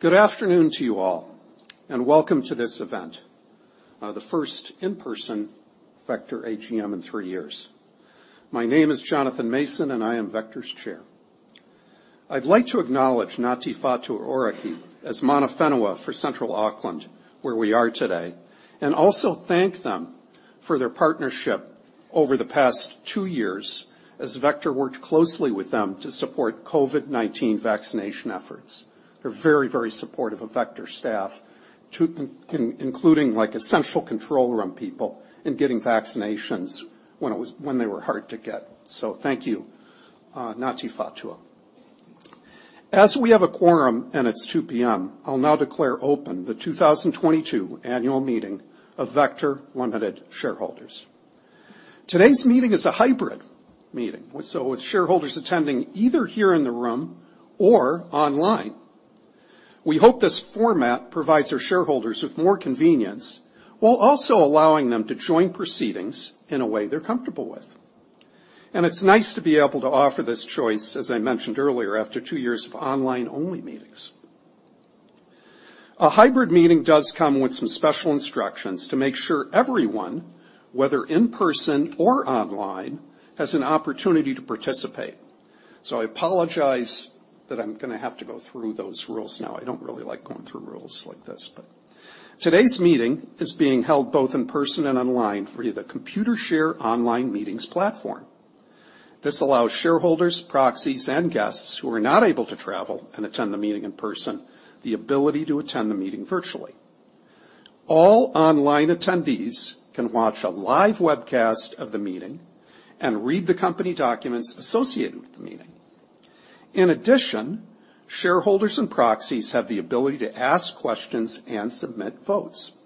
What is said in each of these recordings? Good afternoon to you all, and welcome to this event, the first in-person Vector AGM in three years. My name is Jonathan Mason, and I am Vector's Chair. I'd like to acknowledge Ngāti Whātua Ōrākei as mana whenua for Central Auckland, where we are today, and also thank them for their partnership over the past two years as Vector worked closely with them to support COVID-19 vaccination efforts. They're very supportive of Vector staff to including like essential control room people in getting vaccinations when they were hard to get. Thank you, Ngāti Whātua. As we have a quorum and it's 2:00 PM, I'll now declare open the 2022 annual meeting of Vector Limited shareholders. Today's meeting is a hybrid meeting, with shareholders attending either here in the room or online. We hope this format provides our shareholders with more convenience while also allowing them to join proceedings in a way they're comfortable with. It's nice to be able to offer this choice, as I mentioned earlier, after two years of online-only meetings. A hybrid meeting does come with some special instructions to make sure everyone, whether in person or online, has an opportunity to participate. I apologize that I'm gonna have to go through those rules now. I don't really like going through rules like this, but today's meeting is being held both in person and online via the Computershare online meetings platform. This allows shareholders, proxies, and guests who are not able to travel and attend the meeting in person the ability to attend the meeting virtually. All online attendees can watch a live webcast of the meeting and read the company documents associated with the meeting. In addition, shareholders and proxies have the ability to ask questions and submit votes.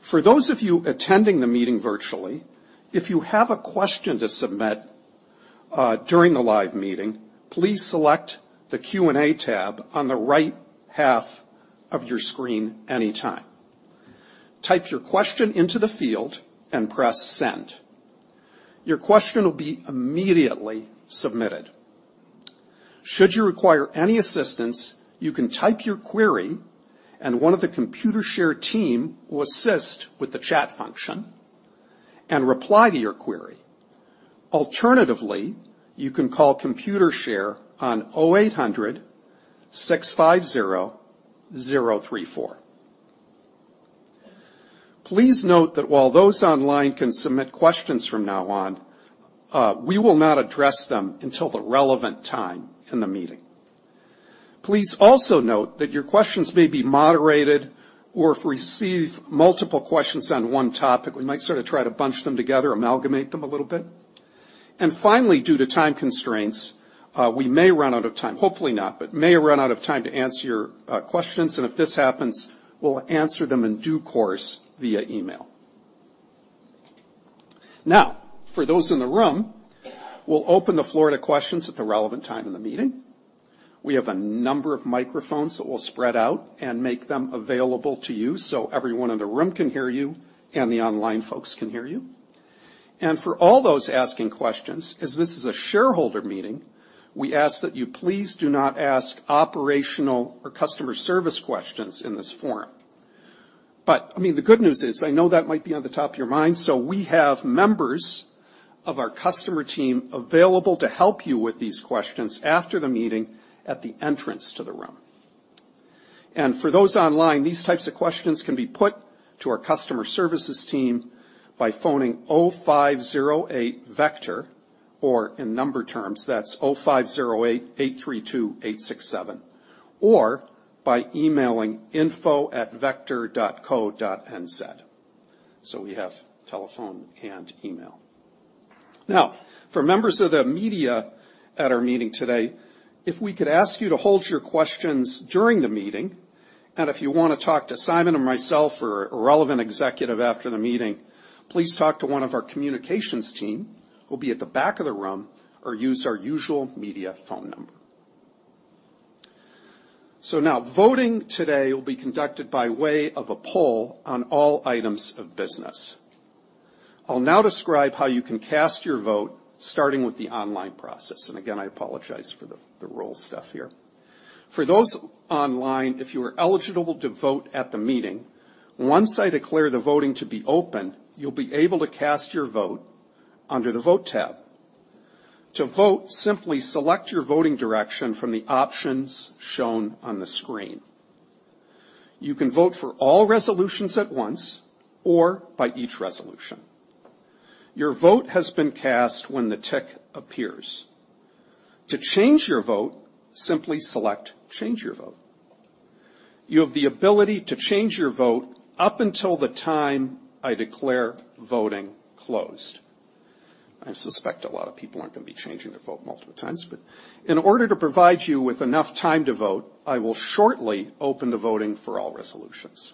For those of you attending the meeting virtually, if you have a question to submit, during the live meeting, please select the Q&A tab on the right half of your screen anytime. Type your question into the field and press Send. Your question will be immediately submitted. Should you require any assistance, you can type your query, and one of the Computershare team will assist with the chat function and reply to your query. Alternatively, you can call Computershare on 0800 650 034. Please note that while those online can submit questions from now on, we will not address them until the relevant time in the meeting. Please also note that your questions may be moderated, or if we receive multiple questions on one topic, we might sort of try to bunch them together, amalgamate them a little bit. Finally, due to time constraints, we may run out of time. Hopefully not, but may run out of time to answer your questions, and if this happens, we'll answer them in due course via email. Now, for those in the room, we'll open the floor to questions at the relevant time in the meeting. We have a number of microphones that we'll spread out and make them available to you so everyone in the room can hear you and the online folks can hear you. For all those asking questions, as this is a shareholder meeting, we ask that you please do not ask operational or customer service questions in this forum. I mean, the good news is I know that might be on the top of your mind, so we have members of our customer team available to help you with these questions after the meeting at the entrance to the room. For those online, these types of questions can be put to our customer services team by phoning 0508 Vector or in number terms that's 0508 832 867, or by emailing info@vector.co.nz. We have telephone and email. Now, for members of the media at our meeting today, if we could ask you to hold your questions during the meeting, and if you wanna talk to Simon and myself or a relevant executive after the meeting, please talk to one of our communications team who'll be at the back of the room or use our usual media phone number. Now voting today will be conducted by way of a poll on all items of business. I'll now describe how you can cast your vote starting with the online process, and again, I apologize for the rules stuff here. For those online, if you are eligible to vote at the meeting, once I declare the voting to be open, you'll be able to cast your vote under the Vote tab. To vote, simply select your voting direction from the options shown on the screen. You can vote for all resolutions at once or by each resolution. Your vote has been cast when the tick appears. To change your vote, simply select Change Your Vote. You have the ability to change your vote up until the time I declare voting closed. I suspect a lot of people aren't gonna be changing their vote multiple times, but in order to provide you with enough time to vote, I will shortly open the voting for all resolutions.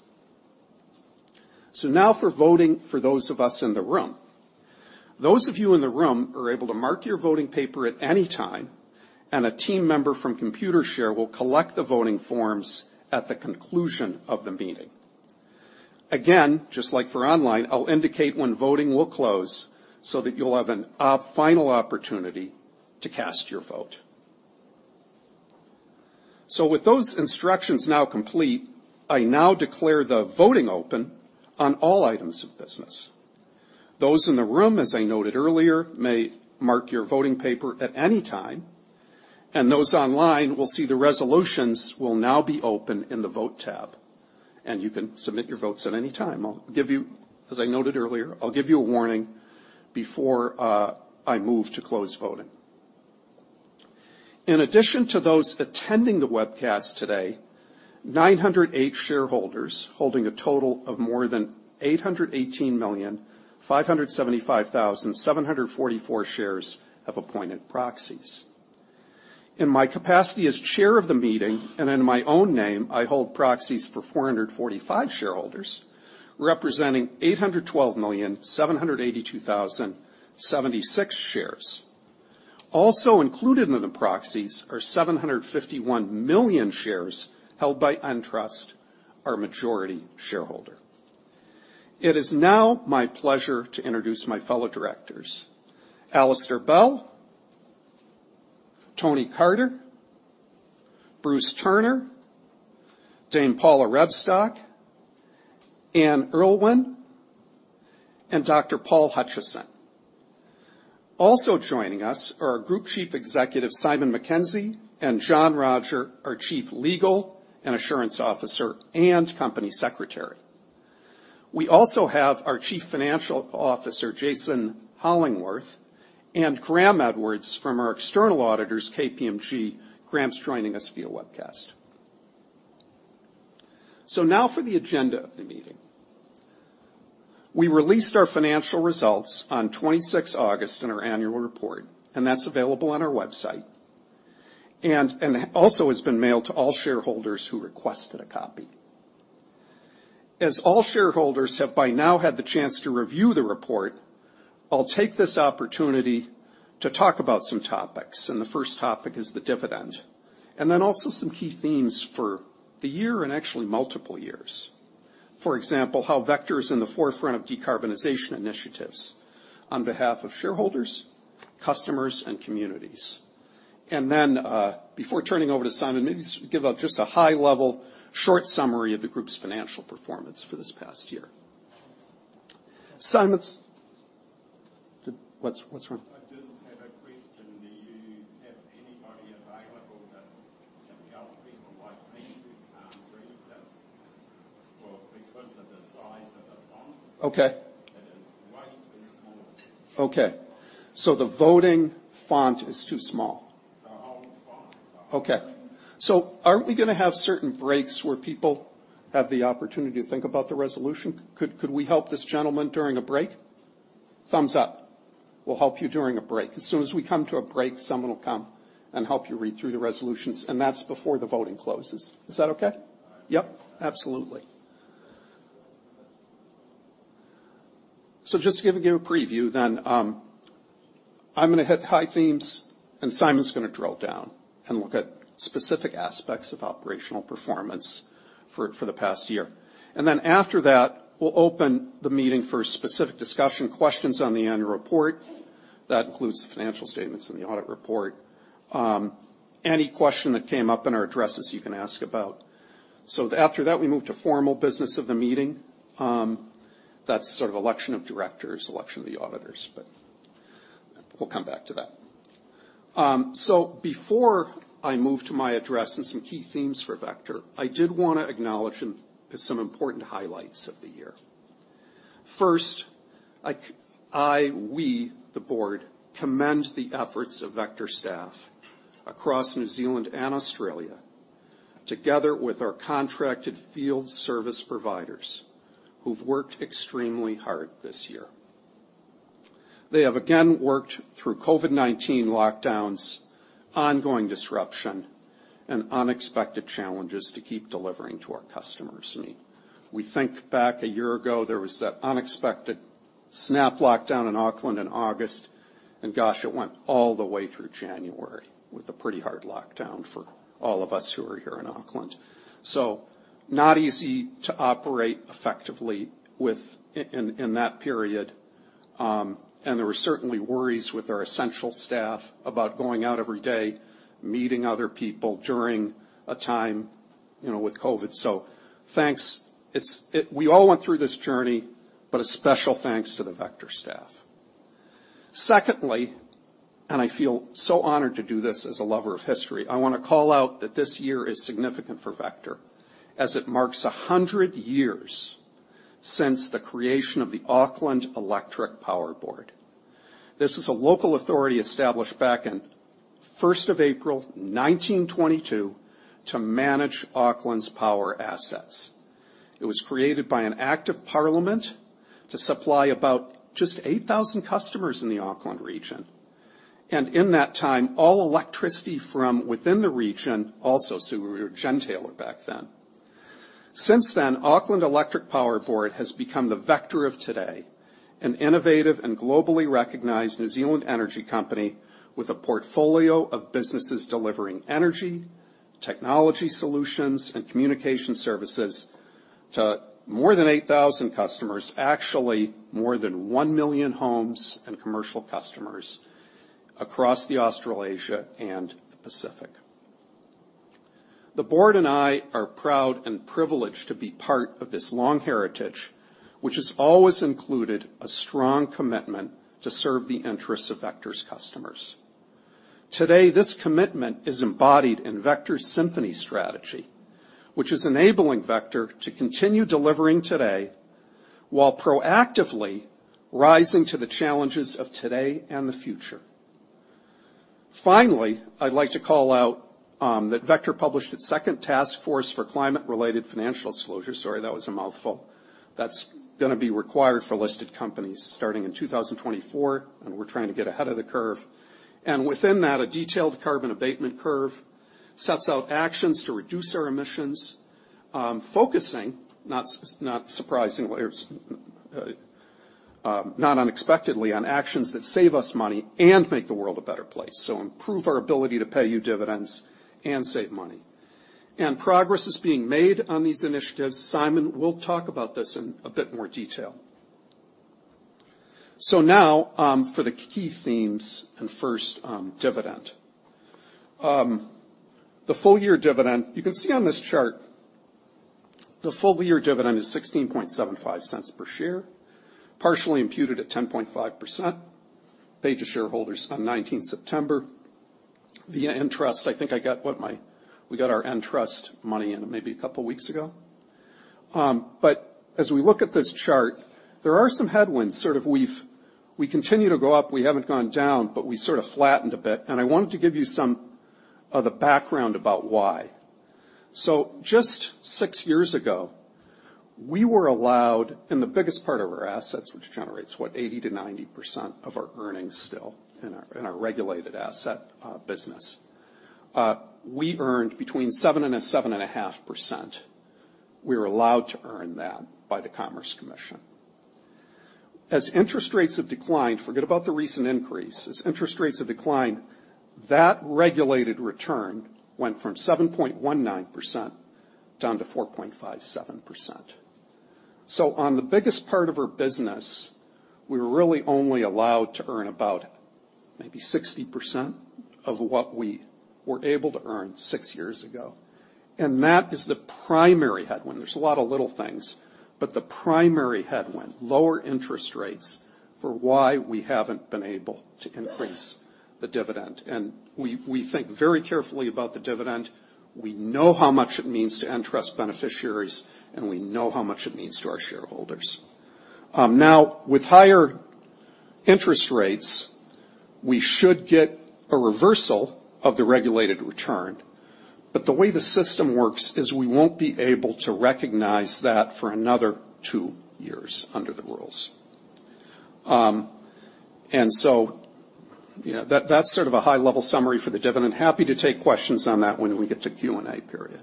Now for voting for those of us in the room. Those of you in the room are able to mark your voting paper at any time, and a team member from Computershare will collect the voting forms at the conclusion of the meeting. Again, just like for online, I'll indicate when voting will close so that you'll have a final opportunity to cast your vote. With those instructions now complete, I now declare the voting open on all items of business. Those in the room, as I noted earlier, may mark your voting paper at any time, and those online will see the resolutions will now be open in the Vote tab, and you can submit your votes at any time. As I noted earlier, I'll give you a warning before I move to close voting. In addition to those attending the webcast today, 908 shareholders holding a total of more than 818,575,744 shares have appointed proxies. In my capacity as chair of the meeting and in my own name, I hold proxies for 445 shareholders, representing 812,782,076 shares. Included in the proxies are 751 million shares held by Entrust, our majority shareholder. It is now my pleasure to introduce my fellow Directors, Alastair Bell, Tony Carter, Bruce Turner, Dame Paula Rebstock, Anne Urlwin, and Dr. Paul Hutchison. Also joining us are our Group Chief Executive, Simon Mackenzie, and John Rodger, our Chief Legal and Assurance Officer and Company Secretary. We also have our Chief Financial Officer, Jason Hollingworth, and Graham Edwards from our external auditors, KPMG. Graham's joining us via webcast. Now for the agenda of the meeting. We released our financial results on 26 August in our annual report, and that's available on our website and also has been mailed to all shareholders who requested a copy. As all shareholders have by now had the chance to review the report, I'll take this opportunity to talk about some topics, and the first topic is the dividend, and then also some key themes for the year and actually multiple years. For example, how Vector is in the forefront of decarbonization initiatives on behalf of shareholders, customers, and communities. Before turning over to Simon, maybe just give a high-level short summary of the group's financial performance for this past year. What's wrong? I just have a question. Do you have anybody available that can help people like me who can't read this well because of the size of the font? Okay. It is way too small. Okay. The voting font is too small. The whole font. Okay. Aren't we gonna have certain breaks where people have the opportunity to think about the resolution? Could we help this gentleman during a break? Thumbs up. We'll help you during a break. As soon as we come to a break, someone will come and help you read through the resolutions, and that's before the voting closes. Is that okay? Yep, absolutely. Just to give you a preview then, I'm gonna hit high themes and Simon's gonna drill down and look at specific aspects of operational performance for the past year. Then after that, we'll open the meeting for specific discussion, questions on the annual report. That includes the financial statements in the audit report. Any question that came up in our addresses you can ask about. After that, we move to formal business of the meeting, that's sort of election of Directors, election of the auditors, but we'll come back to that. Before I move to my address and some key themes for Vector, I did wanna acknowledge some important highlights of the year. First, we, the board, commend the efforts of Vector staff across New Zealand and Australia, together with our contracted field service providers who've worked extremely hard this year. They have again worked through COVID-19 lockdowns, ongoing disruption, and unexpected challenges to keep delivering to our customers. I mean, we think back a year ago, there was that unexpected snap lockdown in Auckland in August, and gosh, it went all the way through January with a pretty hard lockdown for all of us who are here in Auckland. Not easy to operate effectively in that period, and there were certainly worries with our essential staff about going out every day, meeting other people during a time, you know, with COVID. Thanks. We all went through this journey, but a special thanks to the Vector staff. Secondly, I feel so honored to do this as a lover of history, I wanna call out that this year is significant for Vector, as it marks 100 years since the creation of the Auckland Electric Power Board. This is a local authority established back in first of April, 1922 to manage Auckland's power assets. It was created by an act of Parliament to supply about just 8,000 customers in the Auckland region. In that time, all electricity from within the region, also, so we were a gentailer back then. Since then, Auckland Electric Power Board has become the Vector of today, an innovative and globally recognized New Zealand energy company with a portfolio of businesses delivering energy technology solutions and communication services to more than 8,000 customers, actually more than 1 million homes and commercial customers across Australasia and the Pacific. The board and I are proud and privileged to be part of this long heritage, which has always included a strong commitment to serve the interests of Vector's customers. Today, this commitment is embodied in Vector's Symphony strategy, which is enabling Vector to continue delivering today while proactively rising to the challenges of today and the future. Finally, I'd like to call out that Vector published its second TCFD. Sorry, that was a mouthful. That's gonna be required for listed companies starting in 2024, and we're trying to get ahead of the curve. Within that, a detailed carbon abatement curve sets out actions to reduce our emissions, focusing, not surprisingly, not unexpectedly, on actions that save us money and make the world a better place. Improve our ability to pay you dividends and save money. Progress is being made on these initiatives. Simon will talk about this in a bit more detail. Now, for the key themes and first, dividend. The full year dividend, you can see on this chart the full year dividend is 0.1675 per share, partially imputed at 10.5%. Paid to shareholders on 19th September. The Entrust, I think we got our Entrust money in maybe a couple of weeks ago. But as we look at this chart, there are some headwinds. We continue to go up, we haven't gone down, but we sort of flattened a bit. I wanted to give you some of the background about why. Just six years ago, we were allowed in the biggest part of our assets, which generates, what? 80%-90% of our earnings still in our regulated asset business. We earned between 7% and 7.5%. We were allowed to earn that by the Commerce Commission. As interest rates have declined, forget about the recent increase, that regulated return went from 7.19% down to 4.57%. On the biggest part of our business, we're really only allowed to earn about maybe 60% of what we were able to earn six years ago. That is the primary headwind. There's a lot of little things, but the primary headwind, lower interest rates, is why we haven't been able to increase the dividend. We think very carefully about the dividend. We know how much it means to Entrust beneficiaries, and we know how much it means to our shareholders. With higher interest rates, we should get a reversal of the regulated return. The way the system works is we won't be able to recognize that for another 2 years under the rules. You know, that's sort of a high-level summary for the dividend. Happy to take questions on that when we get to Q&A period.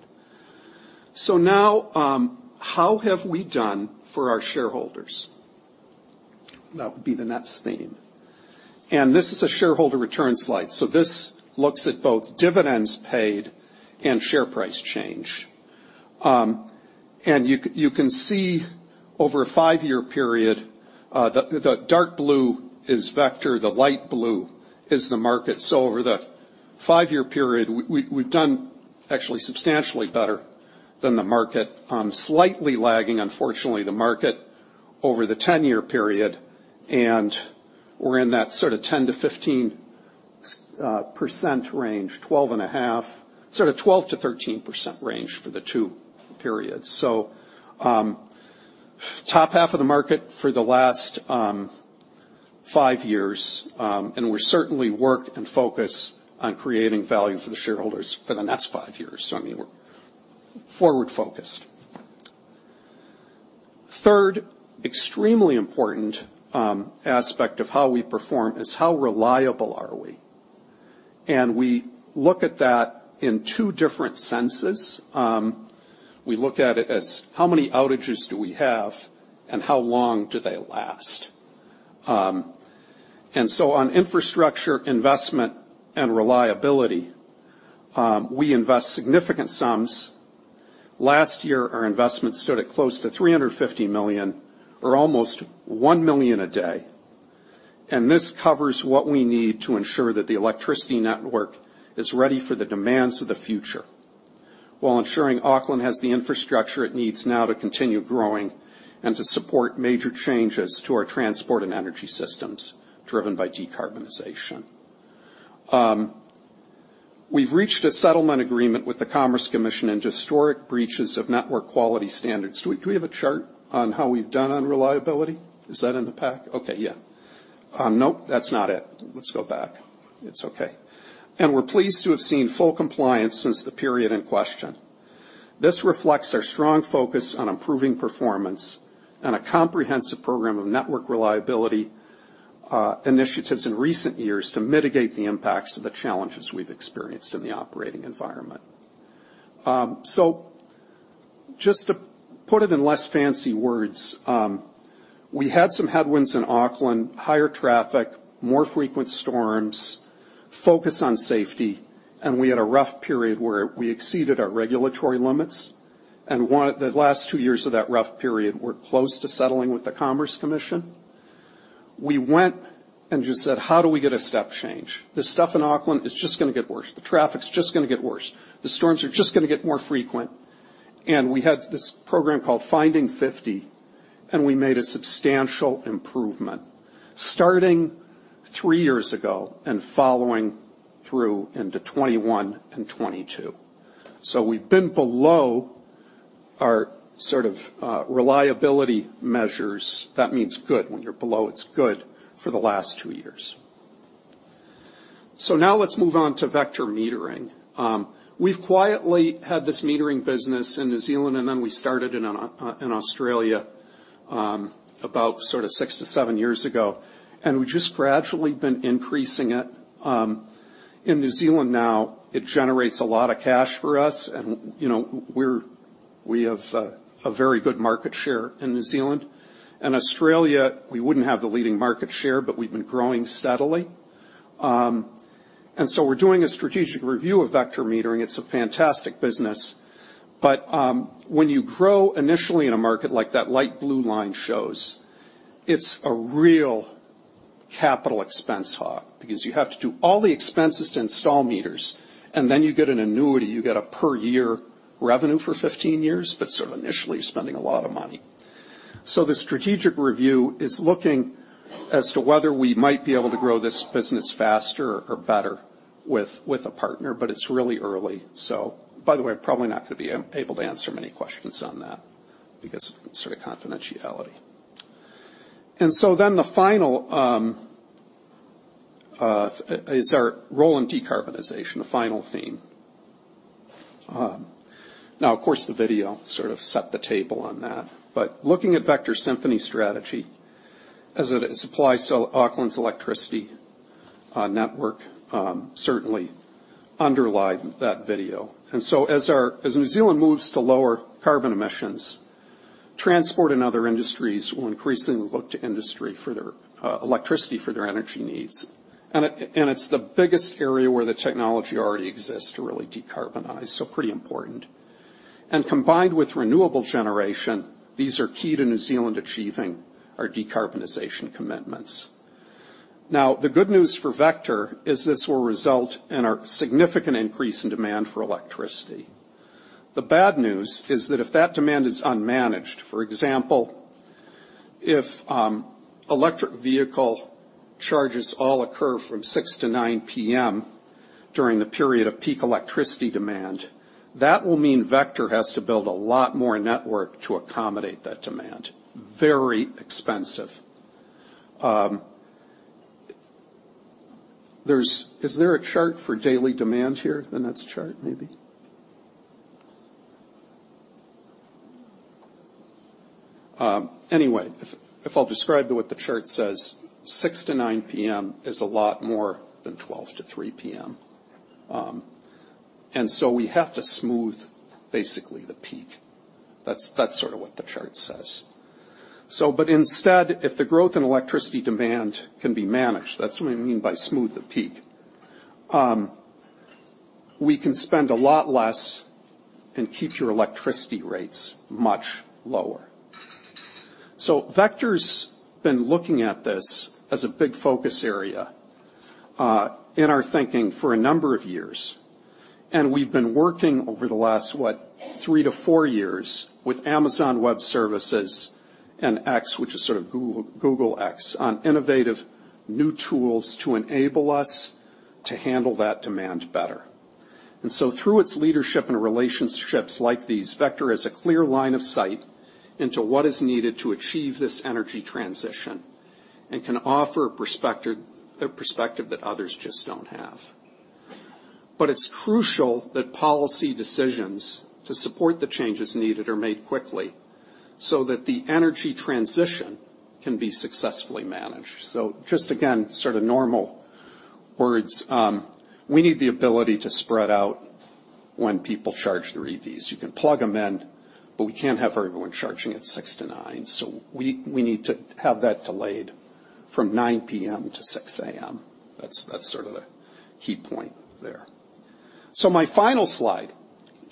Now, how have we done for our shareholders? That would be the next theme. This is a shareholder return slide. This looks at both dividends paid and share price change. You can see over a 5-year period, the dark blue is Vector, the light blue is the market. Over the 5-year period, we've done actually substantially better than the market. Slightly lagging, unfortunately, the market over the 10-year period, and we're in that sort of 10%-15% range, 12.5, sort of 12%-13% range for the two periods. Top half of the market for the last 5 years, and we're certainly working and focusing on creating value for the shareholders for the next 5 years. I mean, we're forward-focused. Third extremely important aspect of how we perform is how reliable are we? We look at that in two different senses. We look at it as how many outages do we have, and how long do they last? And so on infrastructure, investment, and reliability, we invest significant sums. Last year, our investment stood at close to 350 million or almost 1 million a day. This covers what we need to ensure that the electricity network is ready for the demands of the future, while ensuring Auckland has the infrastructure it needs now to continue growing and to support major changes to our transport and energy systems driven by decarbonization. We've reached a settlement agreement with the Commerce Commission in historic breaches of network quality standards. Do we have a chart on how we've done on reliability? Is that in the pack? Okay. Yeah. Nope, that's not it. Let's go back. It's okay. We're pleased to have seen full compliance since the period in question. This reflects our strong focus on improving performance and a comprehensive program of network reliability initiatives in recent years to mitigate the impacts of the challenges we've experienced in the operating environment. Just to put it in less fancy words, we had some headwinds in Auckland, higher traffic, more frequent storms, focus on safety, and we had a rough period where we exceeded our regulatory limits. The last two years of that rough period were close to settling with the Commerce Commission. We went and just said, "How do we get a step change?" The stuff in Auckland is just gonna get worse, the traffic's just gonna get worse. The storms are just gonna get more frequent. We had this program called Finding Fifty, and we made a substantial improvement starting three years ago and following through into 2021 and 2022. We've been below our sort of reliability measures. That means good. When you're below, it's good for the last two years. Now let's move on to Vector Metering. We've quietly had this metering business in New Zealand, and then we started in Australia about sort of six to seven years ago. We've just gradually been increasing it. In New Zealand now, it generates a lot of cash for us and, you know, we have a very good market share in New Zealand. In Australia, we wouldn't have the leading market share, but we've been growing steadily. We're doing a strategic review of Vector Metering. It's a fantastic business. When you grow initially in a market like that light blue line shows, it's a real capex hog because you have to do all the expenses to install meters, and then you get an annuity. You get a per year revenue for 15 years, but sort of initially spending a lot of money. The strategic review is looking as to whether we might be able to grow this business faster or better with a partner, but it's really early. By the way, I'm probably not gonna be able to answer many questions on that because of confidentiality. The final is our role in decarbonization, the final theme. Now of course, the video sort of set the table on that. But looking at Vector Symphony strategy as it applies to Auckland's electricity network, certainly underlie that video. As New Zealand moves to lower carbon emissions, transport and other industries will increasingly look to electricity for their energy needs. It's the biggest area where the technology already exists to really decarbonize, so pretty important. Combined with renewable generation, these are key to New Zealand achieving our decarbonization commitments. Now, the good news for Vector is this will result in a significant increase in demand for electricity. The bad news is that if that demand is unmanaged, for example, if electric vehicle charges all occur from 6:00 to 9:00 PM during the period of peak electricity demand, that will mean Vector has to build a lot more network to accommodate that demand. Very expensive. Is there a chart for daily demand here in that chart, maybe? Anyway, if I'll describe what the chart says, 6:00 to 9:00 PM is a lot more than 12:00 to 3:00 P.M. And so we have to smooth basically the peak. That's sort of what the chart says. Instead, if the growth in electricity demand can be managed, that's what we mean by smooth the peak, we can spend a lot less and keep your electricity rates much lower. Vector's been looking at this as a big focus area in our thinking for a number of years, and we've been working over the last 3-4 years with Amazon Web Services and X, which is sort of Google X, on innovative new tools to enable us to handle that demand better. Through its leadership in relationships like these, Vector has a clear line of sight into what is needed to achieve this energy transition and can offer a perspective that others just don't have. It's crucial that policy decisions to support the changes needed are made quickly so that the energy transition can be successfully managed. Just again, sort of normal words. We need the ability to spread out when people charge their EVs. You can plug them in, but we can't have everyone charging 6:00 PM to 9:00 PM We need to have that delayed from 9:00 PM to 6:00 AM That's sort of the key point there. My final slide,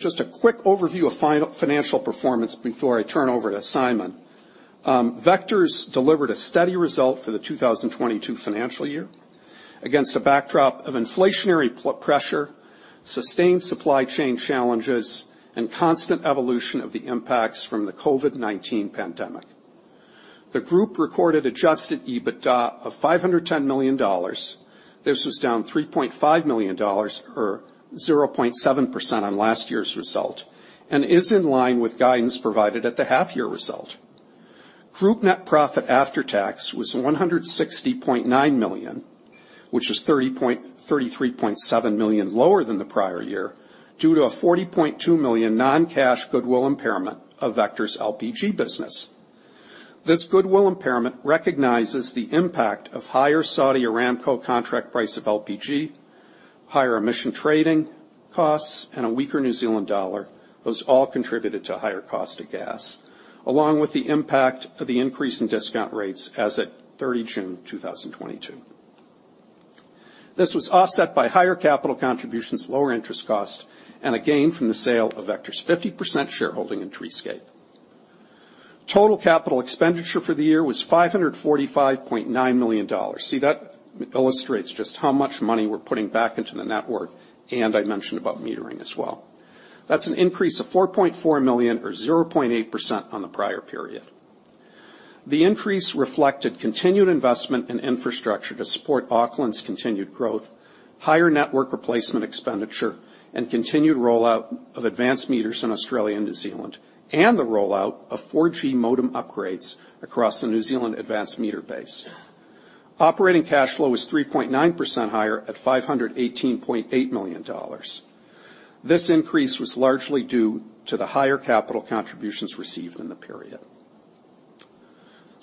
just a quick overview of financial performance before I turn over to Simon. Vector's delivered a steady result for the 2022 financial year against a backdrop of inflationary pressure, sustained supply chain challenges, and constant evolution of the impacts from the COVID-19 pandemic. The group recorded Adjusted EBITDA of 510 million dollars. This was down 3.5 million dollars or 0.7% on last year's result and is in line with guidance provided at the half-year result. Group net profit after tax was 160.9 million, which is 33.7 million lower than the prior year due to a 40.2 million non-cash goodwill impairment of Vector's LPG business. This goodwill impairment recognizes the impact of higher Saudi Aramco contract price of LPG, higher emission trading costs, and a weaker New Zealand dollar. Those all contributed to higher cost of gas, along with the impact of the increase in discount rates as at 30 June 2022. This was offset by higher capital contributions, lower interest cost, and gain from the sale of Vector's fifty percent shareholding in Treescape. Total capital expenditure for the year was 545.9 million dollars. See, that illustrates just how much money we're putting back into the network, and I mentioned about metering as well. That's an increase of 4.4 million or 0.8% on the prior period. The increase reflected continued investment in infrastructure to support Auckland's continued growth, higher network replacement expenditure, and continued rollout of advanced meters in Australia and New Zealand, and the rollout of 4G modem upgrades across the New Zealand advanced meter base. Operating cash flow was 3.9% higher at 518.8 million dollars. This increase was largely due to the higher capital contributions received in the period.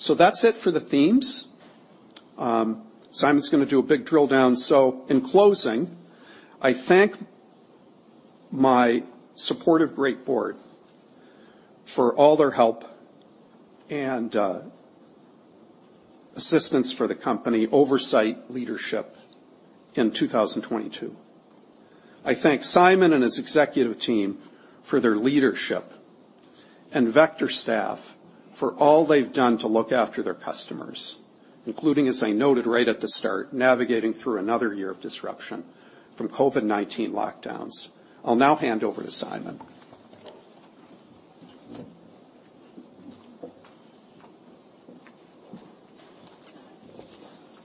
That's it for the themes. Simon's gonna do a big drill-down. In closing, I thank my supportive great board for all their help and assistance for the company oversight leadership in 2022. I thank Simon and his executive team for their leadership and Vector staff for all they've done to look after their customers, including, as I noted right at the start, navigating through another year of disruption from COVID-19 lockdowns. I'll now hand over to Simon.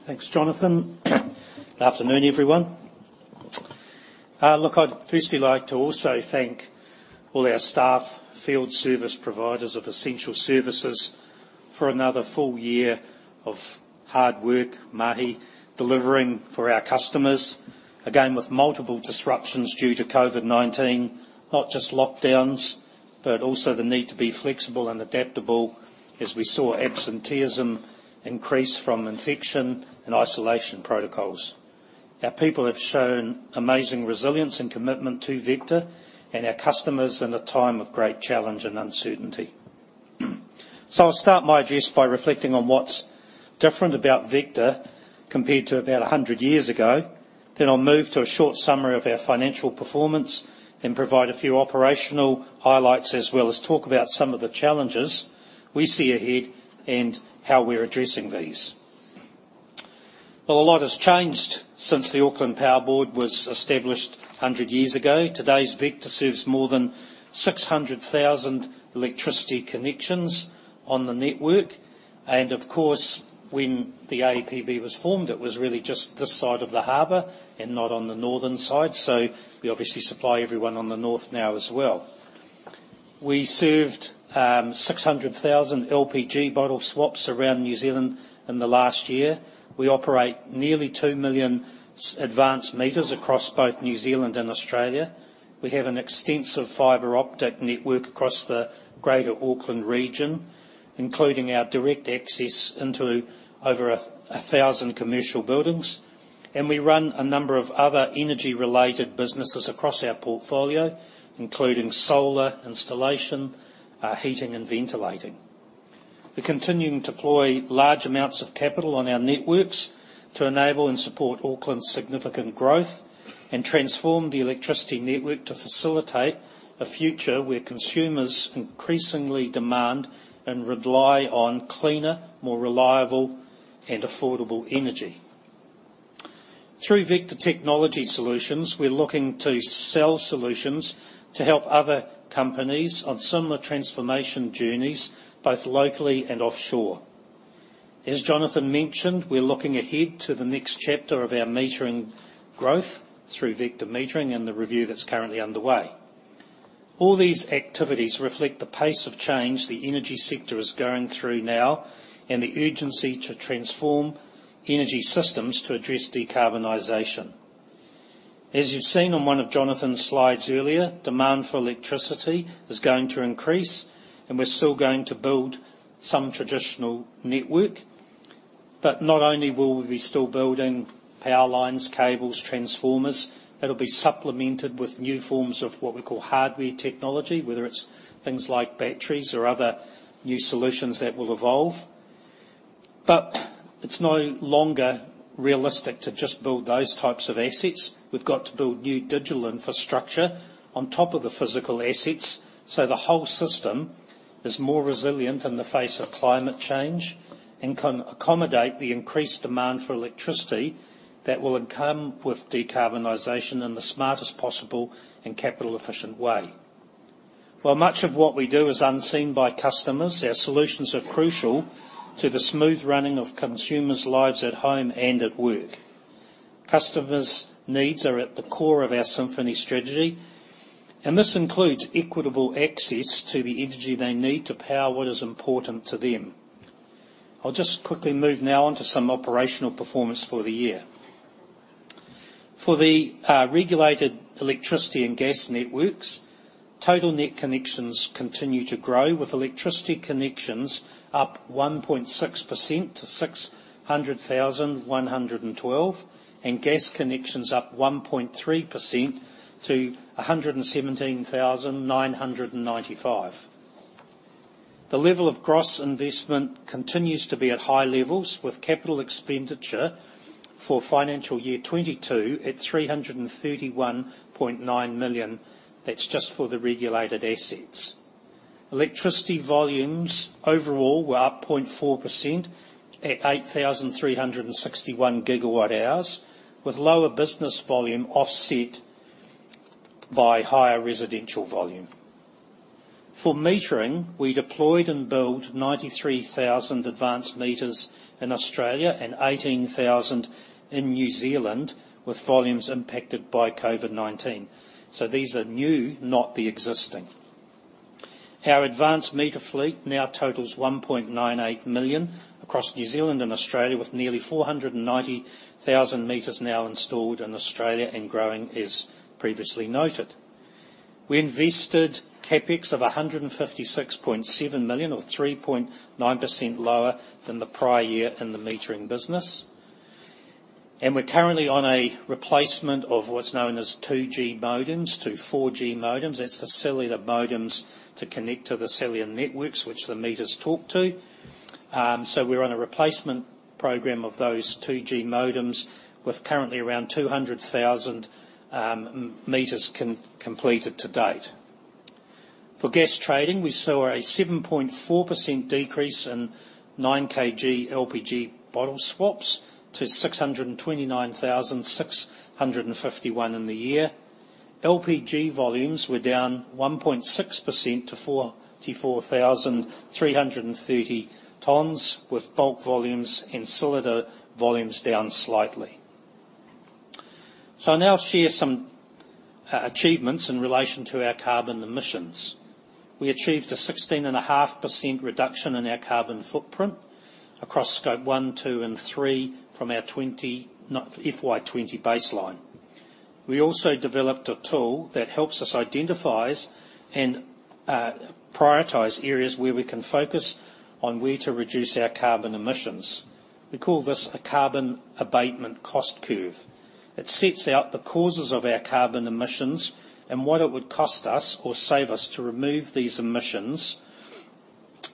Thanks, Jonathan. Afternoon, everyone. Look, I'd firstly like to also thank all our staff, field service providers of essential services for another full year of hard work, mahi, delivering for our customers. Again, with multiple disruptions due to COVID-19, not just lockdowns, but also the need to be flexible and adaptable as we saw absenteeism increase from infection and isolation protocols. Our people have shown amazing resilience and commitment to Vector and our customers in a time of great challenge and uncertainty. I'll start my address by reflecting on what's different about Vector compared to about a hundred years ago. Then I'll move to a short summary of our financial performance, then provide a few operational highlights, as well as talk about some of the challenges we see ahead and how we're addressing these. Well, a lot has changed since the Auckland Electric Power Board was established 100 years ago. Today's Vector serves more than 600,000 electricity connections on the network. Of course, when the APB was formed, it was really just this side of the harbor and not on the northern side. We obviously supply everyone on the north now as well. We served 600,000 LPG bottle swaps around New Zealand in the last year. We operate nearly 2 million advanced meters across both New Zealand and Australia. We have an extensive fiber optic network across the Greater Auckland region, including our direct access into over 1,000 commercial buildings. We run a number of other energy-related businesses across our portfolio, including solar installation, heating and ventilation. We're continuing to deploy large amounts of capital on our networks to enable and support Auckland's significant growth and transform the electricity network to facilitate a future where consumers increasingly demand and rely on cleaner, more reliable, and affordable energy. Through Vector Technology Solutions, we're looking to sell solutions to help other companies on similar transformation journeys, both locally and offshore. As Jonathan mentioned, we're looking ahead to the next chapter of our metering growth through Vector Metering and the review that's currently underway. All these activities reflect the pace of change the energy sector is going through now and the urgency to transform energy systems to address decarbonization. As you've seen on one of Jonathan's slides earlier, demand for electricity is going to increase, and we're still going to build some traditional network. Not only will we be still building power lines, cables, transformers, it'll be supplemented with new forms of what we call hardware technology, whether it's things like batteries or other new solutions that will evolve. It's no longer realistic to just build those types of assets. We've got to build new digital infrastructure on top of the physical assets, so the whole system is more resilient in the face of climate change and can accommodate the increased demand for electricity that will come with decarbonization in the smartest possible and capital-efficient way. While much of what we do is unseen by customers, our solutions are crucial to the smooth running of consumers' lives at home and at work. Customers' needs are at the core of our Symphony strategy, and this includes equitable access to the energy they need to power what is important to them. I'll just quickly move now on to some operational performance for the year. For the regulated electricity and gas networks, total net connections continue to grow, with electricity connections up 1.6% to 600,112, and gas connections up 1.3% to 117,995. The level of gross investment continues to be at high levels, with capital expenditure for financial year 2022 at 331.9 million. That's just for the regulated assets. Electricity volumes overall were up 0.4% at 8,361 GWh, with lower business volume offset by higher residential volume. For metering, we deployed and built 93,000 advanced meters in Australia and 18,000 in New Zealand, with volumes impacted by COVID-19. These are new, not the existing. Our advanced meter fleet now totals 1.98 million across New Zealand and Australia, with nearly 490,000 meters now installed in Australia and growing, as previously noted. We invested CapEx of 156.7 million, or 3.9% lower than the prior year in the metering business. We're currently on a replacement of what's known as 2G modems to 4G modems. That's the cellular modems to connect to the cellular networks which the meters talk to. We're on a replacement program of those 2G modems with currently around 200,000 meters completed to date. For gas trading, we saw a 7.4% decrease in 9KG LPG bottle swaps to 629,651 in the year. LPG volumes were down 1.6% to 44,330 tons, with bulk volumes and cylinder volumes down slightly. I now share some achievements in relation to our carbon emissions. We achieved a 16.5% reduction in our carbon footprint across Scope 1, 2, and 3 from our FY 2020 baseline. We also developed a tool that helps us identify and prioritize areas where we can focus on where to reduce our carbon emissions. We call this a carbon abatement cost curve. It sets out the causes of our carbon emissions and what it would cost us or save us to remove these emissions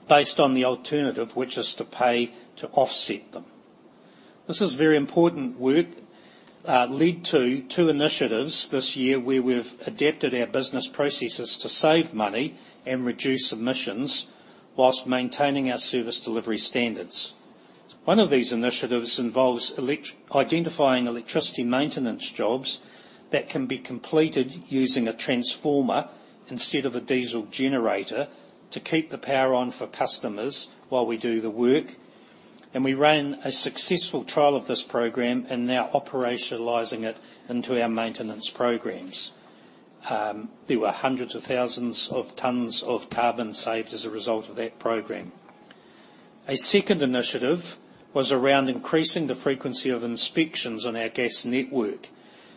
based on the alternative, which is to pay to offset them. This is very important work, led to two initiatives this year where we've adapted our business processes to save money and reduce emissions while maintaining our service delivery standards. One of these initiatives involves identifying electricity maintenance jobs that can be completed using a transformer instead of a diesel generator to keep the power on for customers while we do the work. We ran a successful trial of this program and now operationalizing it into our maintenance programs. There were hundreds of thousands of tons of carbon saved as a result of that program. A second initiative was around increasing the frequency of inspections on our gas network.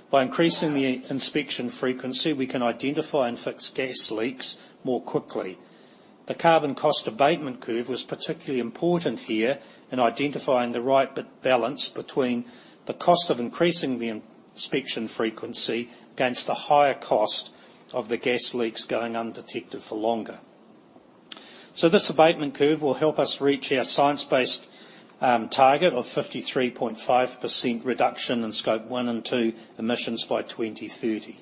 By increasing the inspection frequency, we can identify and fix gas leaks more quickly. The carbon abatement cost curve was particularly important here in identifying the right balance between the cost of increasing the inspection frequency against the higher cost of the gas leaks going undetected for longer. This abatement curve will help us reach our science-based target of 53.5% reduction in Scope 1 and 2 emissions by 2030.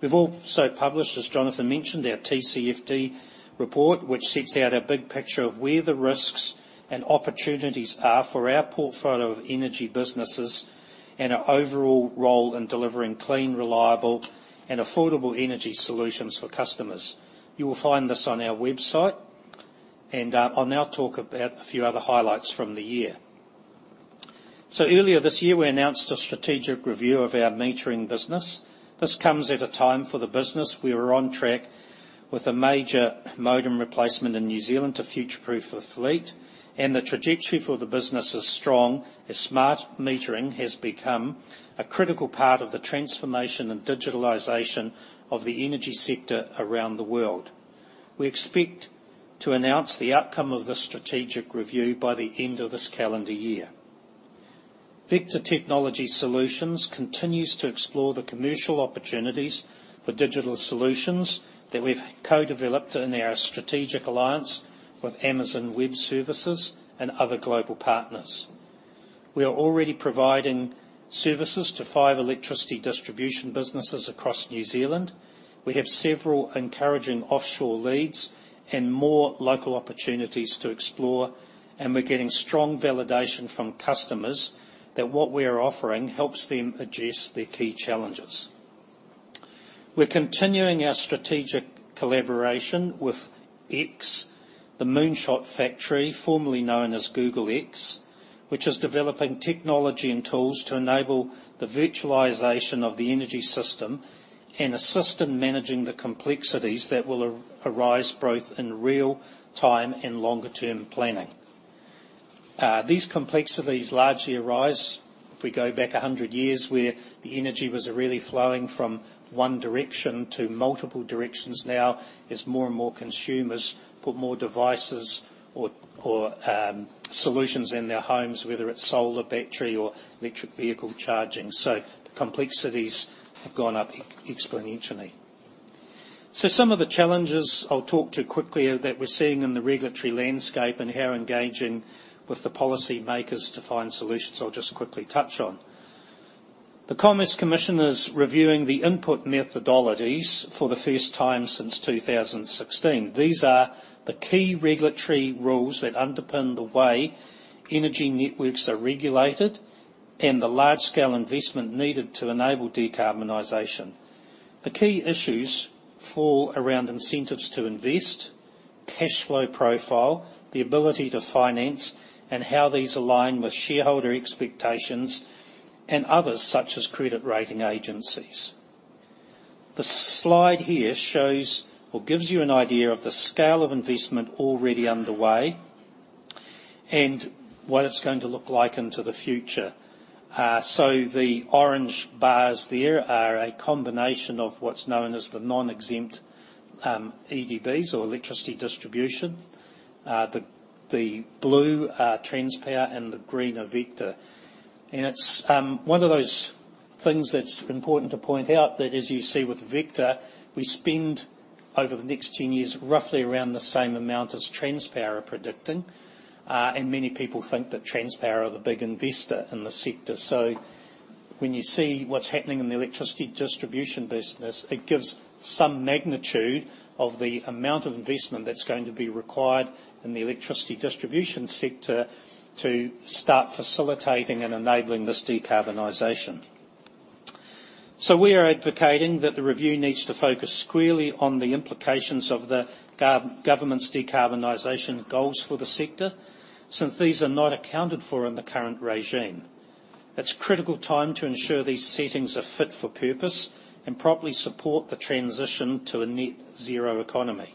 We've also published, as Jonathan mentioned, our TCFD report, which sets out a big picture of where the risks and opportunities are for our portfolio of energy businesses and our overall role in delivering clean, reliable, and affordable energy solutions for customers. You will find this on our website. I'll now talk about a few other highlights from the year. Earlier this year, we announced a strategic review of our metering business. This comes at a time for the business we were on track with a major modem replacement in New Zealand to future-proof the fleet, and the trajectory for the business is strong, as smart metering has become a critical part of the transformation and digitalization of the energy sector around the world. We expect to announce the outcome of this strategic review by the end of this calendar year. Vector Technology Solutions continues to explore the commercial opportunities for digital solutions that we've co-developed in our strategic alliance with Amazon Web Services and other global partners. We are already providing services to five electricity distribution businesses across New Zealand. We have several encouraging offshore leads and more local opportunities to explore, and we're getting strong validation from customers that what we are offering helps them address their key challenges. We're continuing our strategic collaboration with X, the Moonshot Factory, formerly known as Google X, which is developing technology and tools to enable the virtualization of the energy system and assist in managing the complexities that will arise both in real time and longer-term planning. These complexities largely arise if we go back 100 years where the energy was really flowing from one direction to multiple directions now as more and more consumers put more devices or solutions in their homes, whether it's solar, battery or electric vehicle charging. The complexities have gone up exponentially. Some of the challenges I'll talk to quickly that we're seeing in the regulatory landscape and how engaging with the policymakers to find solutions, I'll just quickly touch on. The Commerce Commission is reviewing the input methodologies for the first time since 2016. These are the key regulatory rules that underpin the way energy networks are regulated and the large-scale investment needed to enable decarbonization. The key issues fall around incentives to invest, cash flow profile, the ability to finance and how these align with shareholder expectations and others such as credit rating agencies. The slide here shows or gives you an idea of the scale of investment already underway and what it's going to look like into the future. The orange bars there are a combination of what's known as the non-exempt EDBs or electricity distribution. The blue are Transpower and the green are Vector. It's one of those things that's important to point out that as you see with Vector, we spend over the next 10 years roughly around the same amount as Transpower are predicting. Many people think that Transpower are the big investor in the sector. When you see what's happening in the electricity distribution business, it gives some magnitude of the amount of investment that's going to be required in the electricity distribution sector to start facilitating and enabling this decarbonization. We are advocating that the review needs to focus squarely on the implications of the government's decarbonization goals for the sector, since these are not accounted for in the current regime. It's critical time to ensure these settings are fit for purpose and properly support the transition to a net zero economy.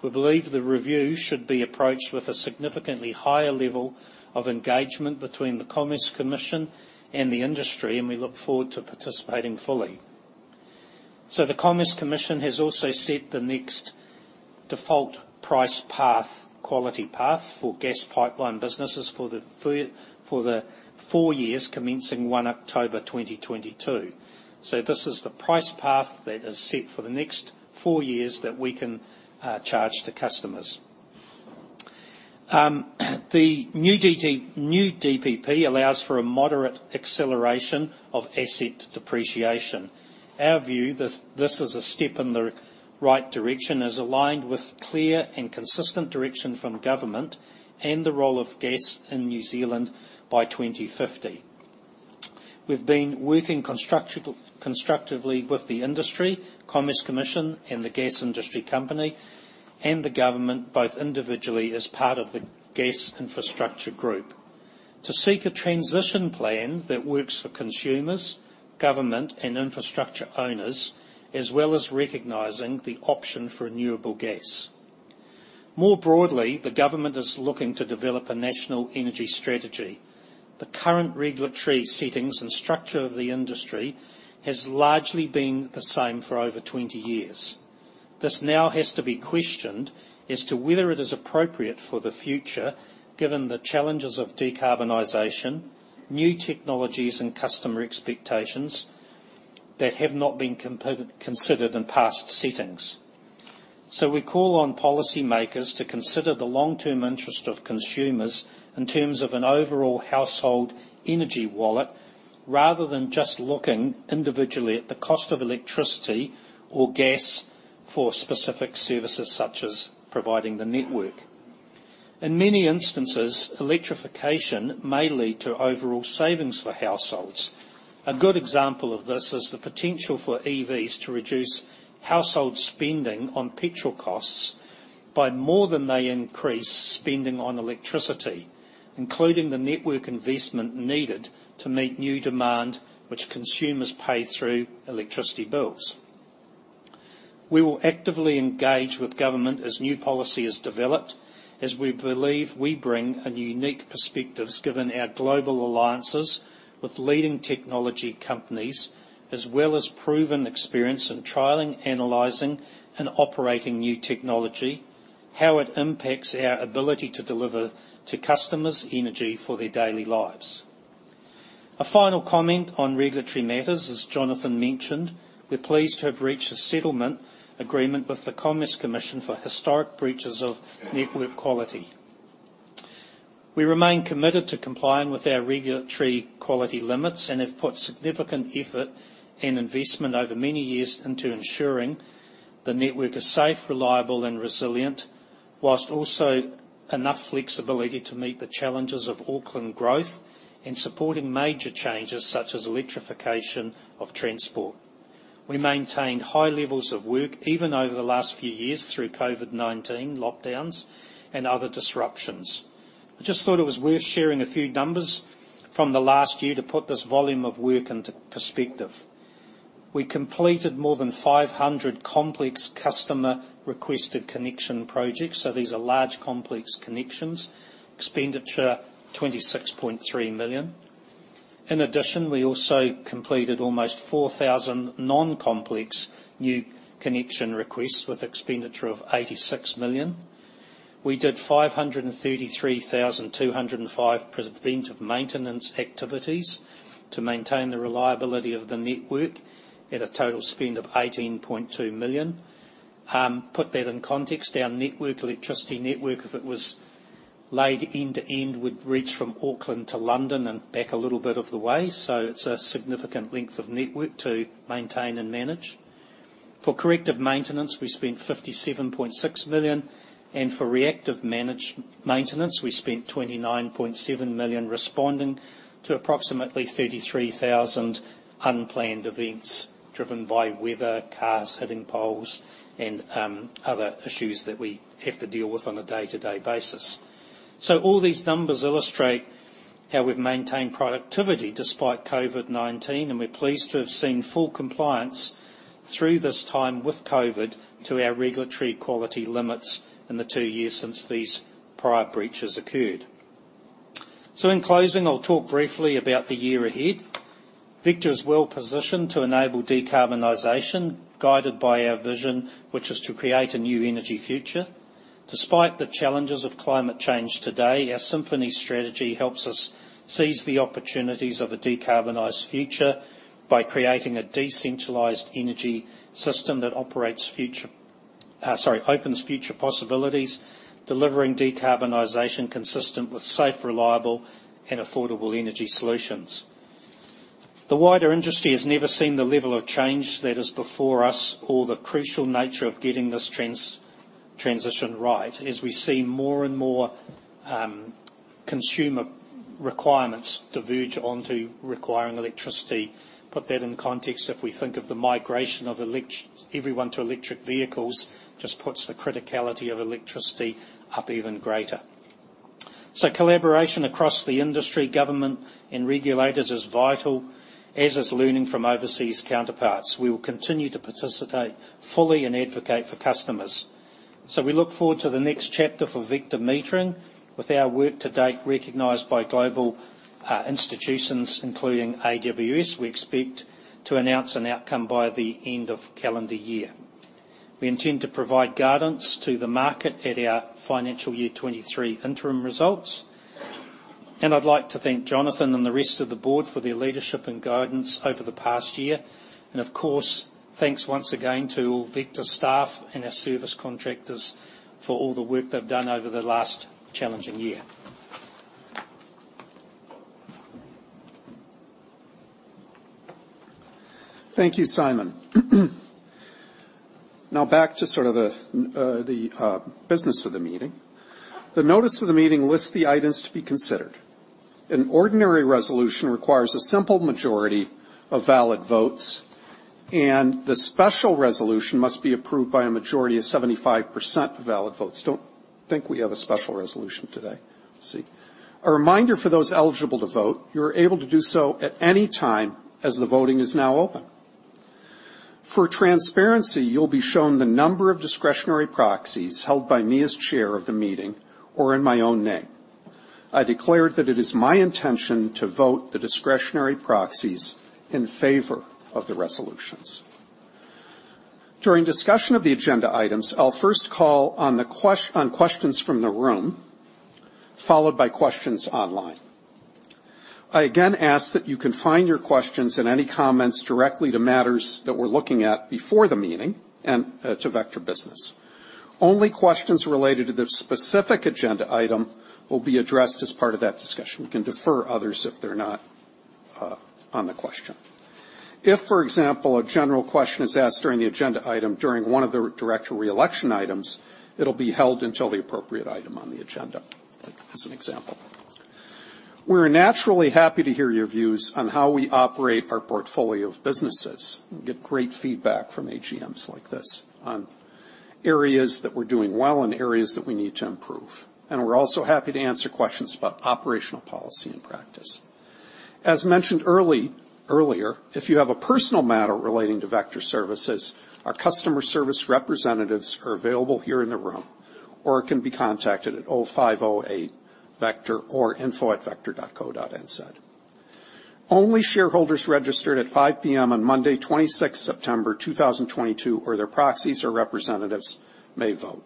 We believe the review should be approached with a significantly higher level of engagement between the Commerce Commission and the industry, and we look forward to participating fully. The Commerce Commission has also set the next default price-quality path for gas pipeline businesses for the four years commencing 1 October 2022. This is the price path that is set for the next four years that we can charge to customers. The new DPP allows for a moderate acceleration of asset depreciation. Our view this is a step in the right direction, is aligned with clear and consistent direction from government and the role of gas in New Zealand by 2050. We've been working constructively with the industry, Commerce Commission and the Gas Industry Co and the government, both individually as part of the Gas Infrastructure Group, to seek a transition plan that works for consumers, government and infrastructure owners, as well as recognizing the option for renewable gas. More broadly, the government is looking to develop a national energy strategy. The current regulatory settings and structure of the industry has largely been the same for over 20 years. This now has to be questioned as to whether it is appropriate for the future, given the challenges of decarbonization, new technologies and customer expectations that have not been considered in past settings. We call on policymakers to consider the long-term interest of consumers in terms of an overall household energy wallet, rather than just looking individually at the cost of electricity or gas for specific services such as providing the network. In many instances, electrification may lead to overall savings for households. A good example of this is the potential for EVs to reduce household spending on petrol costs by more than they increase spending on electricity, including the network investment needed to meet new demand which consumers pay through electricity bills. We will actively engage with government as new policy is developed, as we believe we bring a unique perspective given our global alliances with leading technology companies, as well as proven experience in trialing, analyzing and operating new technology, how it impacts our ability to deliver to customers energy for their daily lives. A final comment on regulatory matters, as Jonathan mentioned, we're pleased to have reached a settlement agreement with the Commerce Commission for historic breaches of network quality. We remain committed to complying with our regulatory quality limits and have put significant effort and investment over many years into ensuring the network is safe, reliable and resilient, while also enough flexibility to meet the challenges of Auckland growth and supporting major changes such as electrification of transport. We maintain high levels of work even over the last few years through COVID-19 lockdowns and other disruptions. I just thought it was worth sharing a few numbers from the last year to put this volume of work into perspective. We completed more than 500 complex customer requested connection projects. So these are large complex connections. Expenditure, 26.3 million. In addition, we also completed almost 4,000 non-complex new connection requests with expenditure of 86 million. We did 533,205 preventive maintenance activities to maintain the reliability of the network at a total spend of 18.2 million. Put that in context, our network, electricity network, if it was laid end to end, would reach from Auckland to London and back a little bit of the way. It's a significant length of network to maintain and manage. For corrective maintenance, we spent 57.6 million, and for reactive maintenance, we spent 29.7 million responding to approximately 33,000 unplanned events driven by weather, cars hitting poles, and other issues that we have to deal with on a day-to-day basis. All these numbers illustrate how we've maintained productivity despite COVID-19, and we're pleased to have seen full compliance through this time with COVID to our regulatory quality limits in the two years since these prior breaches occurred. In closing, I'll talk briefly about the year ahead. Vector is well-positioned to enable decarbonization, guided by our vision, which is to create a new energy future. Despite the challenges of climate change today, our Symphony strategy helps us seize the opportunities of a decarbonized future by creating a decentralized energy system that opens future possibilities, delivering decarbonization consistent with safe, reliable, and affordable energy solutions. The wider industry has never seen the level of change that is before us or the crucial nature of getting this transition right as we see more and more consumer requirements diverge onto requiring electricity. Put that in context, if we think of the migration of everyone to electric vehicles, just puts the criticality of electricity up even greater. Collaboration across the industry, government, and regulators is vital, as is learning from overseas counterparts. We will continue to participate fully and advocate for customers. We look forward to the next chapter for Vector Metering. With our work to date recognized by global institutions, including AWS, we expect to announce an outcome by the end of calendar year. We intend to provide guidance to the market at our financial year 2023 interim results. I'd like to thank Jonathan and the rest of the board for their leadership and guidance over the past year. Of course, thanks once again to all Vector staff and our service contractors for all the work they've done over the last challenging year. Thank you, Simon. Now back to sort of the business of the meeting. The notice of the meeting lists the items to be considered. An ordinary resolution requires a simple majority of valid votes, and the special resolution must be approved by a majority of 75% of valid votes. Don't think we have a special resolution today. Let's see. A reminder for those eligible to vote, you're able to do so at any time as the voting is now open. For transparency, you'll be shown the number of discretionary proxies held by me as chair of the meeting or in my own name. I declare that it is my intention to vote the discretionary proxies in favor of the resolutions. During discussion of the agenda items, I'll first call on questions from the room, followed by questions online. I again ask that you confine your questions and any comments directly to matters that we're looking at before the meeting and to Vector business. Only questions related to the specific agenda item will be addressed as part of that discussion. We can defer others if they're not on the question. If, for example, a general question is asked during the agenda item during one of the Director reelection items, it'll be held until the appropriate item on the agenda. Like as an example. We're naturally happy to hear your views on how we operate our portfolio of businesses. We get great feedback from AGMs like this on areas that we're doing well and areas that we need to improve. We're also happy to answer questions about operational policy and practice. As mentioned earlier, if you have a personal matter relating to Vector Services, our customer service representatives are available here in the room or can be contacted at 0508 Vector or info@vector.co.nz. Only shareholders registered at 5 PM on Monday, 26th September 2022, or their proxies or representatives may vote.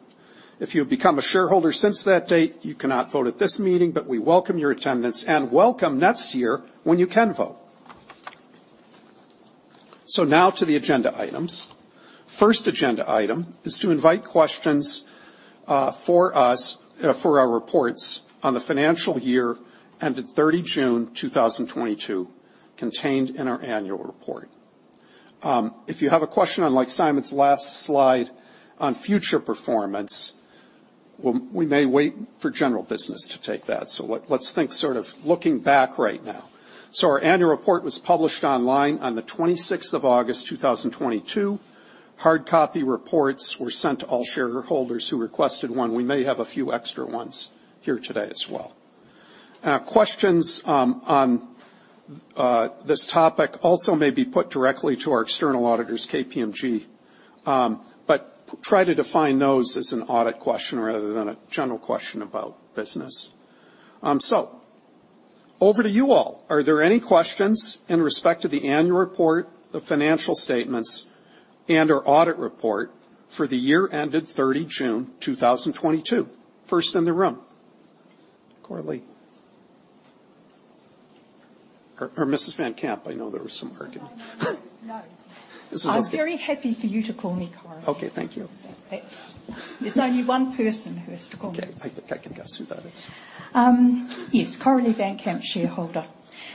If you've become a shareholder since that date, you cannot vote at this meeting, but we welcome your attendance and welcome next year when you can vote. Now to the agenda items. First agenda item is to invite questions for us for our reports on the financial year ended 30 June 2022 contained in our annual report. If you have a question on, like Simon's last slide, on future performance, well, we may wait for general business to take that. Let's think sort of looking back right now. Our annual report was published online on the 26th of August 2022. Hard copy reports were sent to all shareholders who requested one. We may have a few extra ones here today as well. Questions on this topic also may be put directly to our external auditors, KPMG. Try to define those as an audit question rather than a general question about business. Over to you all. Are there any questions in respect to the annual report, the financial statements and/or audit report for the year ended 30 June 2022? First in the room. Coralie van Camp. I know there was some argument. No. Mrs. van Camp I'm very happy for you to call me Coralie. Okay. Thank you. Thanks. There's only one person who has to call me. Okay. I think I can guess who that is. Yes. Coralie van Camp, shareholder.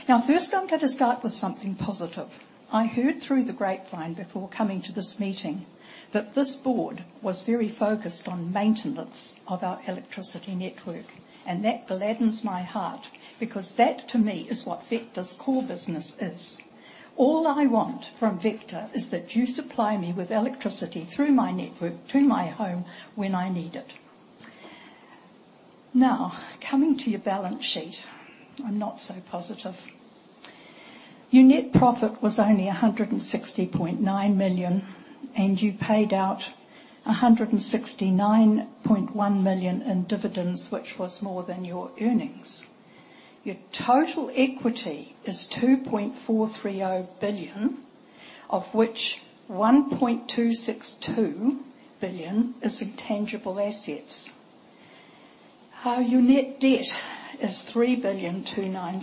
Now, first, I'm gonna start with something positive. I heard through the grapevine before coming to this meeting that this board was very focused on maintenance of our electricity network, and that gladdens my heart because that, to me, is what Vector's core business is. All I want from Vector is that you supply me with electricity through my network to my home when I need it. Now, coming to your balance sheet, I'm not so positive. Your net profit was only 160.9 million, and you paid out 169.1 million in dividends, which was more than your earnings. Your total equity is 2.430 billion, of which 1.262 billion is intangible assets. Your net debt is 3.296 billion,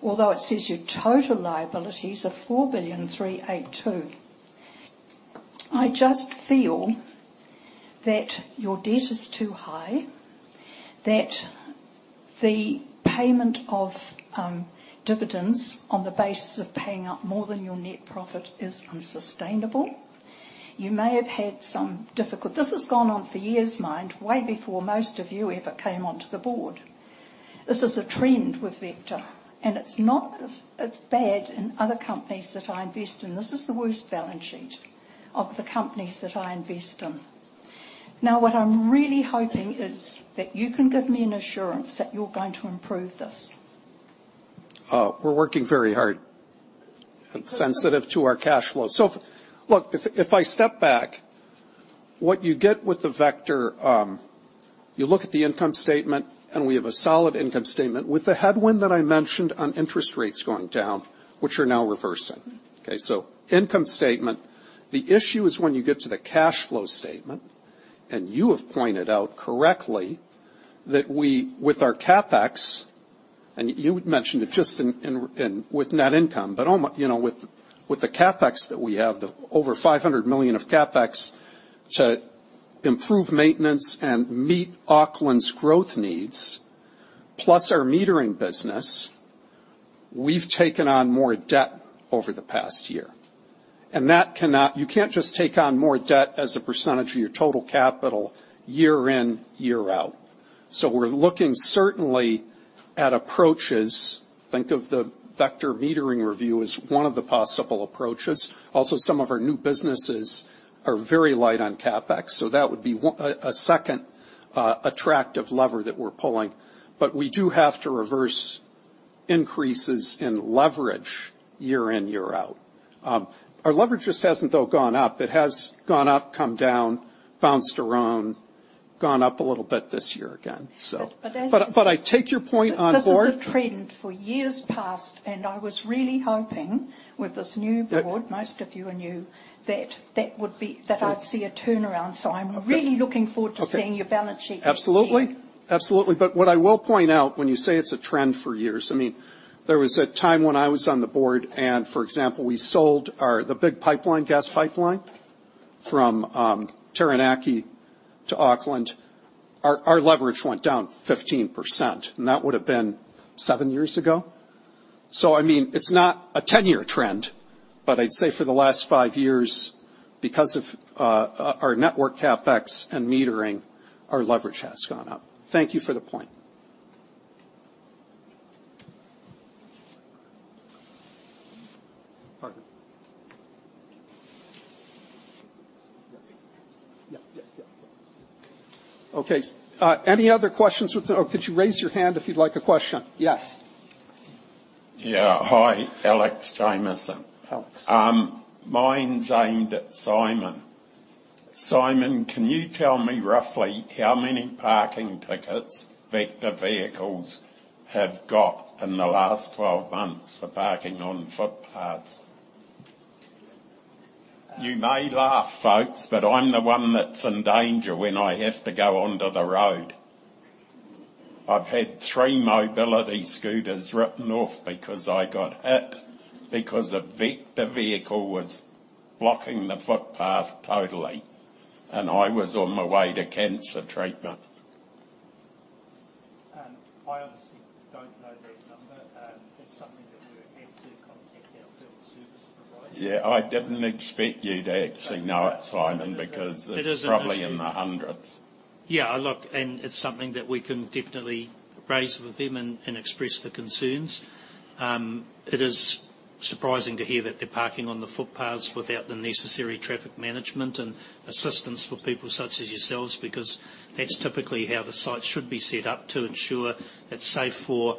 although it says your total liabilities are 4.382 billion. I just feel that your debt is too high, that the payment of dividends on the basis of paying out more than your net profit is unsustainable. This has gone on for years, mind, way before most of you ever came onto the board. This is a trend with Vector, and it's not as bad in other companies that I invest in. This is the worst balance sheet of the companies that I invest in. Now, what I'm really hoping is that you can give me an assurance that you're going to improve this. We're working very hard. Good... sensitive to our cash flows. Look, if I step back, what you get with Vector, you look at the income statement, and we have a solid income statement with the headwind that I mentioned on interest rates going down, which are now reversing. Okay. Income statement. The issue is when you get to the cash flow statement, and you have pointed out correctly that we, with our CapEx, and you had mentioned it just in with net income. But you know, with the CapEx that we have, the over 500 million of CapEx to improve maintenance and meet Auckland's growth needs, plus our metering business, we've taken on more debt over the past year. That cannot. You can't just take on more debt as a percentage of your total capital year in, year out. We're looking certainly at approaches. Think of the Vector Metering review as one of the possible approaches. Also, some of our new businesses are very light on CapEx, so that would be a second attractive lever that we're pulling. We do have to reverse increases in leverage year in, year out. Our leverage just hasn't though gone up. It has gone up, come down, bounced around, gone up a little bit this year again, so. But, but that's- I take your point on board. This is a trend for years past, and I was really hoping with this new board. Yeah Most of you are new, that would be. Well- that I'd see a turnaround. I'm really looking forward to Okay Seeing your balance sheet next year. Absolutely. What I will point out when you say it's a trend for years, I mean, there was a time when I was on the board and, for example, we sold the big pipeline, gas pipeline from Taranaki to Auckland. Our leverage went down 15%, and that would've been 7 years ago. I mean, it's not a 10-year trend, but I'd say for the last 5 years, because of our network CapEx and metering, our leverage has gone up. Thank you for the point. Parker. Yeah. Okay. Any other questions, or could you raise your hand if you'd like a question? Yes. Yeah. Hi. Alex Jamieson. Alex. Mine's aimed at Simon. Simon, can you tell me roughly how many parking tickets Vector vehicles have got in the last 12 months for parking on footpaths? You may laugh, folks, but I'm the one that's in danger when I have to go onto the road. I've had three mobility scooters written off because I got hit because a Vector vehicle was blocking the footpath totally, and I was on my way to cancer treatment. I honestly don't know that number. That's something that we'll have to contact our third service provider. Yeah. I didn't expect you to actually know it, Simon. But, um- Because it's probably- It is an issue. In the hundreds. Yeah. Look, it's something that we can definitely raise with them and express the concerns. Surprising to hear that they're parking on the footpaths without the necessary traffic management and assistance for people such as yourselves, because that's typically how the site should be set up to ensure it's safe for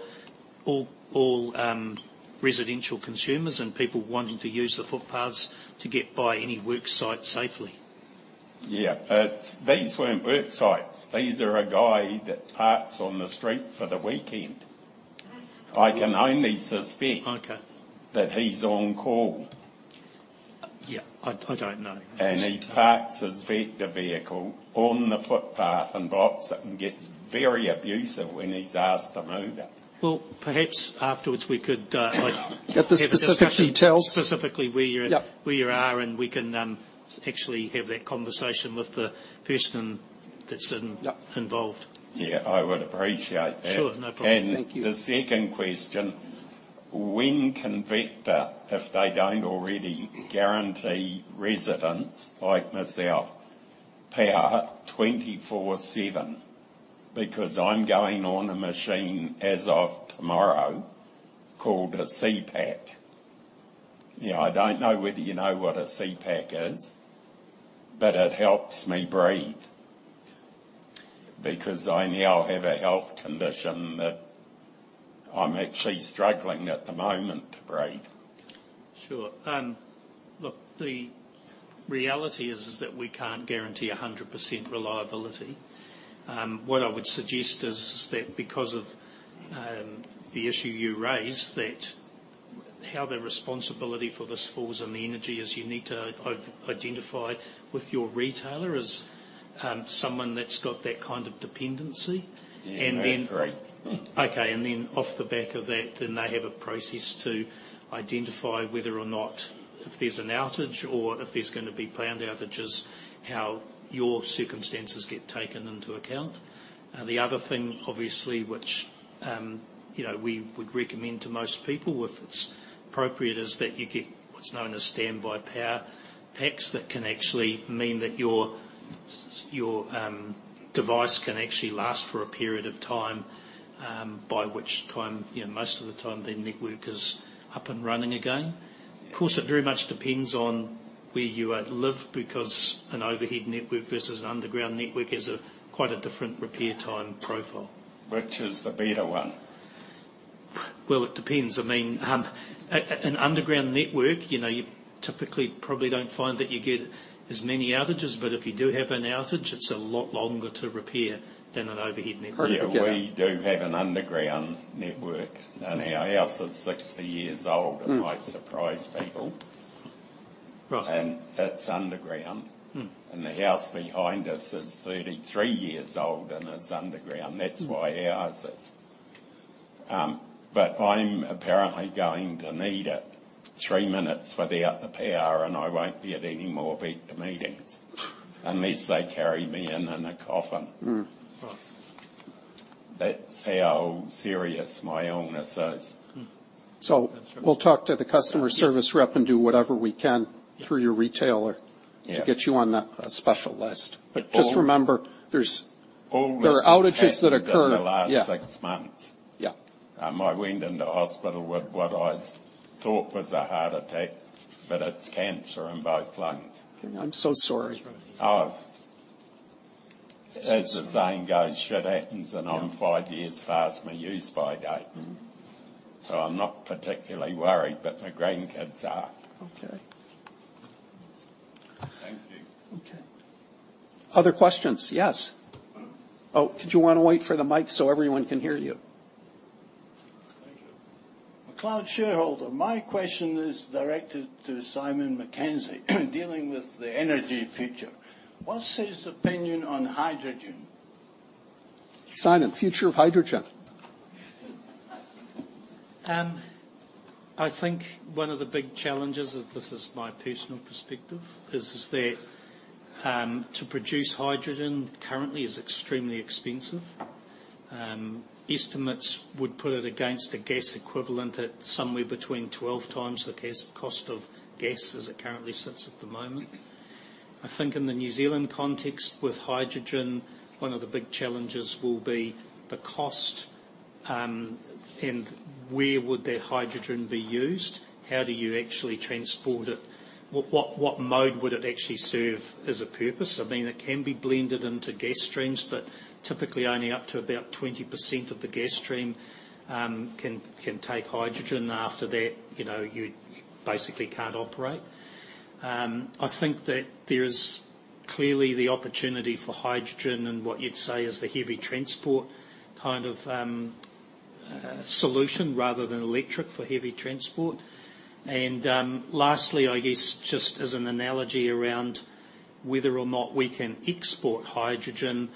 all, residential consumers and people wanting to use the footpaths to get by any work site safely. These weren't work sites. These are a guy that parks on the street for the weekend. I can only suspect. Okay that he's on call. Yeah. I don't know. It's just. He parks his Vector vehicle on the footpath and blocks it, and gets very abusive when he's asked to move it. Well, perhaps afterwards we could like. Get the specific details. Have a discussion specifically where you're Yep where you are, and we can actually have that conversation with the person that's Yep involved. Yeah. I would appreciate that. Sure. No problem. Thank you. The second question: When can Vector, if they don't already, guarantee residents like myself power 24/7? Because I'm going on a machine as of tomorrow called a CPAP. Now, I don't know whether you know what a CPAP is, but it helps me breathe, because I now have a health condition that I'm actually struggling at the moment to breathe. Sure. Look, the reality is that we can't guarantee 100% reliability. What I would suggest is that because of the issue you raise, that how the responsibility for this falls on the energy is you need to identify with your retailer as someone that's got that kind of dependency. Yeah, right. And then- Right. Okay. Off the back of that, they have a process to identify whether or not if there's an outage or if there's gonna be planned outages, how your circumstances get taken into account. The other thing obviously which, you know, we would recommend to most people if it's appropriate, is that you get what's known as standby power packs that can actually mean that your CPAP device can actually last for a period of time, by which time, you know, most of the time their network is up and running again. Yeah. Of course, it very much depends on where you live because an overhead network versus an underground network has quite a different repair time profile. Which is the better one? Well, it depends. I mean, an underground network, you know, you typically probably don't find that you get as many outages, but if you do have an outage, it's a lot longer to repair than an overhead network. Okay. Yeah. We do have an underground network, and our house is 60 years old. Mm. It might surprise people. Right. It's underground. Mm. The house behind us is 33 years old, and it's underground. Mm. That's why ours is. But I'm apparently going to need it 3 minutes without the power, and I won't be at any more Vector meetings unless they carry me in a coffin. Right. That's how serious my illness is. Mm. We'll talk to the customer service rep. Yeah Do whatever we can through your retailer. Yeah to get you on a special list. Just remember. All- There are outages that occur. All this has happened in the last six months. Yeah. Yeah. I went in the hospital with what I thought was a heart attack, but it's cancer in both lungs. Okay. I'm so sorry. That's rough. Oh. As the saying goes, "Shit happens," and I'm five years past my use-by date. Mm-hmm. I'm not particularly worried, but my grandkids are. Okay. Thank you. Okay. Other questions? Yes. Oh, did you wanna wait for the mic so everyone can hear you? Thank you. McLeod, shareholder. My question is directed to Simon Mackenzie dealing with the energy future. What's his opinion on hydrogen? Simon, future of hydrogen. I think one of the big challenges of this is my personal perspective, that to produce hydrogen currently is extremely expensive. Estimates would put it against a gas equivalent at somewhere between 12x the cost of gas as it currently sits at the moment. I think in the New Zealand context with hydrogen, one of the big challenges will be the cost, and where would that hydrogen be used. How do you actually transport it? What mode would it actually serve as a purpose? I mean, it can be blended into gas streams, but typically only up to about 20% of the gas stream can take hydrogen. After that, you know, you basically can't operate. I think that there is clearly the opportunity for hydrogen in what you'd say is the heavy transport kind of solution rather than electric for heavy transport. Lastly, I guess just as an analogy around whether or not we can export hydrogen,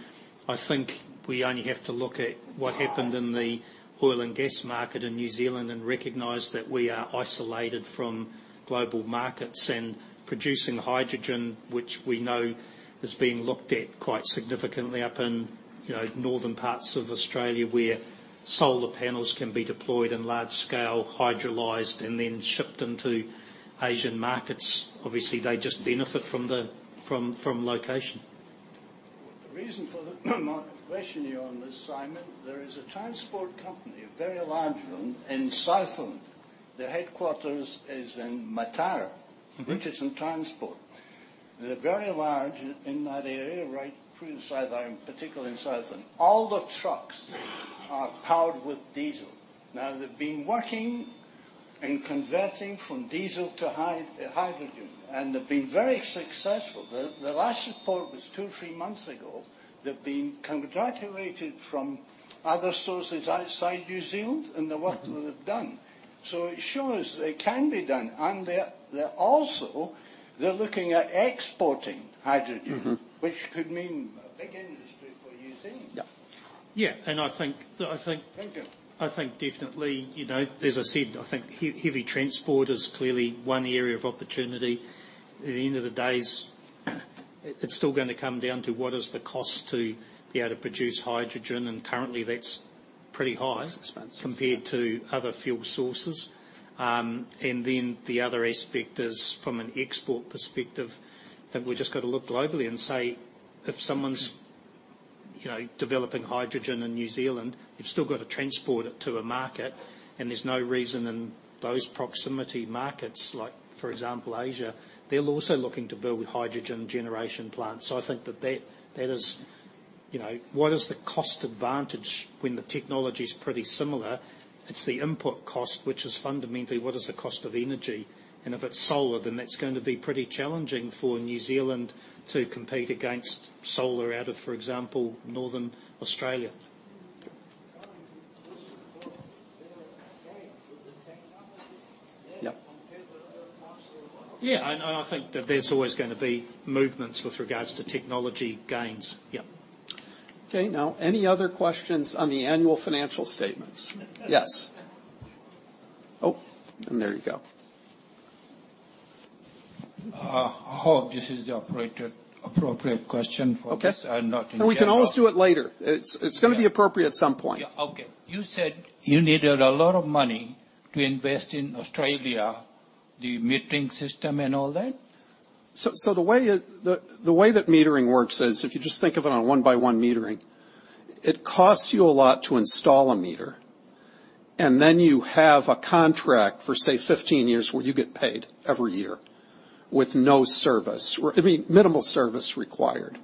I think we only have to look at what happened in the oil and gas market in New Zealand and recognize that we are isolated from global markets. Producing hydrogen, which we know is being looked at quite significantly up in you know northern parts of Australia, where solar panels can be deployed in large scale, hydrolyzed, and then shipped into Asian markets. Obviously, they just benefit from the location. The reason for my question here on this, Simon. There is a transport company, a very large one in Southland. Their headquarters is in Mataura. Mm-hmm. Richardson Group. They're very large in that area right through the South Island, particularly in Southland. All the trucks are powered with diesel. Now they've been working in converting from diesel to hydrogen, and they've been very successful. The last report was 2-3 months ago. They've been congratulated from other sources outside New Zealand in the work that they've done. It shows it can be done, and they're also. They're looking at exporting hydrogen- Mm-hmm. Which could mean a big industry for New Zealand. Yeah. Yeah. I think. Thank you. I think definitely, you know, as I said, I think heavy transport is clearly one area of opportunity. At the end of the day, it's still gonna come down to what is the cost to be able to produce hydrogen, and currently that's pretty high. It's expensive. Compared to other fuel sources. The other aspect is from an export perspective. Think we just gotta look globally and say if someone's, you know, developing hydrogen in New Zealand, you've still gotta transport it to a market, and there's no reason in those proximity markets, like for example, Asia, they're also looking to build hydrogen generation plants. I think that, you know, what is the cost advantage when the technology's pretty similar? It's the input cost, which is fundamentally what is the cost of energy? If it's solar, then that's going to be pretty challenging for New Zealand to compete against solar out of, for example, northern Australia. Yeah. Yeah. I think that there's always gonna be movements with regards to technology gains. Yeah. Okay. Now any other questions on the annual financial statements? Yes. Oh, and there you go. Hope this is the appropriate question for this. Okay. I'm not in shape but. We can always do it later. It's gonna be appropriate at some point. Yeah. Okay. You said you needed a lot of money to invest in Australia, the metering system and all that. The way that metering works is if you just think of it on a one-by-one metering, it costs you a lot to install a meter, and then you have a contract for, say, 15 years, where you get paid every year with no service or, I mean, minimal service required.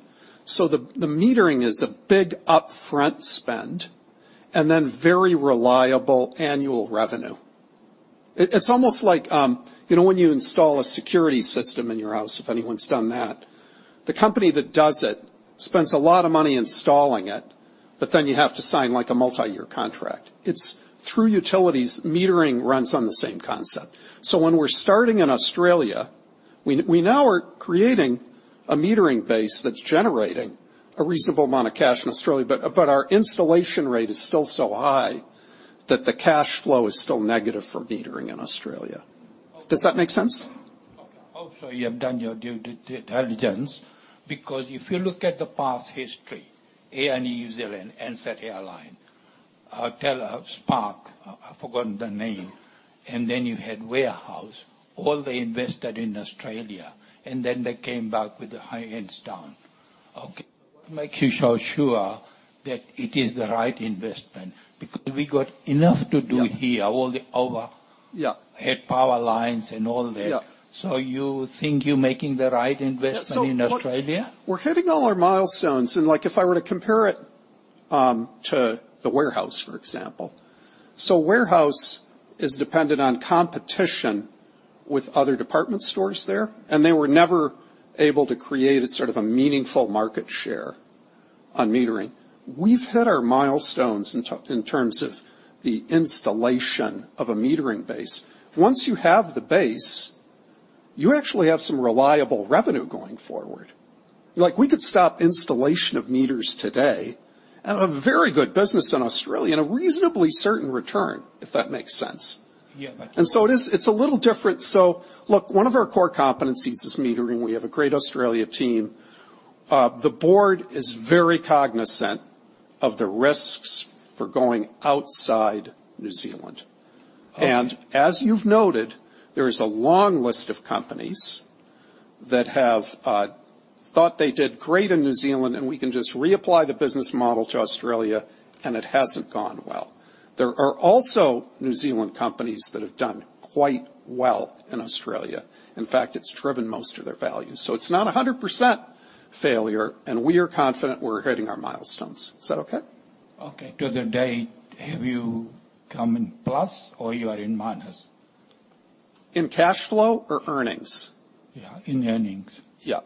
The metering is a big upfront spend and then very reliable annual revenue. It's almost like, you know, when you install a security system in your house, if anyone's done that. The company that does it spends a lot of money installing it, but then you have to sign like a multi-year contract. It's true, utilities metering runs on the same concept. When we're starting in Australia, we now are creating a metering base that's generating a reasonable amount of cash in Australia, but our installation rate is still so high that the cash flow is still negative for metering in Australia. Okay. Does that make sense? Also, you have done your due diligence because if you look at the past history, Air NZ and Ansett, Telstra, Spark, I've forgotten the name, and then you had The Warehouse, all they invested in Australia, and then they came back with their tails between their legs. What make you so sure that it is the right investment? Because we got enough to do here. Yeah. All the over- Yeah. Overhead power lines and all that. Yeah. You think you're making the right investment in Australia? Yeah. We're hitting all our milestones, and like, if I were to compare it to The Warehouse, for example. The Warehouse is dependent on competition with other department stores there, and they were never able to create a sort of a meaningful market share on metering. We've hit our milestones in terms of the installation of a metering base. Once you have the base, you actually have some reliable revenue going forward. Like, we could stop installation of meters today and have a very good business in Australia and a reasonably certain return, if that makes sense. Yeah. It is, it's a little different. Look, one of our core competencies is metering. We have a great Australian team. The board is very cognizant of the risks for going outside New Zealand. Okay. As you've noted, there is a long list of companies that have thought they did great in New Zealand and we can just reapply the business model to Australia, and it hasn't gone well. There are also New Zealand companies that have done quite well in Australia. In fact, it's driven most of their value. It's not 100% failure, and we are confident we're hitting our milestones. Is that okay? Okay. To date, have you come in plus or are you in minus? In cash flow or earnings? Yeah. In earnings. Yeah.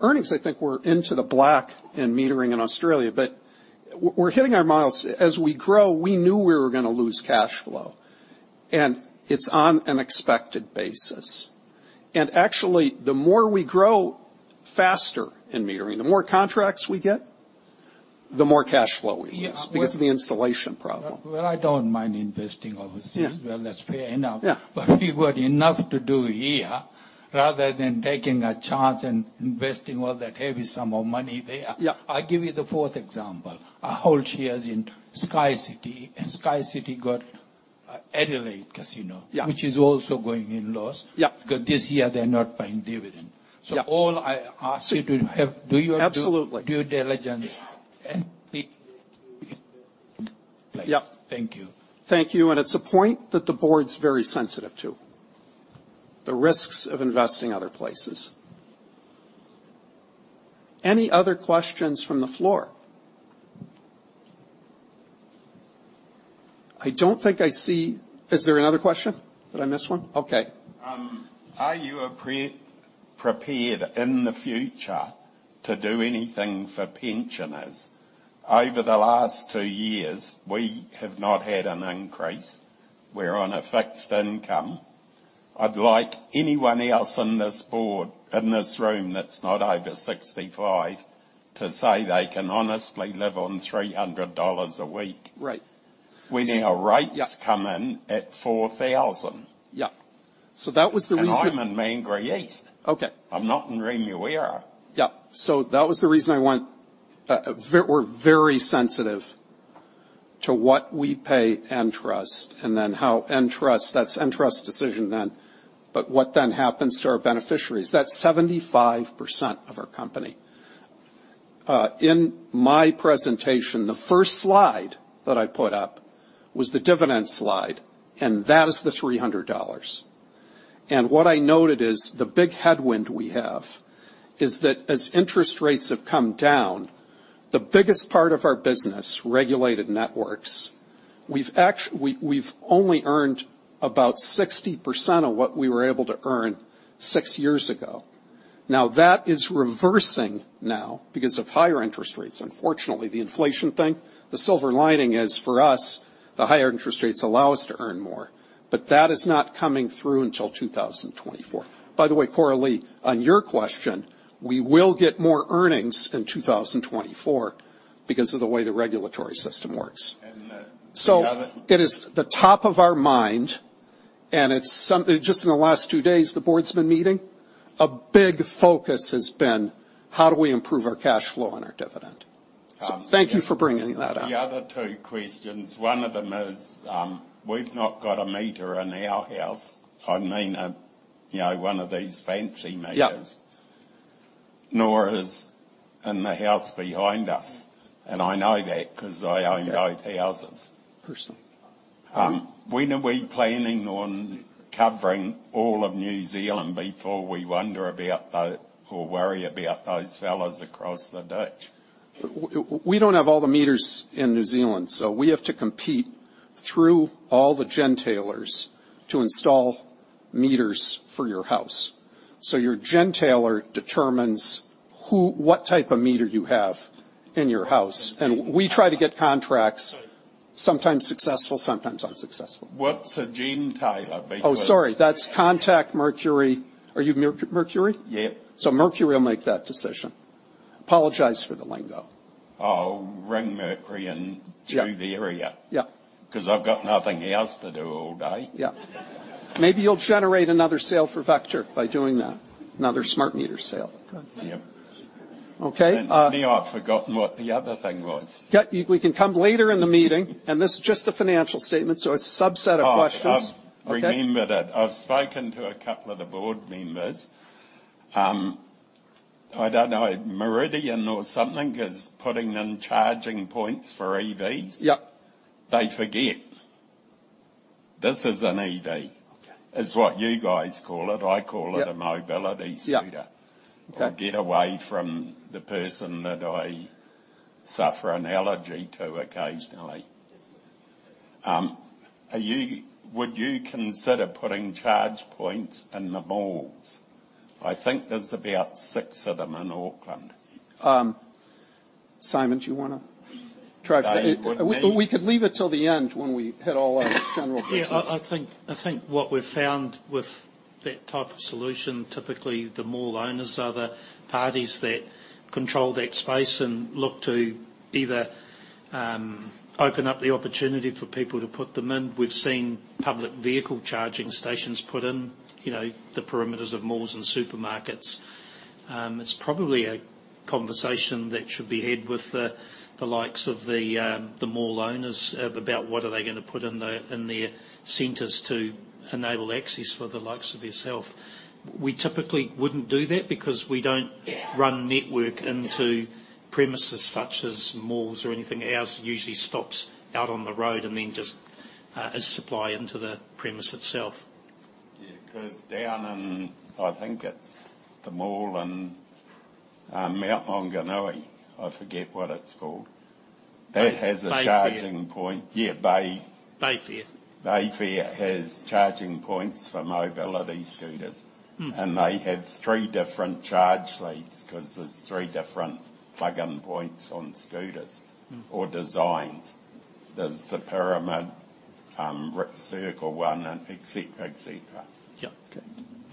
Earnings, I think we're in the black in metering in Australia, but we're hitting our milestones. As we grow, we knew we were gonna lose cash flow, and it's on an expected basis. Actually, the more we grow faster in metering, the more contracts we get, the more cash flow we lose. Yeah. Because of the installation problem. Well, well, I don't mind investing overseas. Yeah. Well, that's fair enough. Yeah. We got enough to do here, rather than taking a chance and investing all that heavy sum of money there. Yeah. I'll give you the fourth example. Ah Chee has in SkyCity. Adelaide Casino. Yeah which is also going into loss. Yeah. Because this year they're not paying dividend. Yeah. All I ask you to have. Absolutely. Do your due diligence and pick. Yeah. Thank you. Thank you. It's a point that the board's very sensitive to, the risks of investing other places. Any other questions from the floor? Is there another question? Did I miss one? Okay. Are you prepared in the future to do anything for pensioners? Over the last two years, we have not had an increase. We're on a fixed income. I'd like anyone else in this boardroom that's not over 65 to say they can honestly live on 300 dollars a week. Right. When our rates. Yeah. come in at 4,000. Yeah. That was the reason. I'm in Mangere East. Okay. I'm not in Remuera. Yeah. That was the reason. We're very sensitive to what we pay Entrust, and then how Entrust. That's Entrust's decision then. What then happens to our beneficiaries? That's 75% of our company. In my presentation, the first slide that I put up was the dividend slide, and that is the 300 dollars. What I noted is, the big headwind we have is that as interest rates have come down, the biggest part of our business, regulated networks, we've only earned about 60% of what we were able to earn six years ago. That is reversing now because of higher interest rates. Unfortunately, the inflation thing. The silver lining is, for us, the higher interest rates allow us to earn more. That is not coming through until 2024. By the way, van Camp, on your question, we will get more earnings in 2024 because of the way the regulatory system works. And the other- It is the top of our mind, and it's something. Just in the last two days, the board's been meeting. A big focus has been how do we improve our cash flow and our dividend? So- Thank you for bringing that up. The other two questions, one of them is, we've not got a meter in our house. I mean, you know, one of these fancy meters. Yeah. Nor is in the house behind us. I know that 'cause I own both houses. Personally. When are we planning on covering all of New Zealand before we wonder about those or worry about those fellows across the ditch? We don't have all the meters in New Zealand, so we have to compete through all the gentailers to install meters for your house. Your gentailer determines what type of meter you have in your house. We try to get contracts. Sometimes successful, sometimes unsuccessful. What's a gentailer? Because Oh, sorry. That's contact Mercury. Are you Mercury? Yeah. Mercury will make that decision. Apologize for the lingo. I'll ring Mercury. Yeah Do the area. Yeah. I've got nothing else to do all day. Yeah. Maybe you'll generate another sale for Vector by doing that. Another smart meter sale. Yeah. Okay. Now I've forgotten what the other thing was. Yeah, we can come later in the meeting. This is just the financial statement, so a subset of questions. Oh, I've- Okay... remembered it. I've spoken to a couple of the board members. I don't know, Meridian or something is putting in charging points for EVs. Yeah. They forget. This is an EV. Okay. It's what you guys call it. Yeah a mobility scooter. Yeah. Okay. To get away from the person that I suffer an allergy to occasionally. Would you consider putting charge points in the malls? I think there's about 6 of them in Auckland. Simon, do you wanna try? They or me. We could leave it till the end when we hit all our general business. Yeah. I think what we've found with that type of solution, typically the mall owners are the parties that control that space and look to either open up the opportunity for people to put them in. We've seen public vehicle charging stations put in, you know, the perimeters of malls and supermarkets. It's probably a conversation that should be had with the likes of the mall owners about what are they gonna put in their centers to enable access for the likes of yourself. We typically wouldn't do that because we don't run network into premises such as malls or anything. Ours usually stops out on the road and then just is supply into the premise itself. Yeah. 'Cause down in, I think it's the mall in, Mount Maunganui. I forget what it's called. Bay Fair. It has a charging point. Yeah, Bay Fair. Bay Fair has charging points for mobility scooters. Mm. They have three different charge leads 'cause there's three different plug-in points on scooters. Mm Or designs. There's the pyramid, circle one and etc.. Yeah.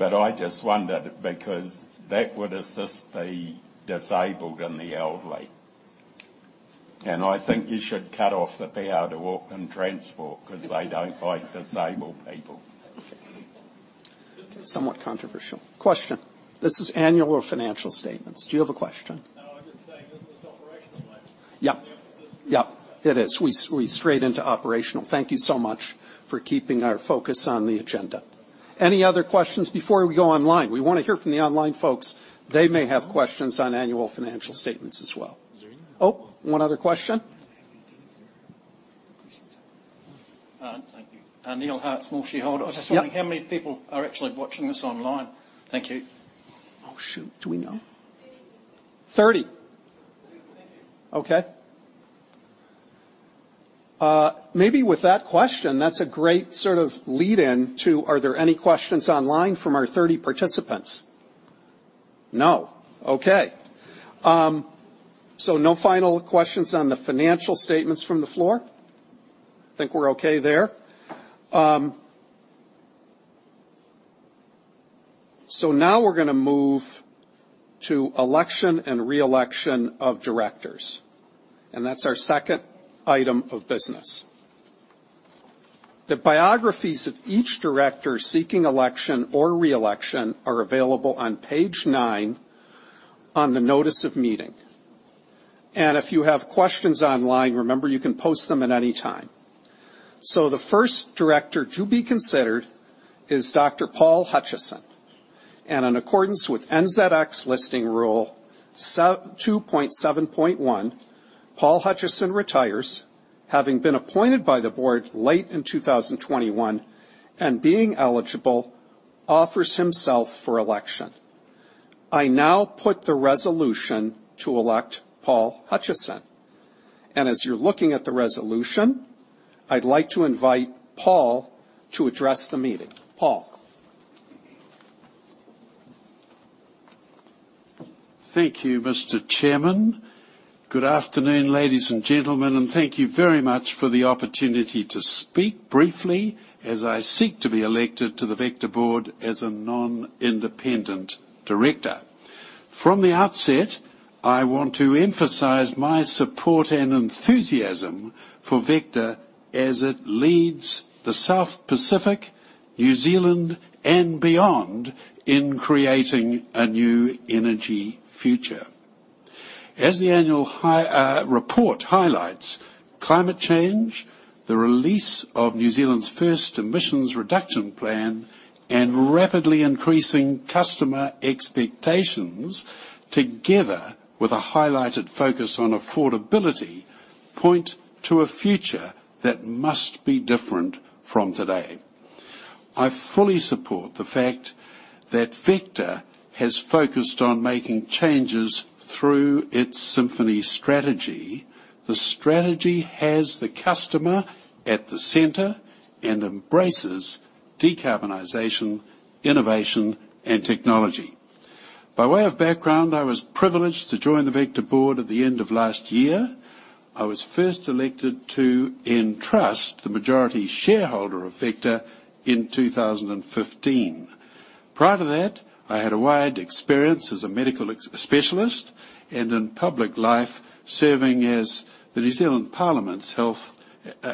Okay. I just wondered because that would assist the disabled and the elderly. I think you should cut off the power to Auckland Transport 'cause they don't like disabled people. Somewhat controversial. Question. This is annual financial statements. Do you have a question? Yep. It is. We strayed into operational. Thank you so much for keeping our focus on the agenda. Any other questions before we go online? We wanna hear from the online folks. They may have questions on annual financial statements as well. Oh, one other question. Thank you. Neil Hart, small shareholder. Yep. I was just wondering how many people are actually watching this online. Thank you. Oh, shoot. Do we know? Thirty. Thirty. Thank you. Okay. Maybe with that question, that's a great sort of lead in to, are there any questions online from our 30 participants? No. Okay. So no final questions on the financial statements from the floor? Think we're okay there. Now we're gonna move to election and re-election of Directors, and that's our second item of business. The biographies of each Director seeking election or re-election are available on page nine on the notice of meeting. If you have questions online, remember, you can post them at any time. The first Director to be considered is Dr. Paul Hutchison. In accordance with NZX Listing Rule 2.7.1, Paul Hutchison retires, having been appointed by the board late in 2021, and being eligible, offers himself for election. I now put the resolution to elect Paul Hutchison. As you're looking at the resolution, I'd like to invite Paul to address the meeting. Paul. Thank you, Mr Chairman. Good afternoon, ladies and gentlemen, and thank you very much for the opportunity to speak briefly as I seek to be elected to the Vector board as a non-independent Director. From the outset, I want to emphasize my support and enthusiasm for Vector as it leads the South Pacific, New Zealand, and beyond in creating a new energy future. As the annual report highlights, climate change, the release of New Zealand's first emissions reduction plan, and rapidly increasing customer expectations together with a highlighted focus on affordability, point to a future that must be different from today. I fully support the fact that Vector has focused on making changes through its Symphony strategy. The strategy has the customer at the center and embraces decarbonization, innovation, and technology. By way of background, I was privileged to join the Vector board at the end of last year. I was first elected to Entrust, the majority shareholder of Vector, in 2015. Prior to that, I had a wide experience as a medical specialist and in public life, serving as the New Zealand Parliament's Health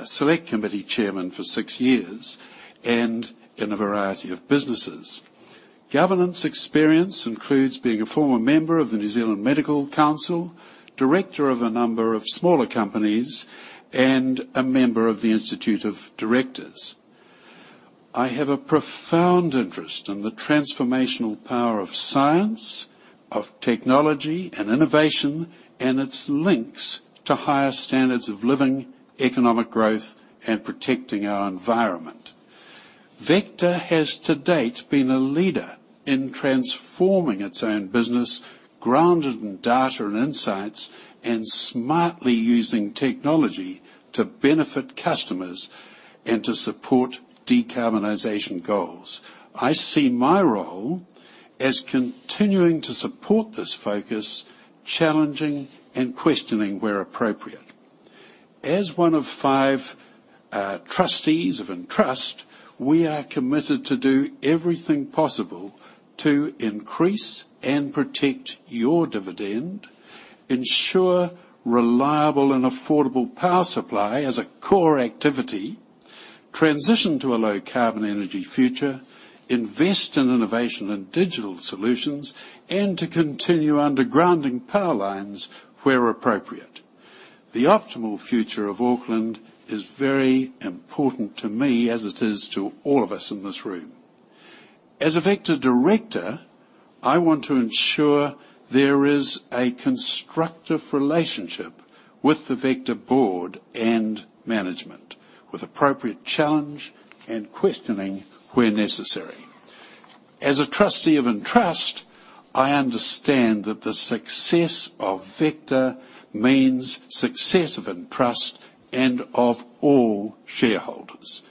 Select Committee chairman for six years and in a variety of businesses. Governance experience includes being a former member of the New Zealand Medical Council, Director of a number of smaller companies, and a member of the Institute of Directors. I have a profound interest in the transformational power of science, of technology and innovation, and its links to higher standards of living, economic growth, and protecting our environment. Vector has to date been a leader in transforming its own business, grounded in data and insights, and smartly using technology to benefit customers and to support decarbonization goals. I see my role as continuing to support this focus, challenging and questioning where appropriate. As one of five trustees of Entrust, we are committed to do everything possible to increase and protect your dividend, ensure reliable and affordable power supply as a core activity, transition to a low-carbon energy future, invest in innovation and digital solutions, and to continue undergrounding power lines where appropriate. The optimal future of Auckland is very important to me, as it is to all of us in this room. As a Vector Director, I want to ensure there is a constructive relationship with the Vector board and management, with appropriate challenge and questioning where necessary. As a trustee of Entrust, I understand that the success of Vector means success of Entrust and of all shareholders.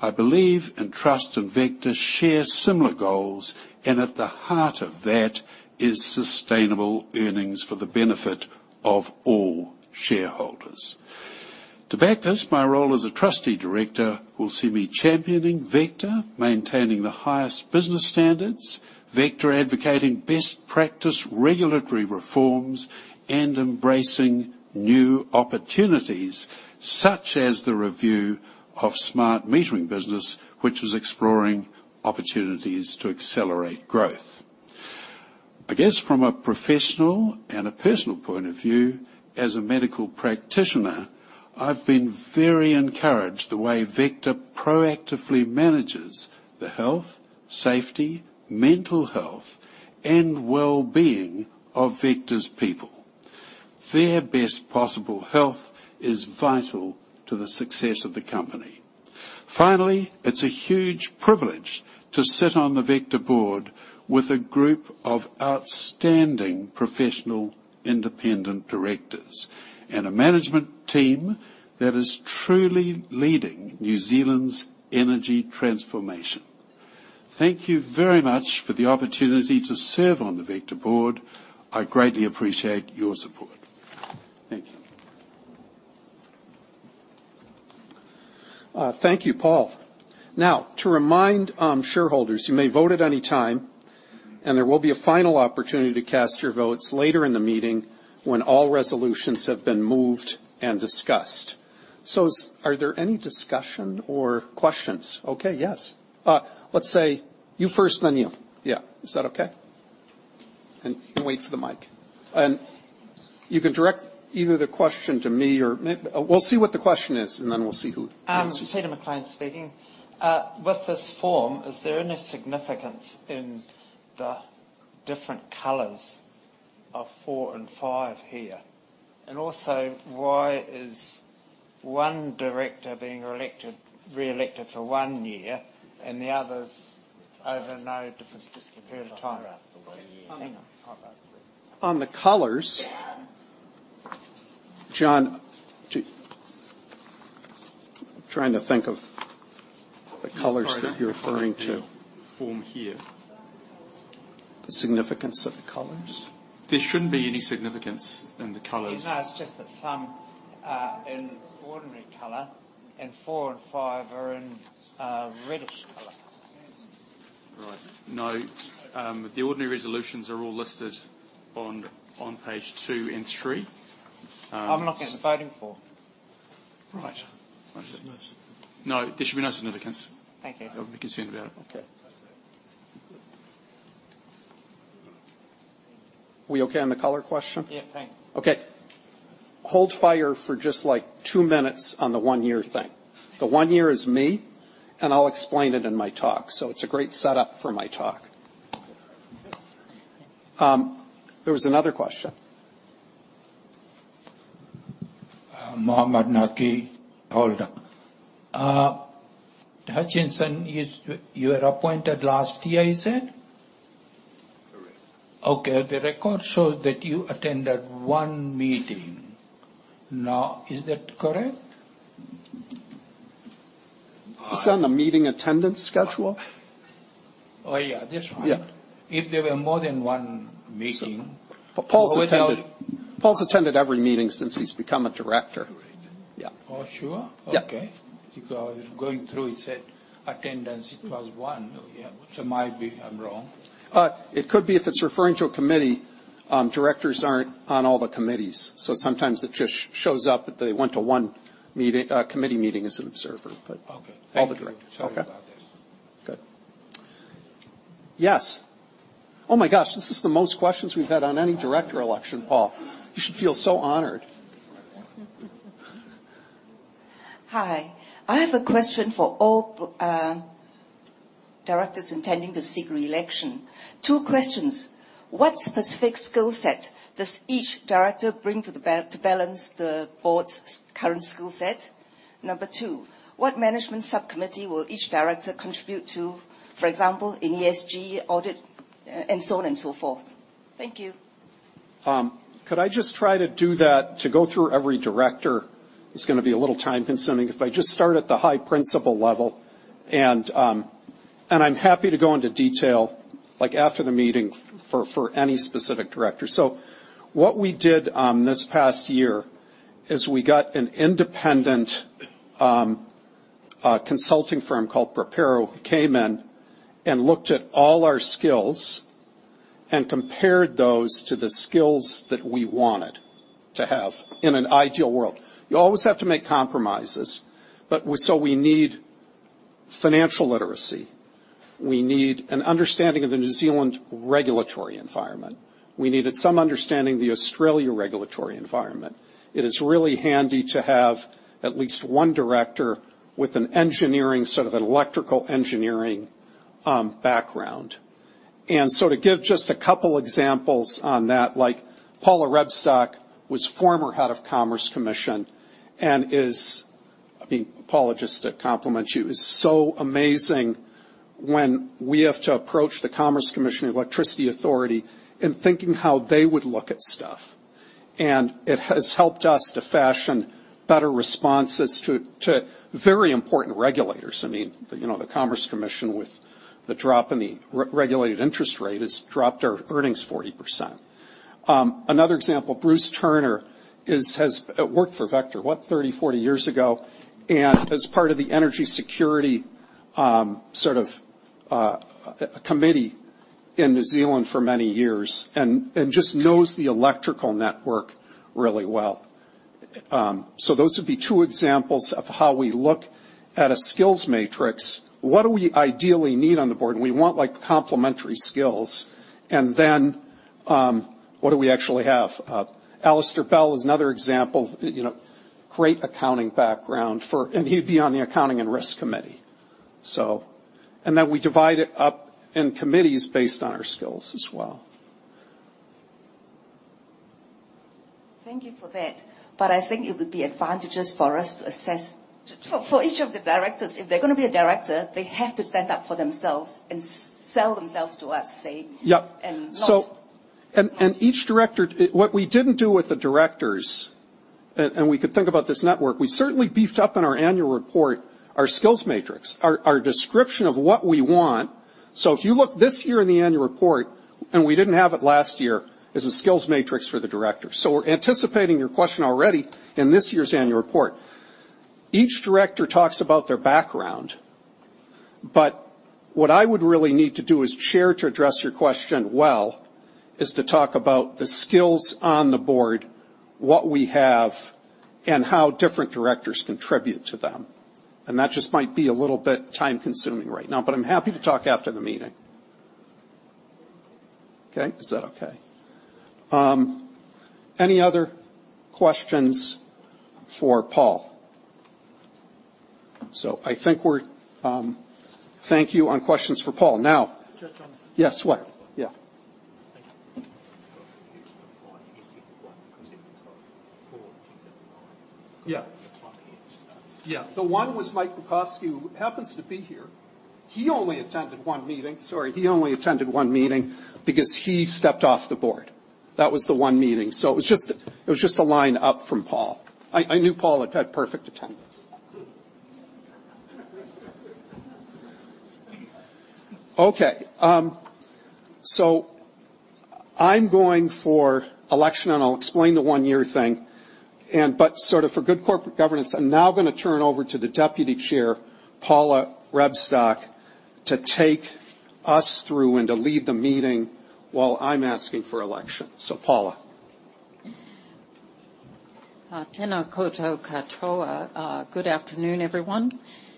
I believe Entrust and Vector share similar goals, and at the heart of that is sustainable earnings for the benefit of all shareholders. To back this, my role as a trustee Director will see me championing Vector, maintaining the highest business standards, advocating best practice regulatory reforms, and embracing new opportunities, such as the review of smart metering business, which is exploring opportunities to accelerate growth. I guess from a professional and a personal point of view, as a medical practitioner, I've been very encouraged the way Vector proactively manages the health, safety, mental health, and well-being of Vector's people. Their best possible health is vital to the success of the company. Finally, it's a huge privilege to sit on the Vector board with a group of outstanding professional independent Directors and a management team that is truly leading New Zealand's energy transformation. Thank you very much for the opportunity to serve on the Vector board. I greatly appreciate your support. Thank you. Thank you, Paul. Now, to remind shareholders, you may vote at any time, and there will be a final opportunity to cast your votes later in the meeting when all resolutions have been moved and discussed. Are there any discussion or questions? Okay, yes. Let's say you first, then you. Yeah. Is that okay? You can wait for the mic. You can direct either the question to me or we'll see what the question is, and then we'll see who answers. Peter McLean speaking. With this form, is there any significance in the different colors of four and five here? Why is one Director being reelected for one year and the others over no different period of time? On the colors. John, I'm trying to think of the colors that you're referring to. From here. The significance of the colors. There shouldn't be any significance in the colors. No, it's just that some are in ordinary color, and four and five are in a reddish color. Right. No. The ordinary resolutions are all listed on page two and three. I'm looking at the voting form. Right. I see. No, there should be no significance. Thank you. Don't be concerned about it. Okay. We okay on the color question? Yeah. Thanks. Okay. Hold fire for just, like, two minutess on the 1-year thing. The 1 year is me, and I'll explain it in my talk. It's a great setup for my talk. There was another question. Mohammed Naqi, shareholder. Hutchison, you were appointed last year you said? Correct. Okay. The record shows that you attended one meeting. Now, is that correct? Is that a meeting attendance schedule? Oh, yeah, that's right. Yeah. If there were more than one meeting. Paul's attended. How many- Paul's attended every meeting since he's become a Director. Director. Yeah. Are you sure? Yeah. Okay. Because going through, it said attendance it was one. Yeah. Might be I'm wrong. It could be if it's referring to a committee. Directors aren't on all the committees, so sometimes it just shows up that they went to one committee meeting as an observer, but. Okay. Thank you. All the Directors. Okay. Sorry about this. Good. Yes. Oh my gosh, this is the most questions we've had on any Director election, Paul. You should feel so honored. Hi. I have a question for all Directors intending to seek reelection. Two questions. What specific skill set does each Director bring to balance the board's current skill set? Number two, what management subcommittee will each Director contribute to? For example, in ESG audit and so on and so forth. Thank you. Could I just try to do that? To go through every Director is gonna be a little time-consuming. If I just start at the high-level, and I'm happy to go into detail, like, after the meeting for any specific Director. What we did, this past year, is we got an independent consulting firm called Propero, who came in and looked at all our skills and compared those to the skills that we wanted to have in an ideal world. You always have to make compromises, but we need financial literacy. We need an understanding of the New Zealand regulatory environment. We needed some understanding of the Australia regulatory environment. It is really handy to have at least one Director with an engineering, sort of an electrical engineering, background. To give just a couple examples on that, like Paula Rebstock was former head of Commerce Commission and is, I mean, Paula just to compliment you, is so amazing when we have to approach the Commerce Commission and Electricity Authority in thinking how they would look at stuff. It has helped us to fashion better responses to very important regulators. I mean, you know, the Commerce Commission with the drop in the re-regulated interest rate has dropped our earnings 40%. Another example, Bruce Turner has worked for Vector, what, 30, 40 years ago, and as part of the energy security sort of a committee in New Zealand for many years and just knows the electrical network really well. Those would be two examples of how we look at a skills matrix. What do we ideally need on the board? We want like complementary skills. What do we actually have? Alastair Bell is another example. You know, great accounting background. He'd be on the accounting and risk committee. We divide it up in committees based on our skills as well. Thank you for that. I think it would be advantageous for us to assess. For each of the Directors, if they're gonna be a Director, they have to stand up for themselves and sell themselves to us, say. Yep... and not- What we didn't do with the Directors, we could think about this network, we certainly beefed up in our annual report, our skills matrix. Our description of what we want. If you look this year in the annual report, we didn't have it last year. Is a skills matrix for the Directors. We're anticipating your question already in this year's annual report. Each Director talks about their background. What I would really need to do as chair to address your question well is to talk about the skills on the board, what we have, and how different Directors contribute to them. That just might be a little bit time-consuming right now. I'm happy to talk after the meeting. Okay? Is that okay? Any other questions for Paul? I think we're. Thank you for questions for Paul. Now. Chair John. Yes. What? Yeah. Thank you. Yeah. Yeah. The one was Mike Buczkowski, who happens to be here. He only attended one meeting because he stepped off the board. That was the one meeting. It was just a line up from Paul. I knew Paul had had perfect attendance. Okay. I'm going for election, and I'll explain the one-year thing. Sort of for good corporate governance, I'm now gonna turn over to the deputy chair, Paula Rebstock, to take us through and to lead the meeting while I'm asking for election. Paula. Tena koutou katoa. Good afternoon, everyone.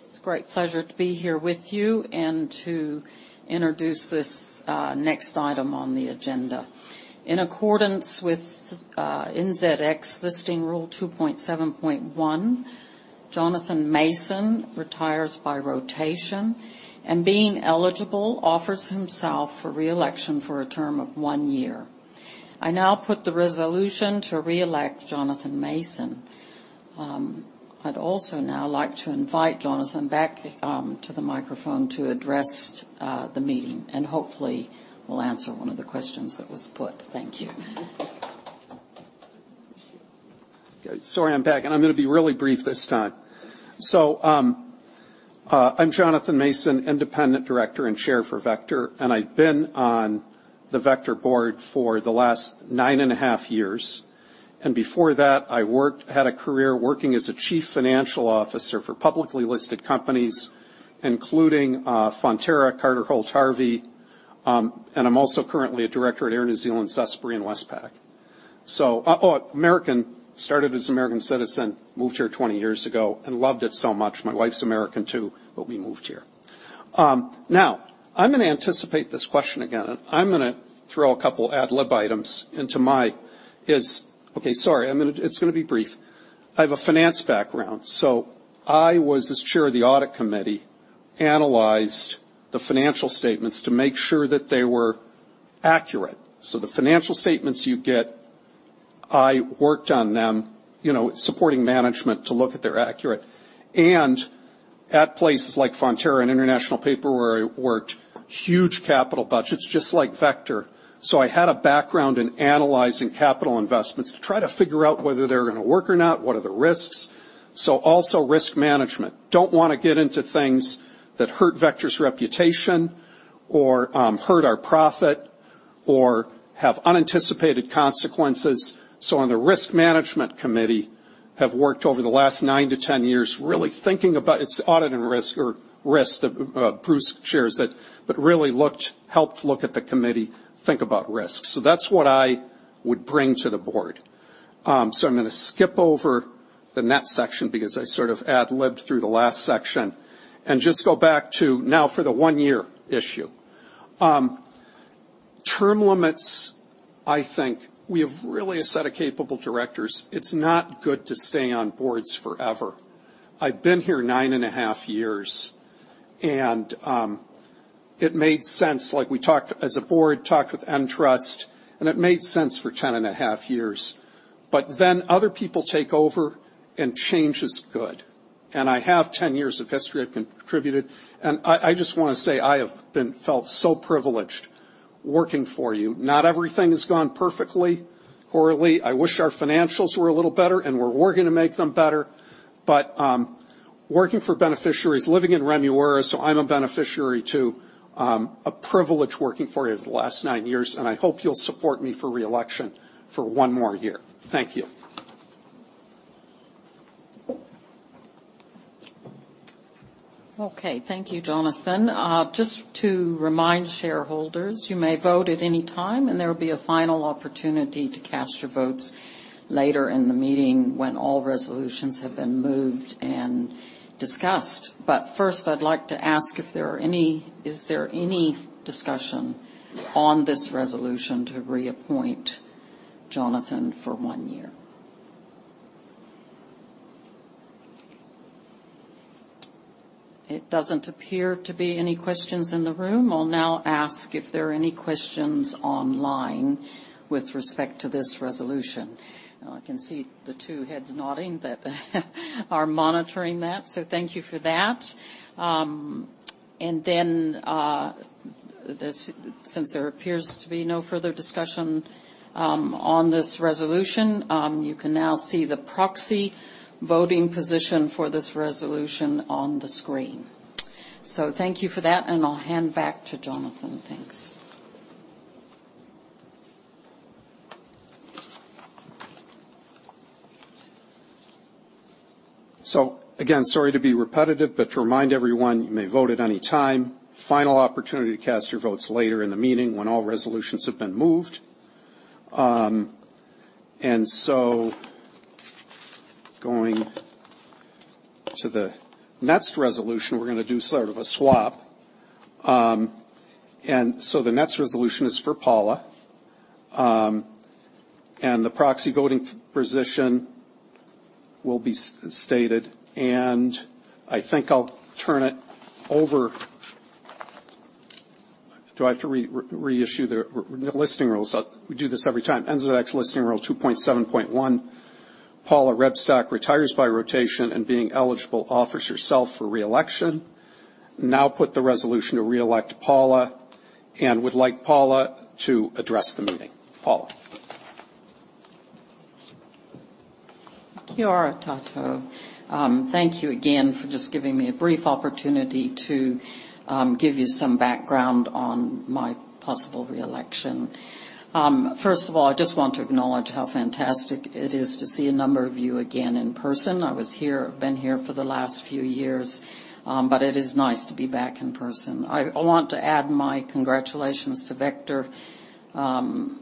It's a great pleasure to be here with you and to introduce this next item on the agenda. In accordance with NZX Listing Rule 2.7.1, Jonathan Mason retires by rotation, and being eligible, offers himself for re-election for a term of one year. I now put the resolution to re-elect Jonathan Mason. I'd also now like to invite Jonathan back to the microphone to address the meeting, and hopefully will answer one of the questions that was put. Thank you. Sorry, I'm back, and I'm gonna be really brief this time. I'm Jonathan Mason, Independent Director and Chair for Vector, and I've been on the Vector board for the last 9.5 years. Before that, I had a career working as a chief financial officer for publicly listed companies, including Fonterra, Carter Holt Harvey. I'm also currently a Director at Air New Zealand, Xero and Westpac. Oh, American. I started as an American citizen, moved here 20 years ago and loved it so much. My wife's American too, but we moved here. Now, I'm gonna anticipate this question again. Okay, sorry, it's gonna be brief. I have a finance background, so I was, as chair of the audit committee, analyzed the financial statements to make sure that they were accurate. The financial statements you get, I worked on them, you know, supporting management to look if they're accurate. At places like Fonterra and International Paper where I worked, huge capital budgets, just like Vector. I had a background in analyzing capital investments to try to figure out whether they're gonna work or not, what are the risks. Also risk management. Don't wanna get into things that hurt Vector's reputation or, hurt our profit or have unanticipated consequences. On the risk management committee, have worked over the last 9-10 years really thinking about. It's audit and risk or risk, Bruce shares it. Really looked, helped look at the committee, think about risks. That's what I would bring to the board. I'm gonna skip over the next section because I sort of ad-libbed through the last section and just go back to now for the one-year issue. Term limits, I think we have really a set of capable Directors. It's not good to stay on boards forever. I've been here 9.5 years, and it made sense. Like, we talked as a board, talked with Entrust, and it made sense for 10.5 years. Then other people take over, and change is good. I have 10 years of history I've contributed. I just wanna say, I have felt so privileged working for you. Not everything has gone perfectly, horribly. I wish our financials were a little better, and we're working to make them better. working for beneficiaries, living in Remuera, so I'm a beneficiary too. A privilege working for you the last nine years, and I hope you'll support me for re-election for one more year. Thank you. Okay. Thank you, Jonathan. Just to remind shareholders, you may vote at any time, and there will be a final opportunity to cast your votes later in the meeting when all resolutions have been moved and discussed. First, I'd like to ask, is there any discussion on this resolution to reappoint Jonathan for one year? It doesn't appear to be any questions in the room. I'll now ask if there are any questions online with respect to this resolution. Now I can see the two heads nodding that are monitoring that, so thank you for that. And then, since there appears to be no further discussion on this resolution, you can now see the proxy voting position for this resolution on the screen. Thank you for that, and I'll hand back to Jonathan. Thanks. Again, sorry to be repetitive, but to remind everyone, you may vote at any time. Final opportunity to cast your votes later in the meeting when all resolutions have been moved. Going to the next resolution, we're gonna do sort of a swap. The next resolution is for Paula. The proxy voting position will be stated, and I think I'll turn it over. Do I have to reissue the listing rules? We do this every time. NZX Listing Rule 2.7.1. Paula Rebstock retires by rotation and being eligible, offers herself for re-election. Now put the resolution to re-elect Paula and would like Paula to address the meeting. Paula. Kia ora koutou. Thank you again for just giving me a brief opportunity to give you some background on my possible re-election. First of all, I just want to acknowledge how fantastic it is to see a number of you again in person. I've been here for the last few years, but it is nice to be back in person. I want to add my congratulations to Vector in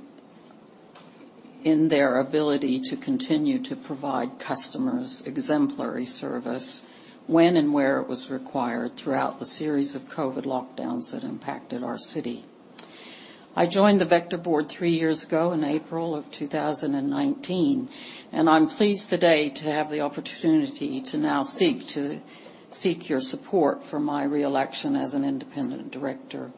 their ability to continue to provide customers exemplary service when and where it was required throughout the series of COVID lockdowns that impacted our city. I joined the Vector board three years ago in April of 2019, and I'm pleased today to have the opportunity to now seek your support for my re-election as an independent Director.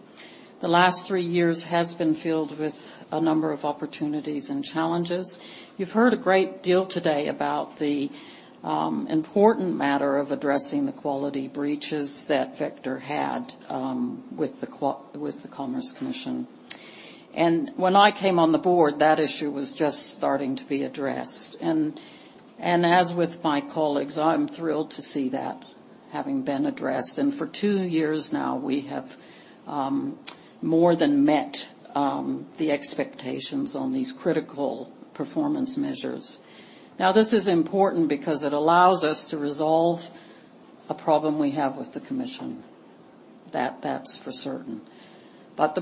The last three years has been filled with a number of opportunities and challenges. You've heard a great deal today about the important matter of addressing the quality breaches that Vector had with the Commerce Commission. When I came on the board, that issue was just starting to be addressed. As with my colleagues, I'm thrilled to see that having been addressed. For two years now we have more than met the expectations on these critical performance measures. Now, this is important because it allows us to resolve a problem we have with the commission. That's for certain. What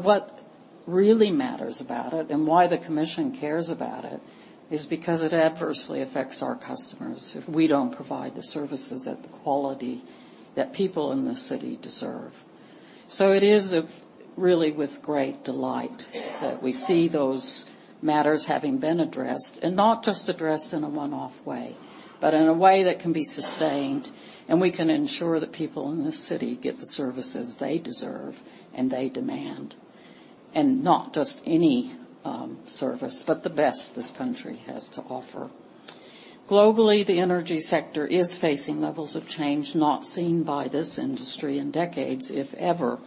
really matters about it and why the commission cares about it is because it adversely affects our customers if we don't provide the services at the quality that people in the city deserve. It is really with great delight that we see those matters having been addressed, and not just addressed in a one-off way, but in a way that can be sustained, and we can ensure that people in the city get the services they deserve and they demand, and not just any, service, but the best this country has to offer. Globally, the energy sector is facing levels of change not seen by this industry in decades, if ever.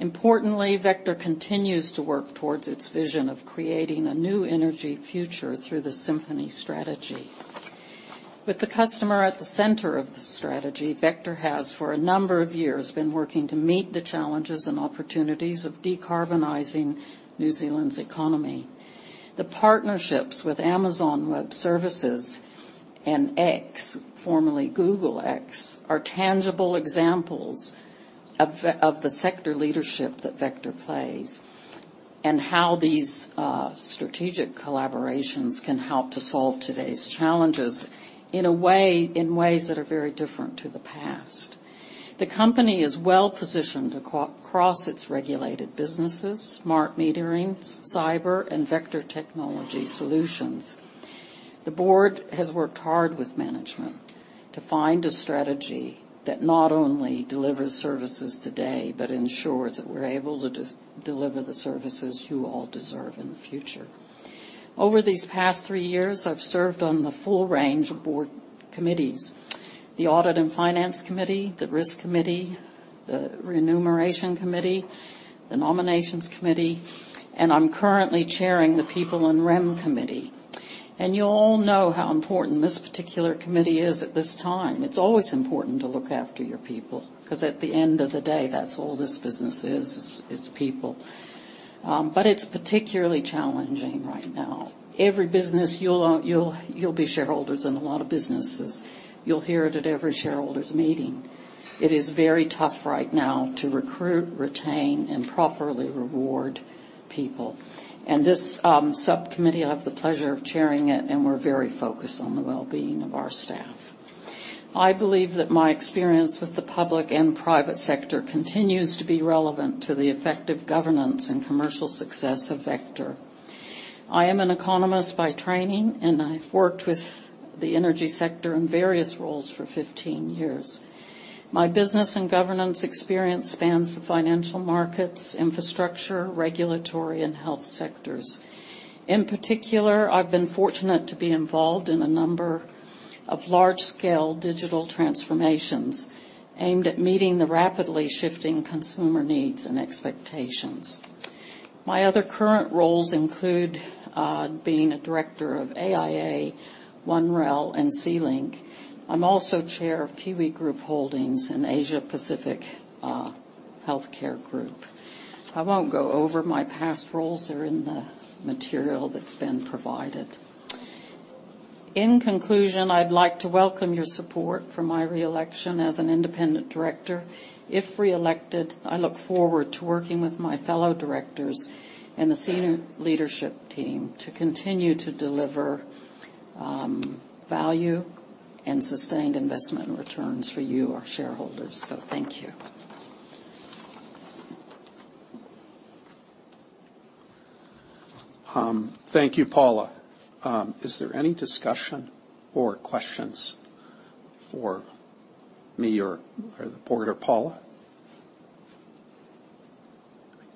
Importantly, Vector continues to work towards its vision of creating a new energy future through the Symphony Strategy. With the customer at the center of the strategy, Vector has, for a number of years, been working to meet the challenges and opportunities of decarbonizing New Zealand's economy. The partnerships with Amazon Web Services and X, formerly Google X, are tangible examples of the sector leadership that Vector plays and how these strategic collaborations can help to solve today's challenges in ways that are very different to the past. The company is well-positioned across its regulated businesses, smart metering, cyber, and Vector Technology Solutions. The board has worked hard with management to find a strategy that not only delivers services today but ensures that we're able to deliver the services you all deserve in the future. Over these past three years, I've served on the full range of board committees, the Audit and Finance Committee, the Risk Committee, the Remuneration Committee, the Nominations Committee, and I'm currently chairing the People and Remuneration Committee. You all know how important this particular committee is at this time. It's always important to look after your people 'cause at the end of the day, that's all this business is, people. It's particularly challenging right now. Every business you'll own, you'll be shareholders in a lot of businesses. You'll hear it at every shareholders meeting. It is very tough right now to recruit, retain, and properly reward people. This subcommittee, I have the pleasure of chairing it, and we're very focused on the well-being of our staff. I believe that my experience with the public and private sector continues to be relevant to the effective governance and commercial success of Vector. I am an economist by training, and I've worked with the energy sector in various roles for 15 years. My business and governance experience spans the financial markets, infrastructure, regulatory, and health sectors. In particular, I've been fortunate to be involved in a number of large-scale digital transformations aimed at meeting the rapidly shifting consumer needs and expectations. My other current roles include being a Director of AIA, One Rail Australia, and CityLink. I'm also Chair of Kiwi Group Holdings, an Asia-Pacific healthcare group. I won't go over my past roles. They're in the material that's been provided. In conclusion, I'd like to welcome your support for my re-election as an independent Director. If re-elected, I look forward to working with my fellow Directors and the senior leadership team to continue to deliver value and sustained investment returns for you, our shareholders. Thank you. Thank you, Paula. Is there any discussion or questions for me or the board or Paula?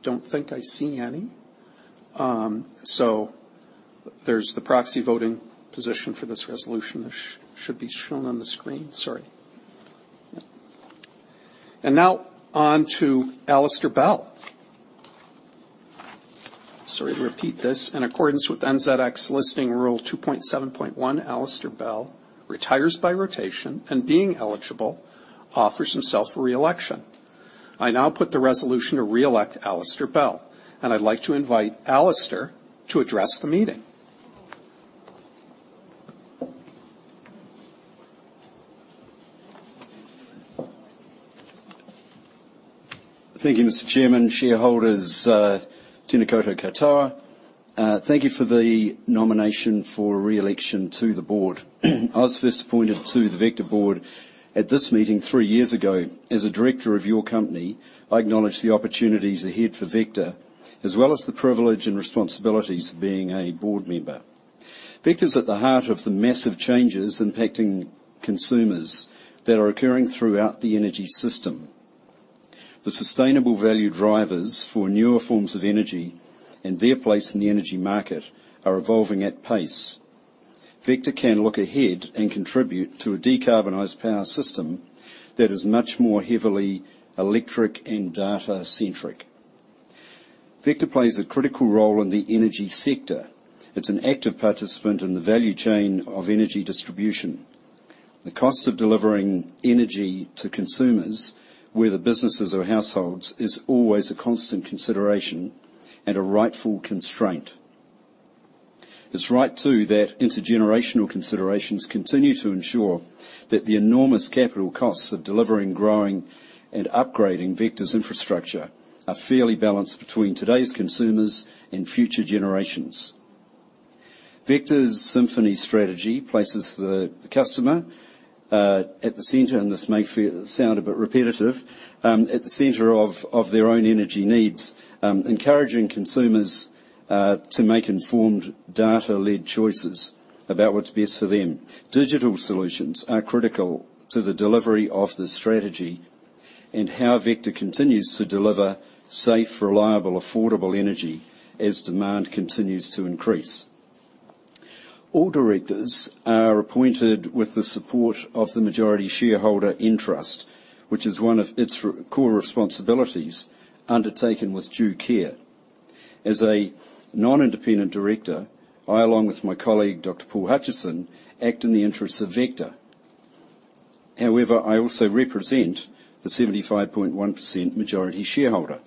Don't think I see any. So there's the proxy voting position for this resolution that should be shown on the screen. Sorry. Now on to Alastair Bell. Sorry to repeat this. In accordance with NZX Listing Rule 2.7.1, Alastair Bell retires by rotation, and being eligible, offers himself for re-election. I now put the resolution to re-elect Alastair Bell, and I'd like to invite Alastair to address the meeting. Thank you, Mr. Chairman, shareholders, tena koutou katoa. Thank you for the nomination for re-election to the board. I was first appointed to the Vector board at this meeting three years ago. As a Director of your company, I acknowledge the opportunities ahead for Vector, as well as the privilege and responsibilities of being a board member. Vector's at the heart of the massive changes impacting consumers that are occurring throughout the energy system. The sustainable value drivers for newer forms of energy and their place in the energy market are evolving at pace. Vector can look ahead and contribute to a decarbonized power system that is much more heavily electric and data centric. Vector plays a critical role in the energy sector. It's an active participant in the value chain of energy distribution. The cost of delivering energy to consumers, whether businesses or households, is always a constant consideration and a rightful constraint. It's right too that intergenerational considerations continue to ensure that the enormous capital costs of delivering, growing, and upgrading Vector's infrastructure are fairly balanced between today's consumers and future generations. Vector's Symphony strategy places the customer at the center, and this may sound a bit repetitive at the center of their own energy needs, encouraging consumers to make informed data-led choices about what's best for them. Digital solutions are critical to the delivery of this strategy and how Vector continues to deliver safe, reliable, affordable energy as demand continues to increase. All Directors are appointed with the support of the majority shareholder interest, which is one of its core responsibilities undertaken with due care. As a non-independent Director, I, along with my colleague, Dr. Paul Hutchison, act in the interests of Vector. However, I also represent the 75.1% majority shareholder.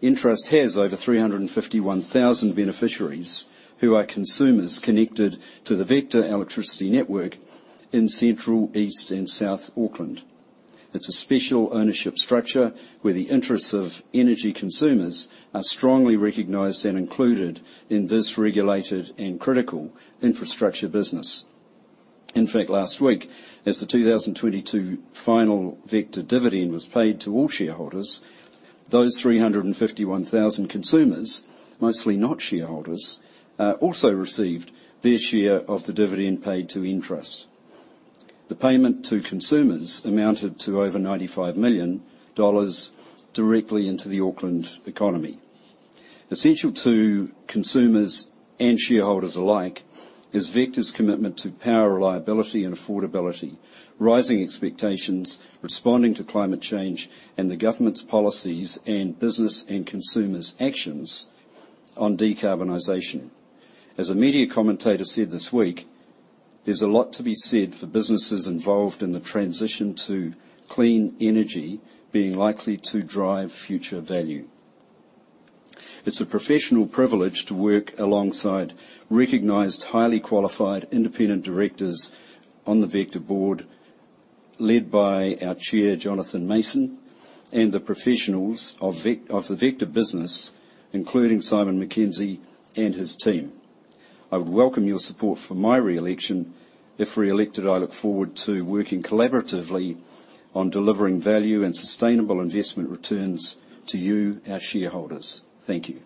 Entrust has over 351,000 beneficiaries who are consumers connected to the Vector Electricity Network in Central, East, and South Auckland. It's a special ownership structure where the interests of energy consumers are strongly recognized and included in this regulated and critical infrastructure business. In fact, last week, as the 2022 final Vector dividend was paid to all shareholders, those 351,000 consumers, mostly not shareholders, also received their share of the dividend paid to Entrust. The payment to consumers amounted to over 95 million dollars directly into the Auckland economy. Essential to consumers and shareholders alike is Vector's commitment to power reliability and affordability, rising expectations, responding to climate change, and the government's policies and business and consumers' actions on decarbonization. As a media commentator said this week. There's a lot to be said for businesses involved in the transition to clean energy being likely to drive future value. It's a professional privilege to work alongside recognized, highly qualified independent Directors on the Vector board, led by our Chair, Jonathan Mason, and the professionals of the Vector business, including Simon Mackenzie and his team. I would welcome your support for my re-election. If reelected, I look forward to working collaboratively on delivering value and sustainable investment returns to you, our shareholders. Thank you.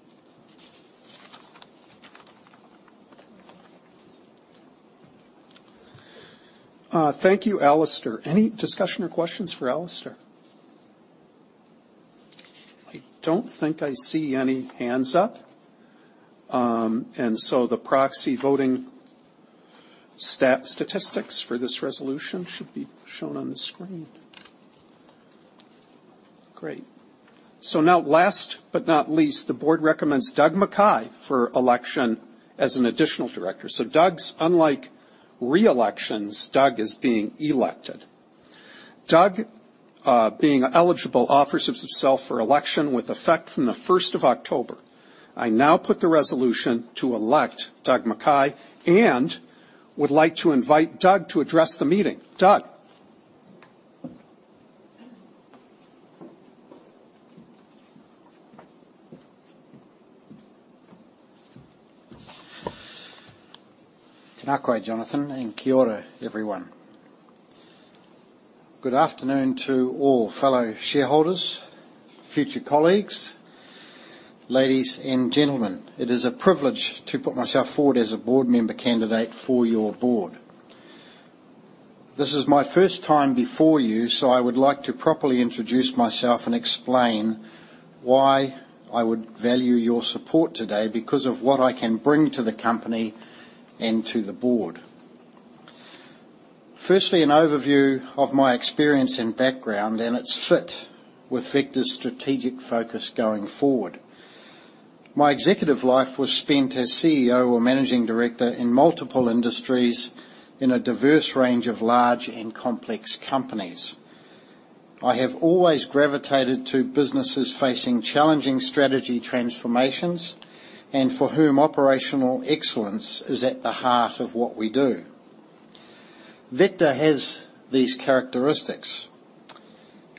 Thank you, Alastair. Any discussion or questions for Alastair? I don't think I see any hands up. The proxy voting statistics for this resolution should be shown on the screen. Great. Now last but not least, the board recommends Doug McKay for election as an additional Director. Doug's unlike reelections, Doug is being elected. Doug, being eligible, offers himself for election with effect from the first of October. I now put the resolution to elect Doug McKay and would like to invite Doug to address the meeting. Doug. Tēnā koe Jonathan, and Kia ora, everyone. Good afternoon to all fellow shareholders, future colleagues, ladies and gentlemen. It is a privilege to put myself forward as a board member candidate for your board. This is my first time before you, so I would like to properly introduce myself and explain why I would value your support today because of what I can bring to the company and to the board. Firstly, an overview of my experience and background, and its fit with Vector's strategic focus going forward. My executive life was spent as CEO or managing Director in multiple industries in a diverse range of large and complex companies. I have always gravitated to businesses facing challenging strategy transformations and for whom operational excellence is at the heart of what we do. Vector has these characteristics.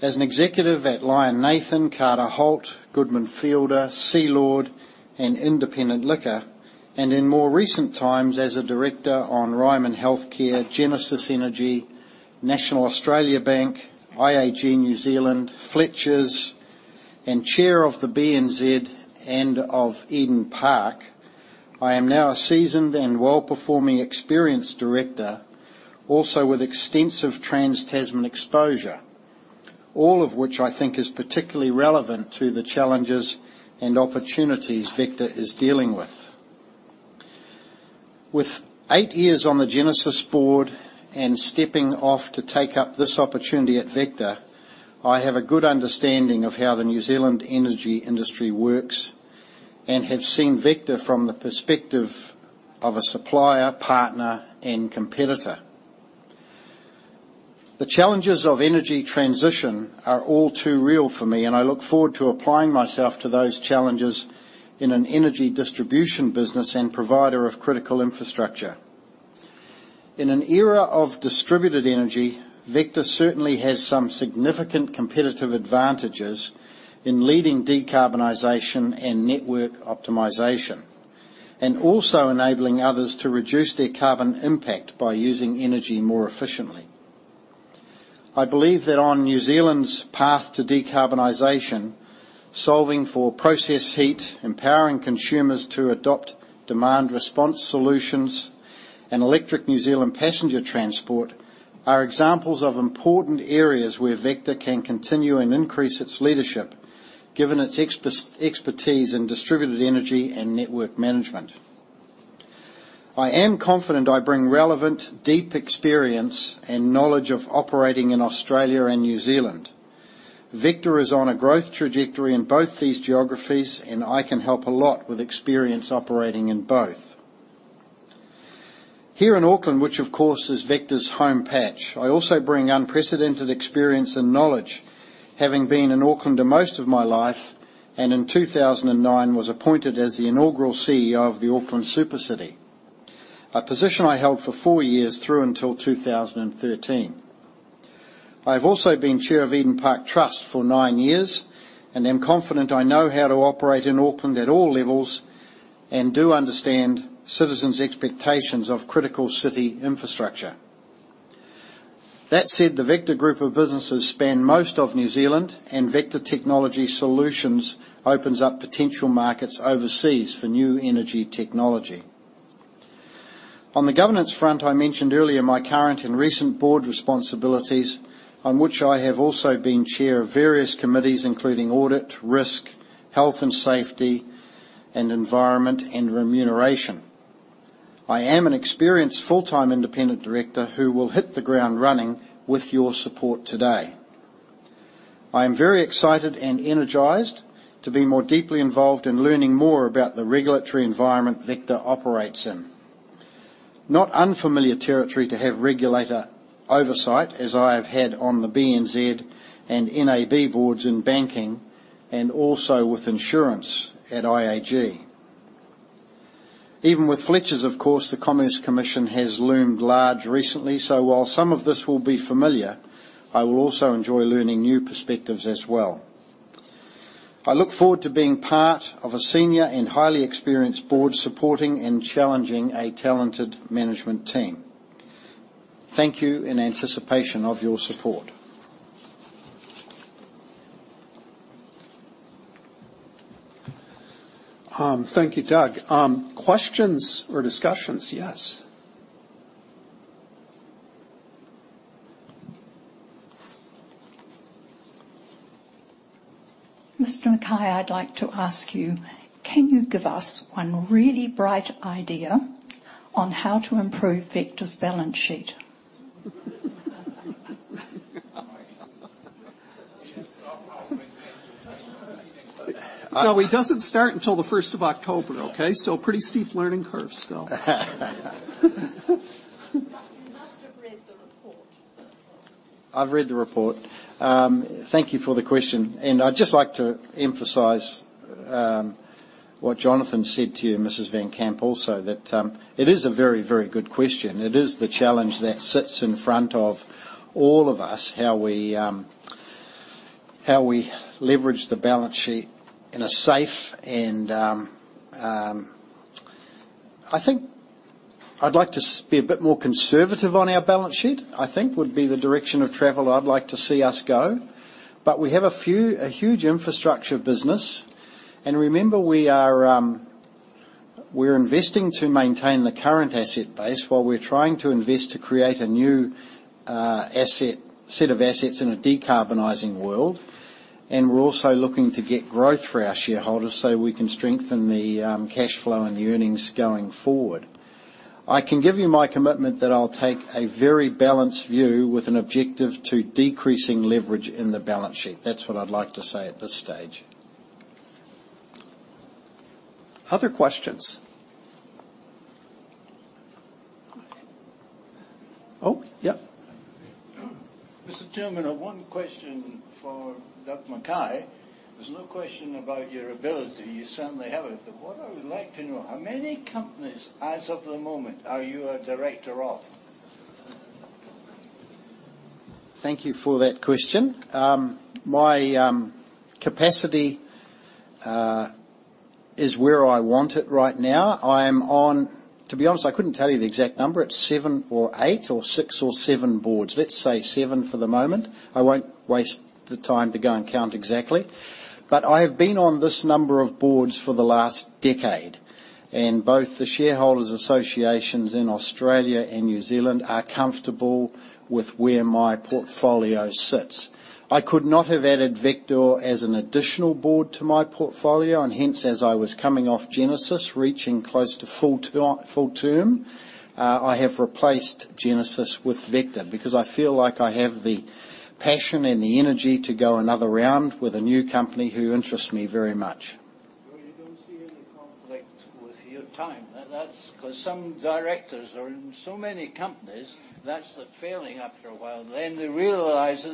As an executive at Lion Nathan, Carter Holt Harvey, Goodman Fielder, Sealord, and Independent Liquor, and in more recent times as a Director on Ryman Healthcare, Genesis Energy, National Australia Bank, IAG New Zealand, Fletcher Building, and chair of the BNZ and of Eden Park, I am now a seasoned and well-performing experienced Director, also with extensive Trans-Tasman exposure, all of which I think is particularly relevant to the challenges and opportunities Vector is dealing with. With eight years on the Genesis board and stepping off to take up this opportunity at Vector, I have a good understanding of how the New Zealand energy industry works and have seen Vector from the perspective of a supplier, partner, and competitor. The challenges of energy transition are all too real for me, and I look forward to applying myself to those challenges in an energy distribution business and provider of critical infrastructure. In an era of distributed energy, Vector certainly has some significant competitive advantages in leading decarbonization and network optimization, and also enabling others to reduce their carbon impact by using energy more efficiently. I believe that on New Zealand's path to decarbonization, solving for process heat, empowering consumers to adopt demand response solutions and electric New Zealand passenger transport are examples of important areas where Vector can continue and increase its leadership, given its expertise in distributed energy and network management. I am confident I bring relevant, deep experience and knowledge of operating in Australia and New Zealand. Vector is on a growth trajectory in both these geographies, and I can help a lot with experience operating in both. Here in Auckland, which of course is Vector's home patch, I also bring unprecedented experience and knowledge, having been in Auckland for most of my life and in 2009 was appointed as the inaugural CEO of the Auckland Super City, a position I held for four years through until 2013. I have also been Chair of Eden Park Trust for nine years, and am confident I know how to operate in Auckland at all levels and do understand citizens' expectations of critical city infrastructure. That said, the Vector group of businesses span most of New Zealand, and Vector Technology Solutions opens up potential markets overseas for new energy technology. On the governance front, I mentioned earlier my current and recent board responsibilities on which I have also been chair of various committees, including audit, risk, health and safety, and environment and remuneration. I am an experienced full-time independent Director who will hit the ground running with your support today. I am very excited and energized to be more deeply involved in learning more about the regulatory environment Vector operates in. Not unfamiliar territory to have regulator oversight, as I have had on the BNZ and NAB boards in banking and also with insurance at IAG. Even with Fletchers, of course, the Commerce Commission has loomed large recently. While some of this will be familiar, I will also enjoy learning new perspectives as well. I look forward to being part of a senior and highly experienced board supporting and challenging a talented management team. Thank you in anticipation of your support. Thank you, Doug. Questions or discussions. Yes. Mr. McKay, I'd like to ask you, can you give us one really bright idea on how to improve Vector's balance sheet? Well, he doesn't start until the first of October, okay? Pretty steep learning curve still. You must have read the report. I've read the report. Thank you for the question. I'd just like to emphasize what Jonathan said to you, Mrs. van Camp also, that it is a very, very good question. It is the challenge that sits in front of all of us, how we leverage the balance sheet in a safe and. I think I'd like to be a bit more conservative on our balance sheet, I think would be the direction of travel I'd like to see us go. We have a huge infrastructure business. Remember, we are investing to maintain the current asset base while we're trying to invest to create a new set of assets in a decarbonizing world. We're also looking to get growth for our shareholders so we can strengthen the cash flow and the earnings going forward. I can give you my commitment that I'll take a very balanced view with an objective to decreasing leverage in the balance sheet. That's what I'd like to say at this stage. Other questions. Oh, yeah. Mr. Chairman, I have one question for Doug McKay. There's no question about your ability, you certainly have it. What I would like to know, how many companies as of the moment are you a Director of? Thank you for that question. My capacity is where I want it right now. To be honest, I couldn't tell you the exact number. It's seven or eight or six or seven boards. Let's say seven for the moment. I won't waste the time to go and count exactly. I have been on this number of boards for the last decade, and both the shareholders associations in Australia and New Zealand are comfortable with where my portfolio sits. I could not have added Vector as an additional board to my portfolio, and hence, as I was coming off Genesis, reaching close to full term, I have replaced Genesis with Vector because I feel like I have the passion and the energy to go another round with a new company who interests me very much. You don't see any conflict with your time. That's—'cause some Directors are in so many companies. That's the failing after a while. They realize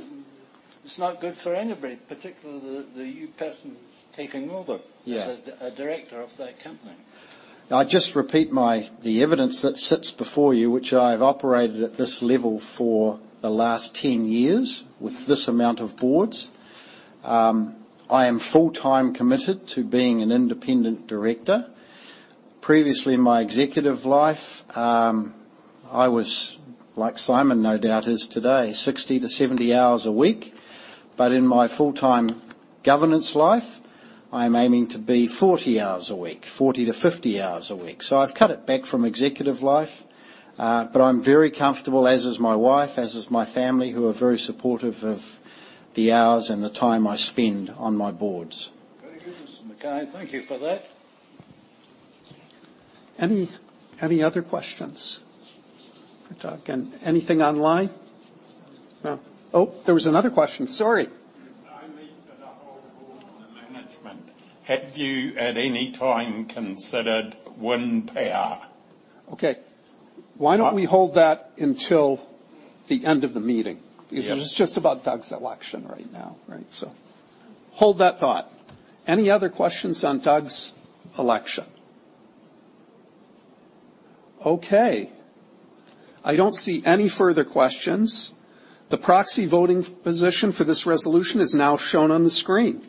it's not good for anybody, particularly the new person taking over. Yeah. as a Director of that company. I just repeat the evidence that sits before you, which I've operated at this level for the last 10 years with this amount of boards. I am full-time committed to being an independent Director. Previously in my executive life, I was like Simon, no doubt, is today, 60-70 hours a week. In my full-time governance life, I'm aiming to be 40 hours a week, 40-50 hours a week. I've cut it back from executive life, but I'm very comfortable, as is my wife, as is my family, who are very supportive of the hours and the time I spend on my boards. Very good, Mr. McKay. Thank you for that. Any other questions for Doug? Anything online? No. Oh, there was another question. Sorry. It's only for the whole board and the management. Have you at any time considered wind power? Okay. Why don't we hold that until the end of the meeting? Yeah. Because it is just about Doug's election right now, right? Hold that thought. Any other questions on Doug's election? Okay. I don't see any further questions. The proxy voting position for this resolution is now shown on the screen.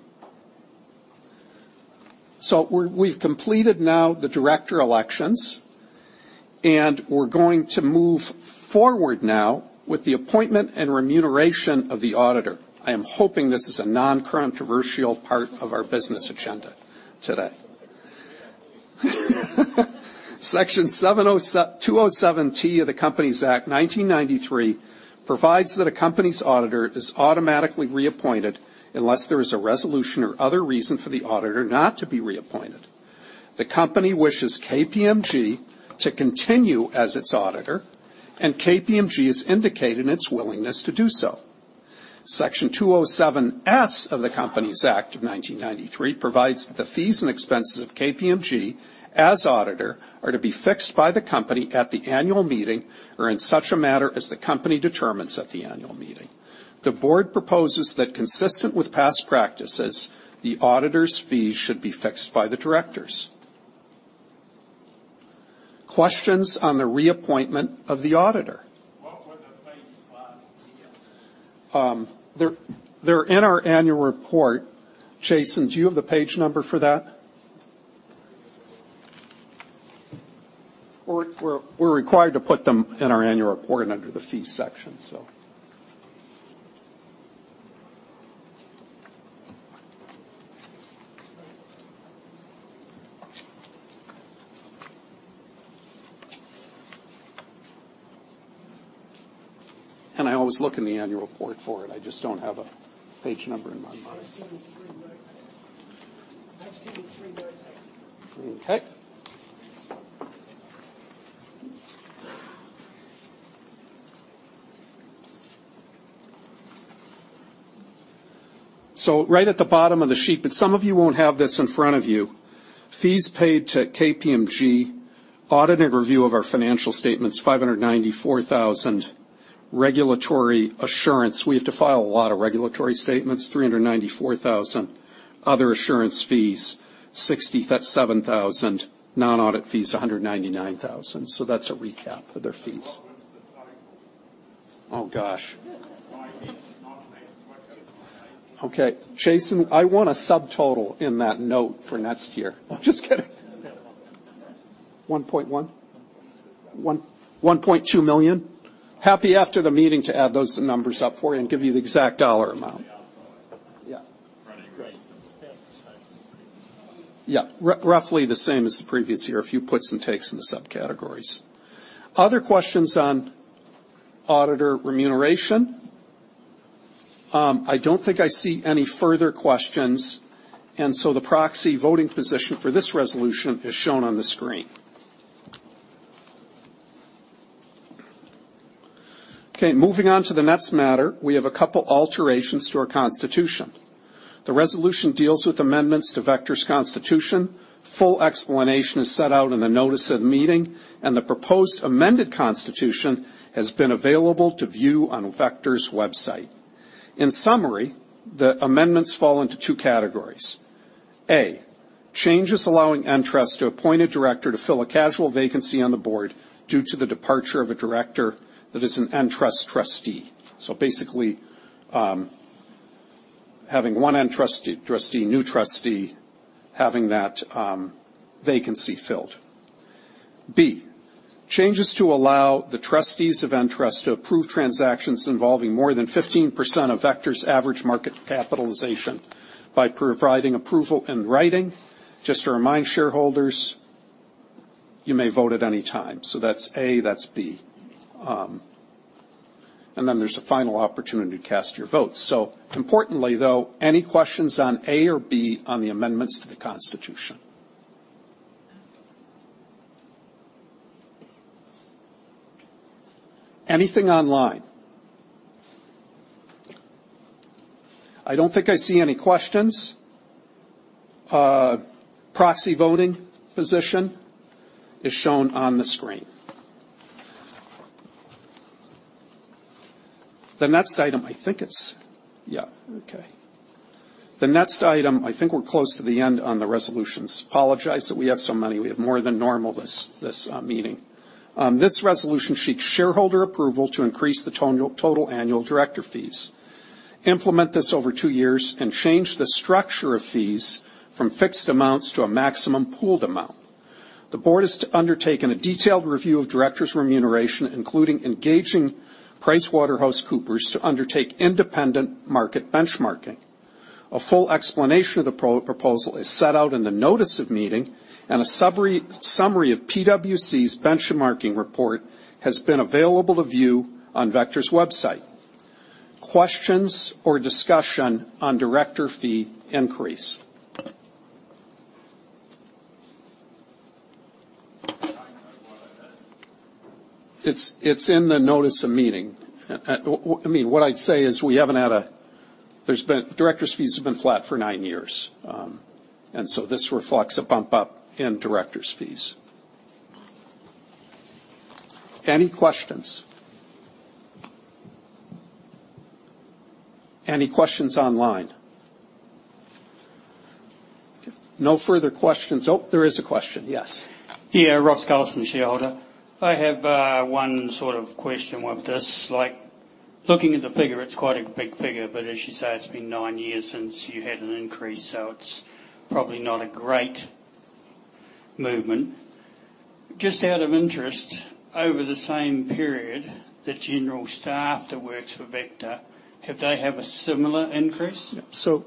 We've completed now the Director elections, and we're going to move forward now with the appointment and remuneration of the auditor. I am hoping this is a non-controversial part of our business agenda today. Section 207T of the Companies Act 1993 provides that a company's auditor is automatically reappointed unless there is a resolution or other reason for the auditor not to be reappointed. The company wishes KPMG to continue as its auditor, and KPMG has indicated its willingness to do so. Section 207S of the Companies Act of 1993 provides the fees and expenses of KPMG as auditor are to be fixed by the company at the annual meeting or in such a matter as the company determines at the annual meeting. The board proposes that, consistent with past practices, the auditor's fees should be fixed by the Directors. Questions on the reappointment of the auditor? What were the fees last year? They're in our annual report. Jason, do you have the page number for that? We're required to put them in our annual report under the Fees section, so. I always look in the annual report for it. I just don't have a page number in my mind. I've seen the three. Right at the bottom of the sheet, but some of you won't have this in front of you. Fees paid to KPMG, audit and review of our financial statements, 594 thousand. Regulatory assurance, we have to file a lot of regulatory statements, 394 thousand. Other assurance fees, 67 thousand. Non-audit fees, 199 thousand. That's a recap of their fees. What was the total? Oh, gosh. Okay. Jason, I want a subtotal in that note for next year. Just kidding. 1.1 million, 1.2 million. Happy after the meeting to add those numbers up for you and give you the exact dollar amount. Yeah. Yeah. Roughly the same as the previous year. A few puts and takes in the subcategories. Other questions on auditor remuneration? I don't think I see any further questions, and so the proxy voting position for this resolution is shown on the screen. Okay, moving on to the next matter. We have a couple alterations to our constitution. The resolution deals with amendments to Vector's constitution. Full explanation is set out in the notice of the meeting, and the proposed amended constitution has been available to view on Vector's website. In summary, the amendments fall into two categories. A, changes allowing Entrust to appoint a Director to fill a casual vacancy on the board due to the departure of a Director that is an Entrust trustee. Basically, having one new Entrust trustee, having that vacancy filled. B, changes to allow the trustees of Entrust to approve transactions involving more than 15% of Vector's average market capitalization by providing approval in writing. Just to remind shareholders, you may vote at any time. That's A, that's B. Then there's a final opportunity to cast your vote. Importantly, though, any questions on A or B on the amendments to the constitution? Anything online? I don't think I see any questions. Proxy voting position is shown on the screen. The next item, I think we're close to the end on the resolutions. Apologize that we have so many. We have more than normal this meeting. This resolution seeks shareholder approval to increase the total annual Director fees, implement this over 2 years, and change the structure of fees from fixed amounts to a maximum pooled amount. The board has undertaken a detailed review of Directors' remuneration, including engaging PricewaterhouseCoopers to undertake independent market benchmarking. A full explanation of the proposal is set out in the notice of meeting, and a summary of PwC's benchmarking report has been available to view on Vector's website. Questions or discussion on Director fee increase? It's in the notice of meeting. I mean, what I'd say is Directors' fees have been flat for 9 years. This reflects a bump up in Directors' fees. Any questions? Any questions online? No further questions. Oh, there is a question. Yes. Ross Collison, shareholder. I have one sort of question with this. Like, looking at the figure, it's quite a big figure, but as you say, it's been nine years since you had an increase, so it's probably not a great movement. Just out of interest, over the same period, the general staff that works for Vector, have they had a similar increase? Yeah.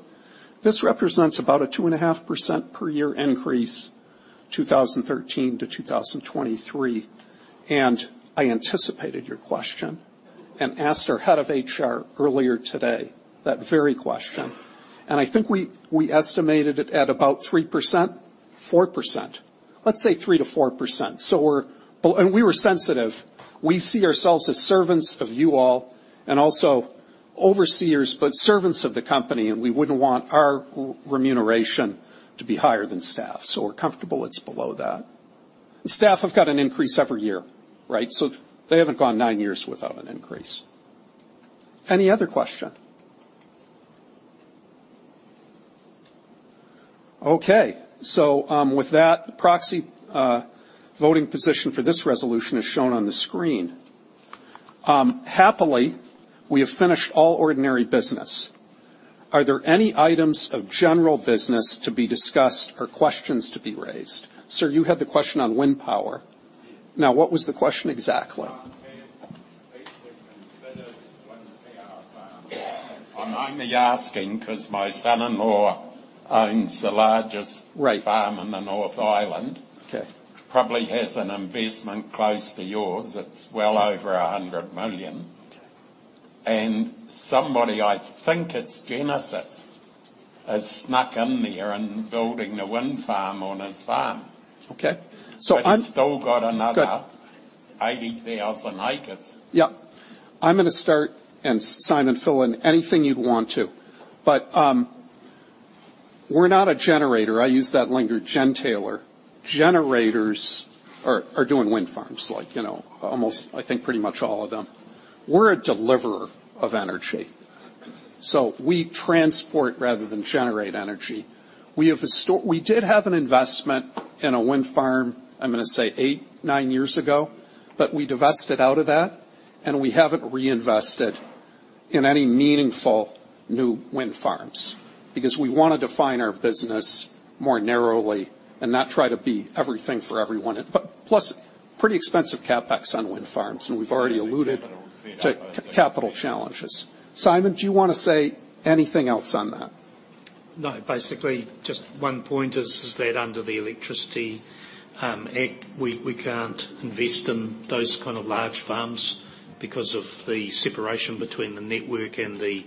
This represents about a 2.5% per year increase, 2013 to 2023, and I anticipated your question. I asked our head of HR earlier today that very question. I think we estimated it at about 3%, 4%. Let's say 3%-4%. We're comfortable it's below that. We were sensitive. We see ourselves as servants of you all, and also overseers, but servants of the company, and we wouldn't want our remuneration to be higher than staff. The staff have got an increase every year, right? They haven't gone 9 years without an increase. Any other question? Okay. With that proxy voting position for this resolution is shown on the screen. Happily, we have finished all ordinary business. Are there any items of general business to be discussed or questions to be raised? Sir, you had the question on wind power. Yes. Now, what was the question exactly? Yeah. Basically, instead of one PR firm. I'm only asking 'cause my son-in-law owns the largest- Right. farm in the North Island. Okay. Probably has an investment close to yours. It's well over 100 million. Okay. Somebody, I think it's Genesis, has snuck in there and building a wind farm on his farm. Okay. He's still got another- Good 80,000 acres. Yep. I'm gonna start, and Simon, fill in anything you'd want to. We're not a generator. I use that term gentailer. Generators are doing wind farms like, you know, almost, I think, pretty much all of them. We're a deliverer of energy. We transport rather than generate energy. We have a store. We did have an investment in a wind farm, I'm gonna say 8, 9 years ago, but we divested out of that, and we haven't reinvested in any meaningful new wind farms because we wanna define our business more narrowly and not try to be everything for everyone. Plus, pretty expensive CapEx on wind farms, and we've already alluded to capital challenges. Simon, do you wanna say anything else on that? No. Basically, just one point is that under the Electricity Act, we can't invest in those kind of large farms because of the separation between the network and the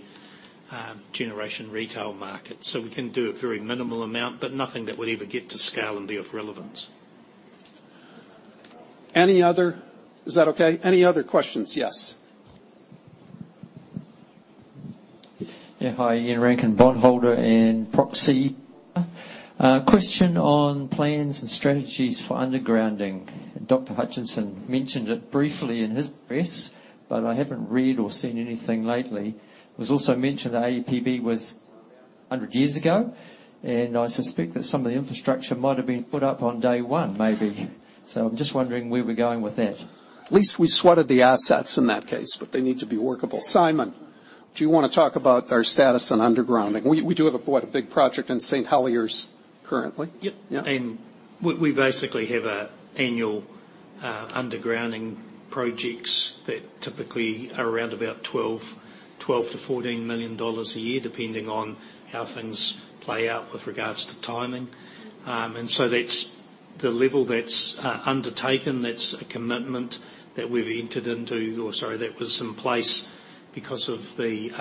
generation retail market. We can do a very minimal amount, but nothing that would ever get to scale and be of relevance. Is that okay? Any other questions? Yes. Yeah. Hi. Ian Renton, bondholder and proxy. Question on plans and strategies for undergrounding. Dr. Paul Hutchison mentioned it briefly in his address, but I haven't read or seen anything lately. It was also mentioned AEPB was 100 years ago, and I suspect that some of the infrastructure might have been put up on day one, maybe. I'm just wondering where we're going with that. At least we sweated the assets in that case, but they need to be workable. Simon, do you wanna talk about our status on undergrounding? We do have quite a big project in St Heliers currently. Yep. Yeah. We basically have an annual undergrounding projects that typically are around about 12 million-14 million dollars a year, depending on how things play out with regards to timing. That's the level that's undertaken. That's a commitment that we've entered into, or sorry, that was in place because of the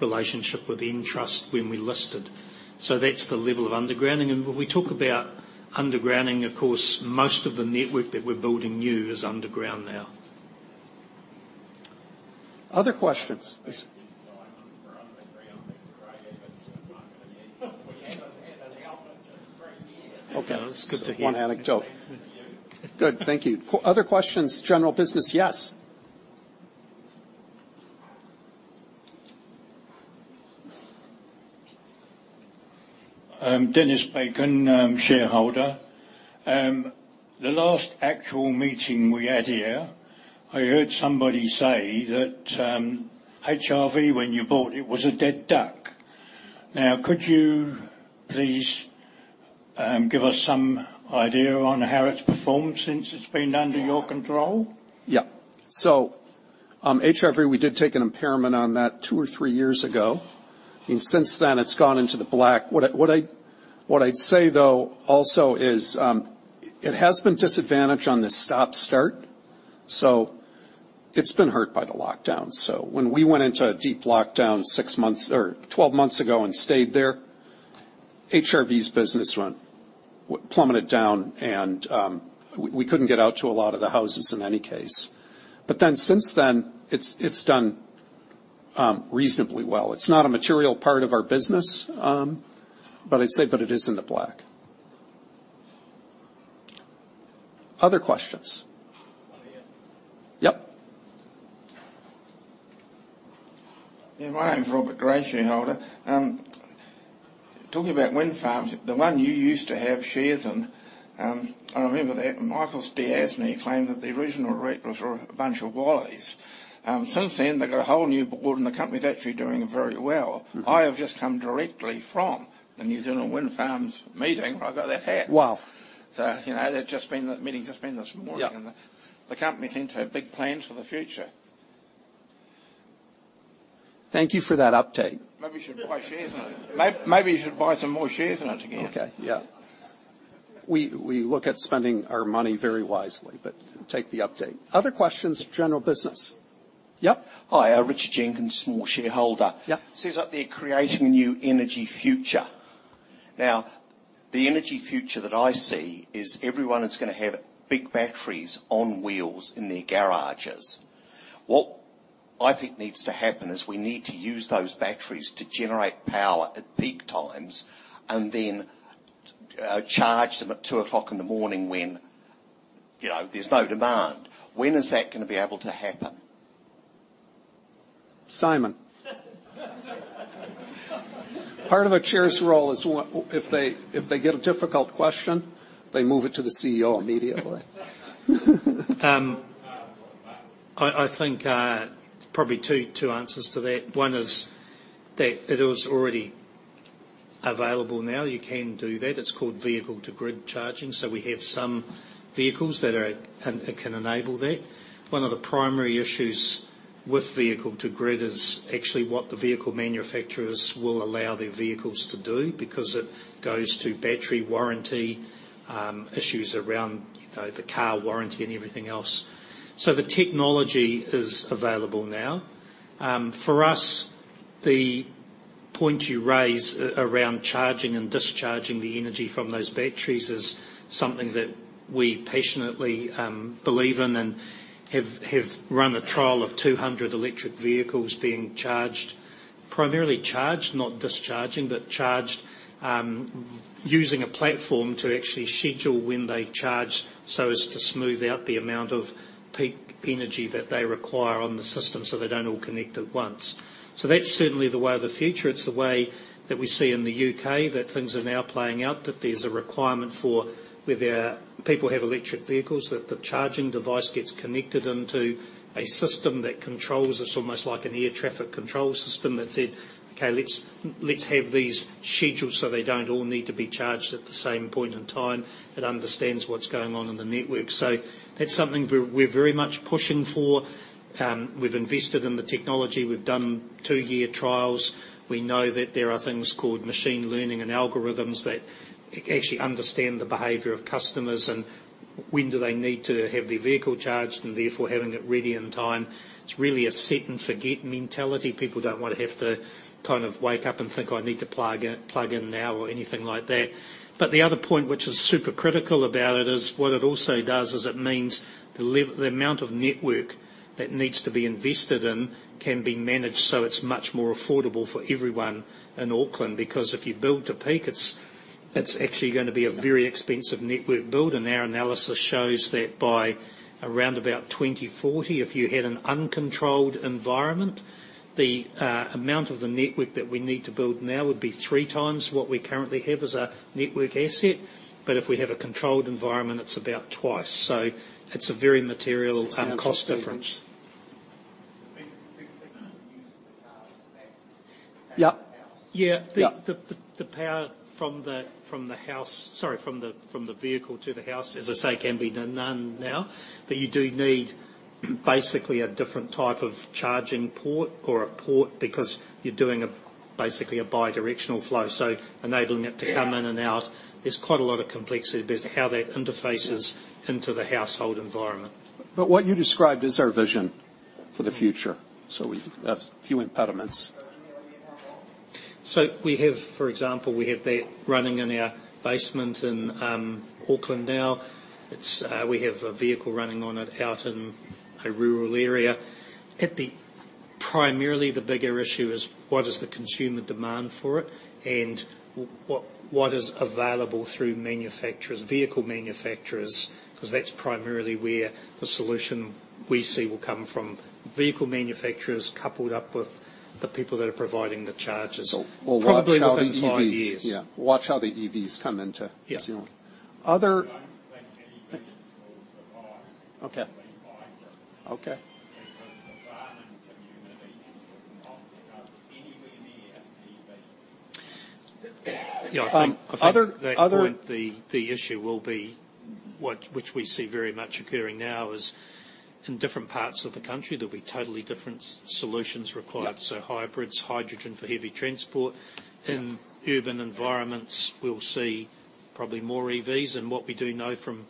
relationship with Entrust when we listed. That's the level of undergrounding. When we talk about undergrounding, of course, most of the network that we're building new is underground now. Other questions. Simon, for undergrounding for AEPB, but I'm not gonna need. We haven't had an outage for three years. Okay. That's good to hear. One anecdote. Yeah. Good. Thank you. Other questions, general business? Yes. I'm Dennis Bacon, I'm shareholder. The last actual meeting we had here, I heard somebody say that HRV, when you bought it, was a dead duck. Now, could you please give us some idea on how it's performed since it's been under your control? Yeah. HRV, we did take an impairment on that two or three years ago, and since then it's gone into the black. What I'd say though also is, it has been disadvantaged on the stop-start, so it's been hurt by the lockdown. When we went into a deep lockdown six months or 12 months ago and stayed there, HRV's business plummeted down and, we couldn't get out to a lot of the houses in any case. Since then, it's done reasonably well. It's not a material part of our business, but I'd say it is in the black. Other questions? Over here. Yep. Yeah. My name's Robert Gray, shareholder. Talking about wind farms, the one you used to have shares in, I remember that Michael Wow. You know, the meeting's just been this morning. Yep. The company seem to have big plans for the future. Thank you for that update. Maybe you should buy shares in it. Maybe you should buy some more shares in it again. Okay. Yeah. We look at spending our money very wisely, but take the update. Other questions, general business? Yep. Hi. Richard Jenkins, small shareholder. Yeah. It says up there, "Creating a new energy future." Now, the energy future that I see is everyone is gonna have big batteries on wheels in their garages. What I think needs to happen is we need to use those batteries to generate power at peak times and then charge them at 2:00 A.M. when, you know, there's no demand. When is that gonna be able to happen? Simon. Part of a Chair's role is, if they get a difficult question, they move it to the CEO immediately. I think probably two answers to that. One is that it is already available now. You can do that. It's called vehicle-to-grid charging. We have some vehicles that can enable that. One of the primary issues with vehicle-to-grid is actually what the vehicle manufacturers will allow their vehicles to do because it goes to battery warranty issues around, you know, the car warranty and everything else. The technology is available now. For us, the point you raise around charging and discharging the energy from those batteries is something that we passionately believe in and have run a trial of 200 electric vehicles being charged. Primarily charged, not discharging, but charged, using a platform to actually schedule when they charge so as to smooth out the amount of peak energy that they require on the system, so they don't all connect at once. That's certainly the way of the future. It's the way that we see in the UK that things are now playing out, that there's a requirement for where there are people have electric vehicles that the charging device gets connected into a system that controls. It's almost like an air traffic control system that said, "Okay, let's have these scheduled, so they don't all need to be charged at the same point in time." It understands what's going on in the network. That's something we're very much pushing for. We've invested in the technology. We've done two-year trials. We know that there are things called machine learning and algorithms that actually understand the behavior of customers and when do they need to have their vehicle charged, and therefore having it ready in time. It's really a set and forget mentality. People don't wanna have to kind of wake up and think, "I need to plug in, plug in now," or anything like that. The other point which is super critical about it is what it also does is it means the amount of network that needs to be invested in can be managed, so it's much more affordable for everyone in Auckland. Because if you build to peak, it's actually gonna be a very expensive network build, and our analysis shows that by around about 2040, if you had an uncontrolled environment, the amount of the network that we need to build now would be three times what we currently have as a network asset. If we have a controlled environment, it's about twice. It's a very material cost difference. 667. The people who are using the cars back to the house. Yeah. Yeah. The power from the vehicle to the house, as I say, can be done now. But you do need basically a different type of charging port or a port because you're doing basically a bi-directional flow. Enabling it to come in and out, there's quite a lot of complexity based on how that interfaces into the household environment. What you described is our vision for the future. We have few impediments. Do you have that now? We have, for example, we have that running in our basement in Auckland now. It's we have a vehicle running on it out in a rural area. Primarily the bigger issue is what is the consumer demand for it and what is available through manufacturers, vehicle manufacturers, 'cause that's primarily where the solution we see will come from. Vehicle manufacturers coupled up with the people that are providing the charges. We'll watch how the EVs. Probably within five years. Yeah. Watch how the EVs come into- Yeah New Zealand. I don't think any of it will survive. Okay to be quite honest. Okay. Because the farming community will not pick up any EV. Um, other- Yeah, I think at that point, the issue will be which we see very much occurring now is in different parts of the country, there'll be totally different solutions required. Yeah. Hybrids, hydrogen for heavy transport. Yeah. In urban environments, we'll see probably more EVs. What we do know from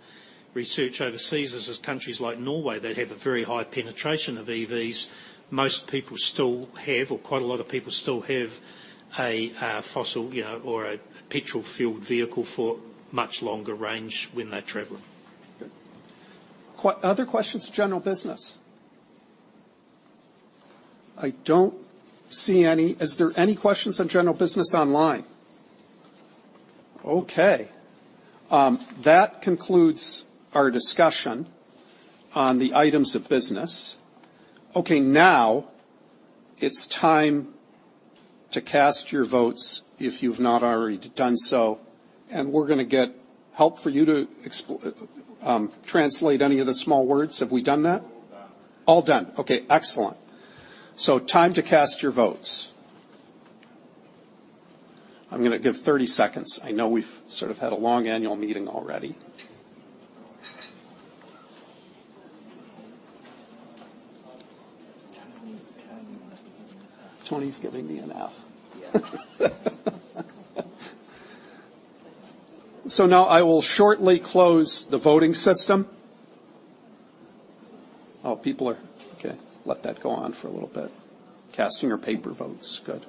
research overseas is, as countries like Norway that have a very high penetration of EVs, most people still have or quite a lot of people still have a, fossil, you know, or a petrol-fueled vehicle for much longer range when they're traveling. Good. Other questions, general business? I don't see any. Is there any questions on general business online? Okay. That concludes our discussion on the items of business. Okay, now it's time to cast your votes if you've not already done so, and we're gonna get help for you to translate any of the small words. Have we done that? All done. All done. Okay, excellent. Time to cast your votes. I'm gonna give 30 seconds. I know we've sort of had a long annual meeting already. Tony's giving me an F. Yeah. Now I will shortly close the voting system. Let that go on for a little bit. Casting your paper votes. Good.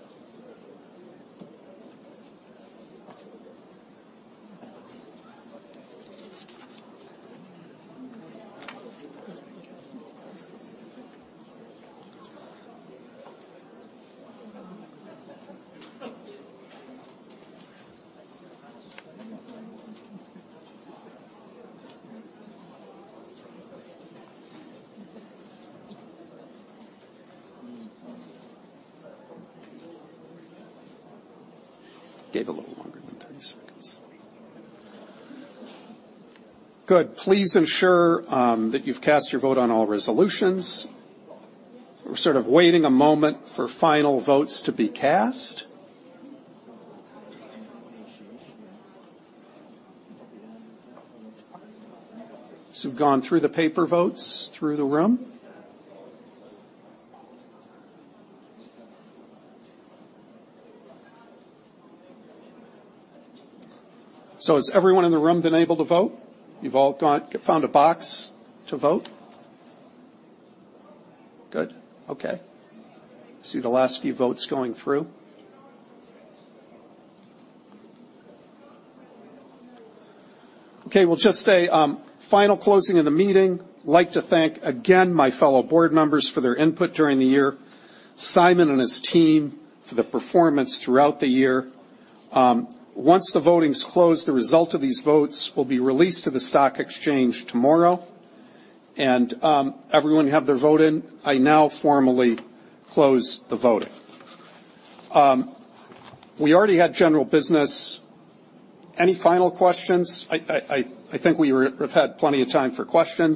Gave a little longer than 30 seconds. Good. Please ensure that you've cast your vote on all resolutions. We're sort of waiting a moment for final votes to be cast. We've gone through the paper votes through the room. Has everyone in the room been able to vote? You've all found a box to vote? Good. Okay. See the last few votes going through. Okay. We'll just say final closing of the meeting. I'd like to thank again my fellow board members for their input during the year, Simon and his team for the performance throughout the year. Once the voting's closed, the result of these votes will be released to the stock exchange tomorrow. Everyone have their vote in. I now formally close the voting. We already had general business. Any final questions? I think we have had plenty of time for questions.